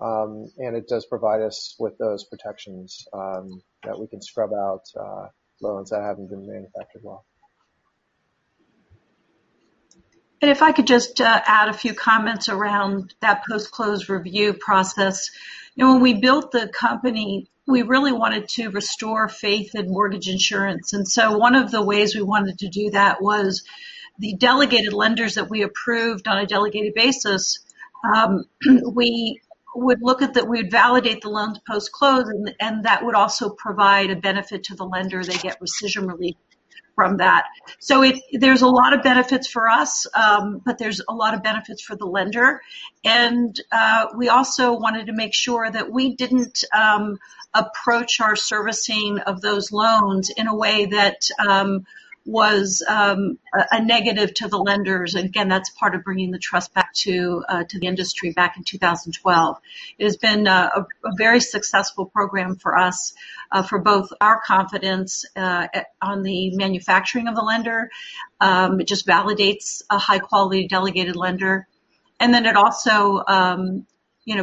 It does provide us with those protections that we can scrub out loans that haven't been manufactured well. If I could just add a few comments around that post-close review process. When we built the company, we really wanted to restore faith in mortgage insurance, and so one of the ways we wanted to do that was the delegated lenders that we approved on a delegated basis, we would validate the loans post-close and that would also provide a benefit to the lender. They get rescission relief from that. There's a lot of benefits for us, but there's a lot of benefits for the lender. We also wanted to make sure that we didn't approach our servicing of those loans in a way that was a negative to the lenders. Again, that's part of bringing the trust back to the industry back in 2012. It has been a very successful program for us for both our confidence on the manufacturing of the lender. It just validates a high-quality delegated lender, and then it also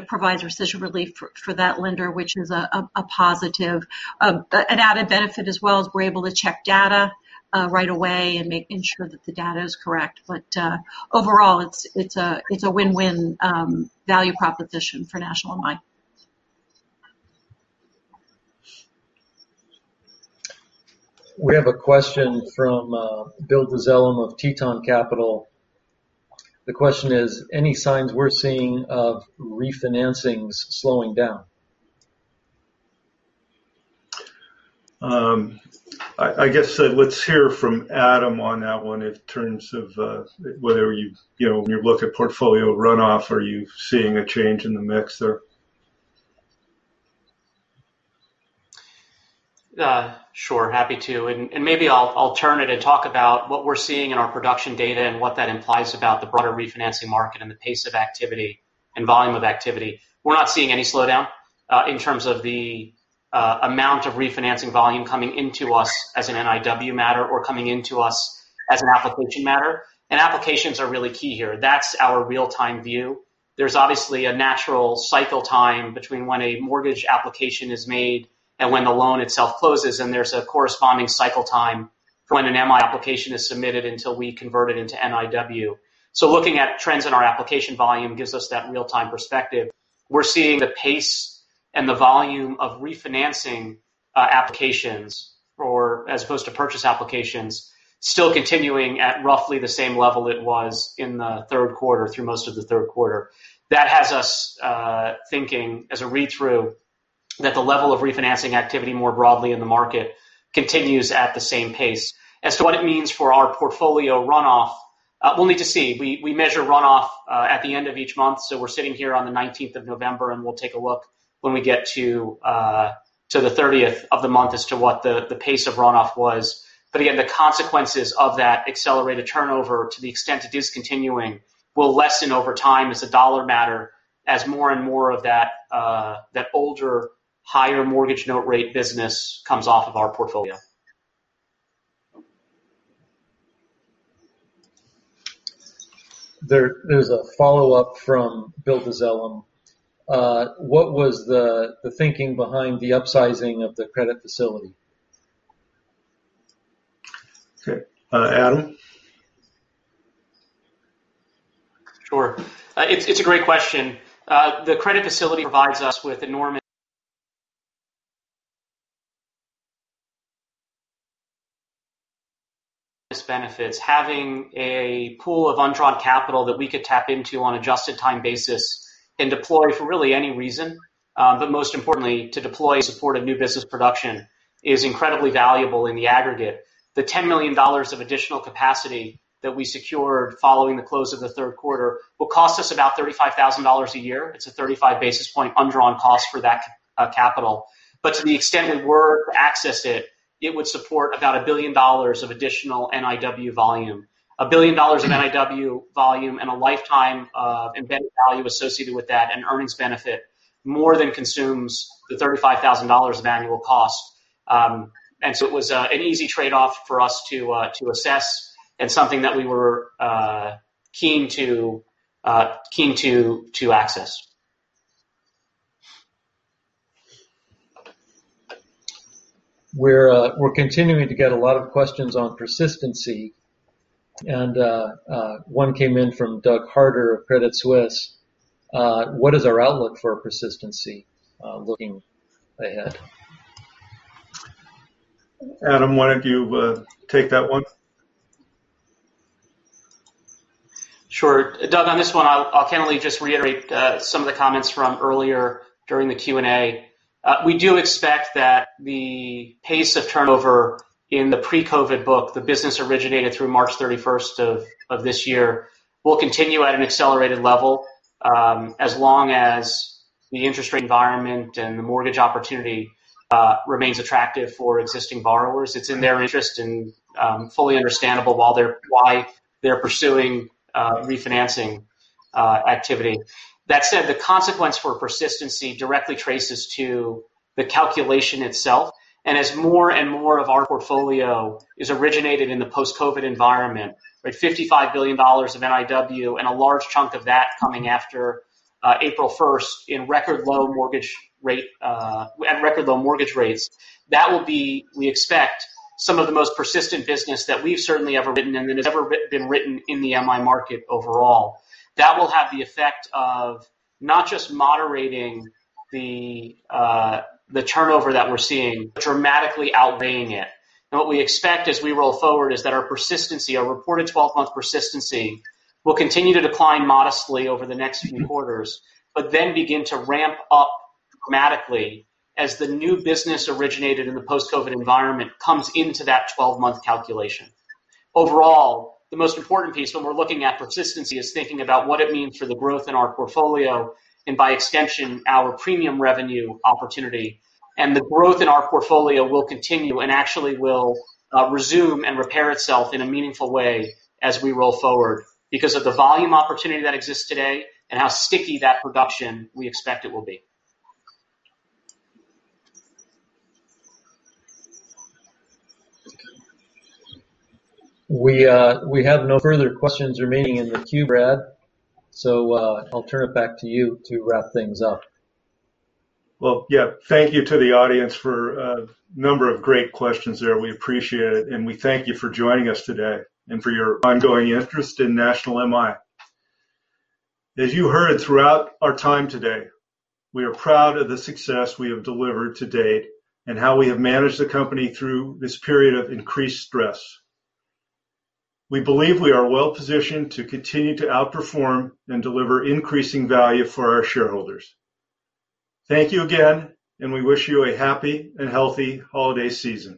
provides rescission relief for that lender, which is a positive. An added benefit as well is we're able to check data right away and ensure that the data is correct. Overall, it's a win-win value proposition for National MI. We have a question from Bill Dezellem of Tieton Capital. The question is, any signs we're seeing of refinancings slowing down? I guess let's hear from Adam on that one in terms of whether when you look at portfolio runoff, are you seeing a change in the mix there? Sure, happy to, and maybe I'll turn it and talk about what we're seeing in our production data and what that implies about the broader refinancing market and the pace of activity and volume of activity. We're not seeing any slowdown in terms of the amount of refinancing volume coming into us as an NIW matter or coming into us as an application matter. Applications are really key here. That's our real-time view. There's obviously a natural cycle time between when a mortgage application is made and when the loan itself closes, and there's a corresponding cycle time from when an MI application is submitted until we convert it into NIW. Looking at trends in our application volume gives us that real-time perspective. We're seeing the pace and the volume of refinancing applications, or as opposed to purchase applications, still continuing at roughly the same level it was in the third quarter, through most of the third quarter. That has us thinking, as a read-through, that the level of refinancing activity more broadly in the market continues at the same pace. As to what it means for our portfolio runoff, we'll need to see. We measure runoff at the end of each month, so we're sitting here on the 19th of November, and we'll take a look when we get to the 30th of the month as to what the pace of runoff was. Again, the consequences of that accelerated turnover, to the extent it is continuing, will lessen over time as a dollar matter as more and more of that older, higher mortgage note rate business comes off of our portfolio. There's a follow-up from Bill Dezellem. What was the thinking behind the upsizing of the credit facility? Okay. Adam? Sure. It's a great question. The credit facility provides us with enormous benefits. Having a pool of undrawn capital that we could tap into on an adjusted time basis and deploy for really any reason, but most importantly, to deploy and support a new business production is incredibly valuable in the aggregate. The $10 million of additional capacity that we secured following the close of the third quarter will cost us about $35,000 a year. It's a 35 basis point undrawn cost for that capital. To the extent we were to access it would support about $1 billion of additional NIW volume. $1 billion of NIW volume, and a lifetime of embedded value associated with that, and earnings benefit more than consumes the $35,000 of annual cost. It was an easy trade-off for us to assess and something that we were keen to access. We're continuing to get a lot of questions on persistency, and one came in from Doug Harter of Credit Suisse. What is our outlook for persistency looking ahead? Adam, why don't you take that one? Sure. Doug, on this one, I'll candidly just reiterate some of the comments from earlier during the Q&A. We do expect that the pace of turnover in the pre-COVID book, the business originated through March 31st of this year, will continue at an accelerated level, as long as the interest rate environment and the mortgage opportunity remains attractive for existing borrowers. It's in their interest and fully understandable why they're pursuing refinancing activity. That said, the consequence for persistency directly traces to the calculation itself. As more and more of our portfolio is originated in the post-COVID environment, $55 billion of NIW and a large chunk of that coming after April 1st in record low mortgage rates, that will be, we expect, some of the most persistent business that we've certainly ever written and that has ever been written in the MI market overall. That will have the effect of not just moderating the turnover that we're seeing, but dramatically outweighing it. What we expect as we roll forward is that our persistency, our reported 12-month persistency, will continue to decline modestly over the next few quarters, but then begin to ramp up dramatically as the new business originated in the post-COVID environment comes into that 12-month calculation. Overall, the most important piece when we're looking at persistency is thinking about what it means for the growth in our portfolio and by extension, our premium revenue opportunity. The growth in our portfolio will continue and actually will resume and repair itself in a meaningful way as we roll forward because of the volume opportunity that exists today and how sticky that production we expect it will be. We have no further questions remaining in the queue, Brad. I'll turn it back to you to wrap things up. Well, yeah. Thank you to the audience for a number of great questions there. We appreciate it, and we thank you for joining us today and for your ongoing interest in National MI. As you heard throughout our time today, we are proud of the success we have delivered to date and how we have managed the company through this period of increased stress. We believe we are well-positioned to continue to outperform and deliver increasing value for our shareholders. Thank you again, and we wish you a happy and healthy holiday season.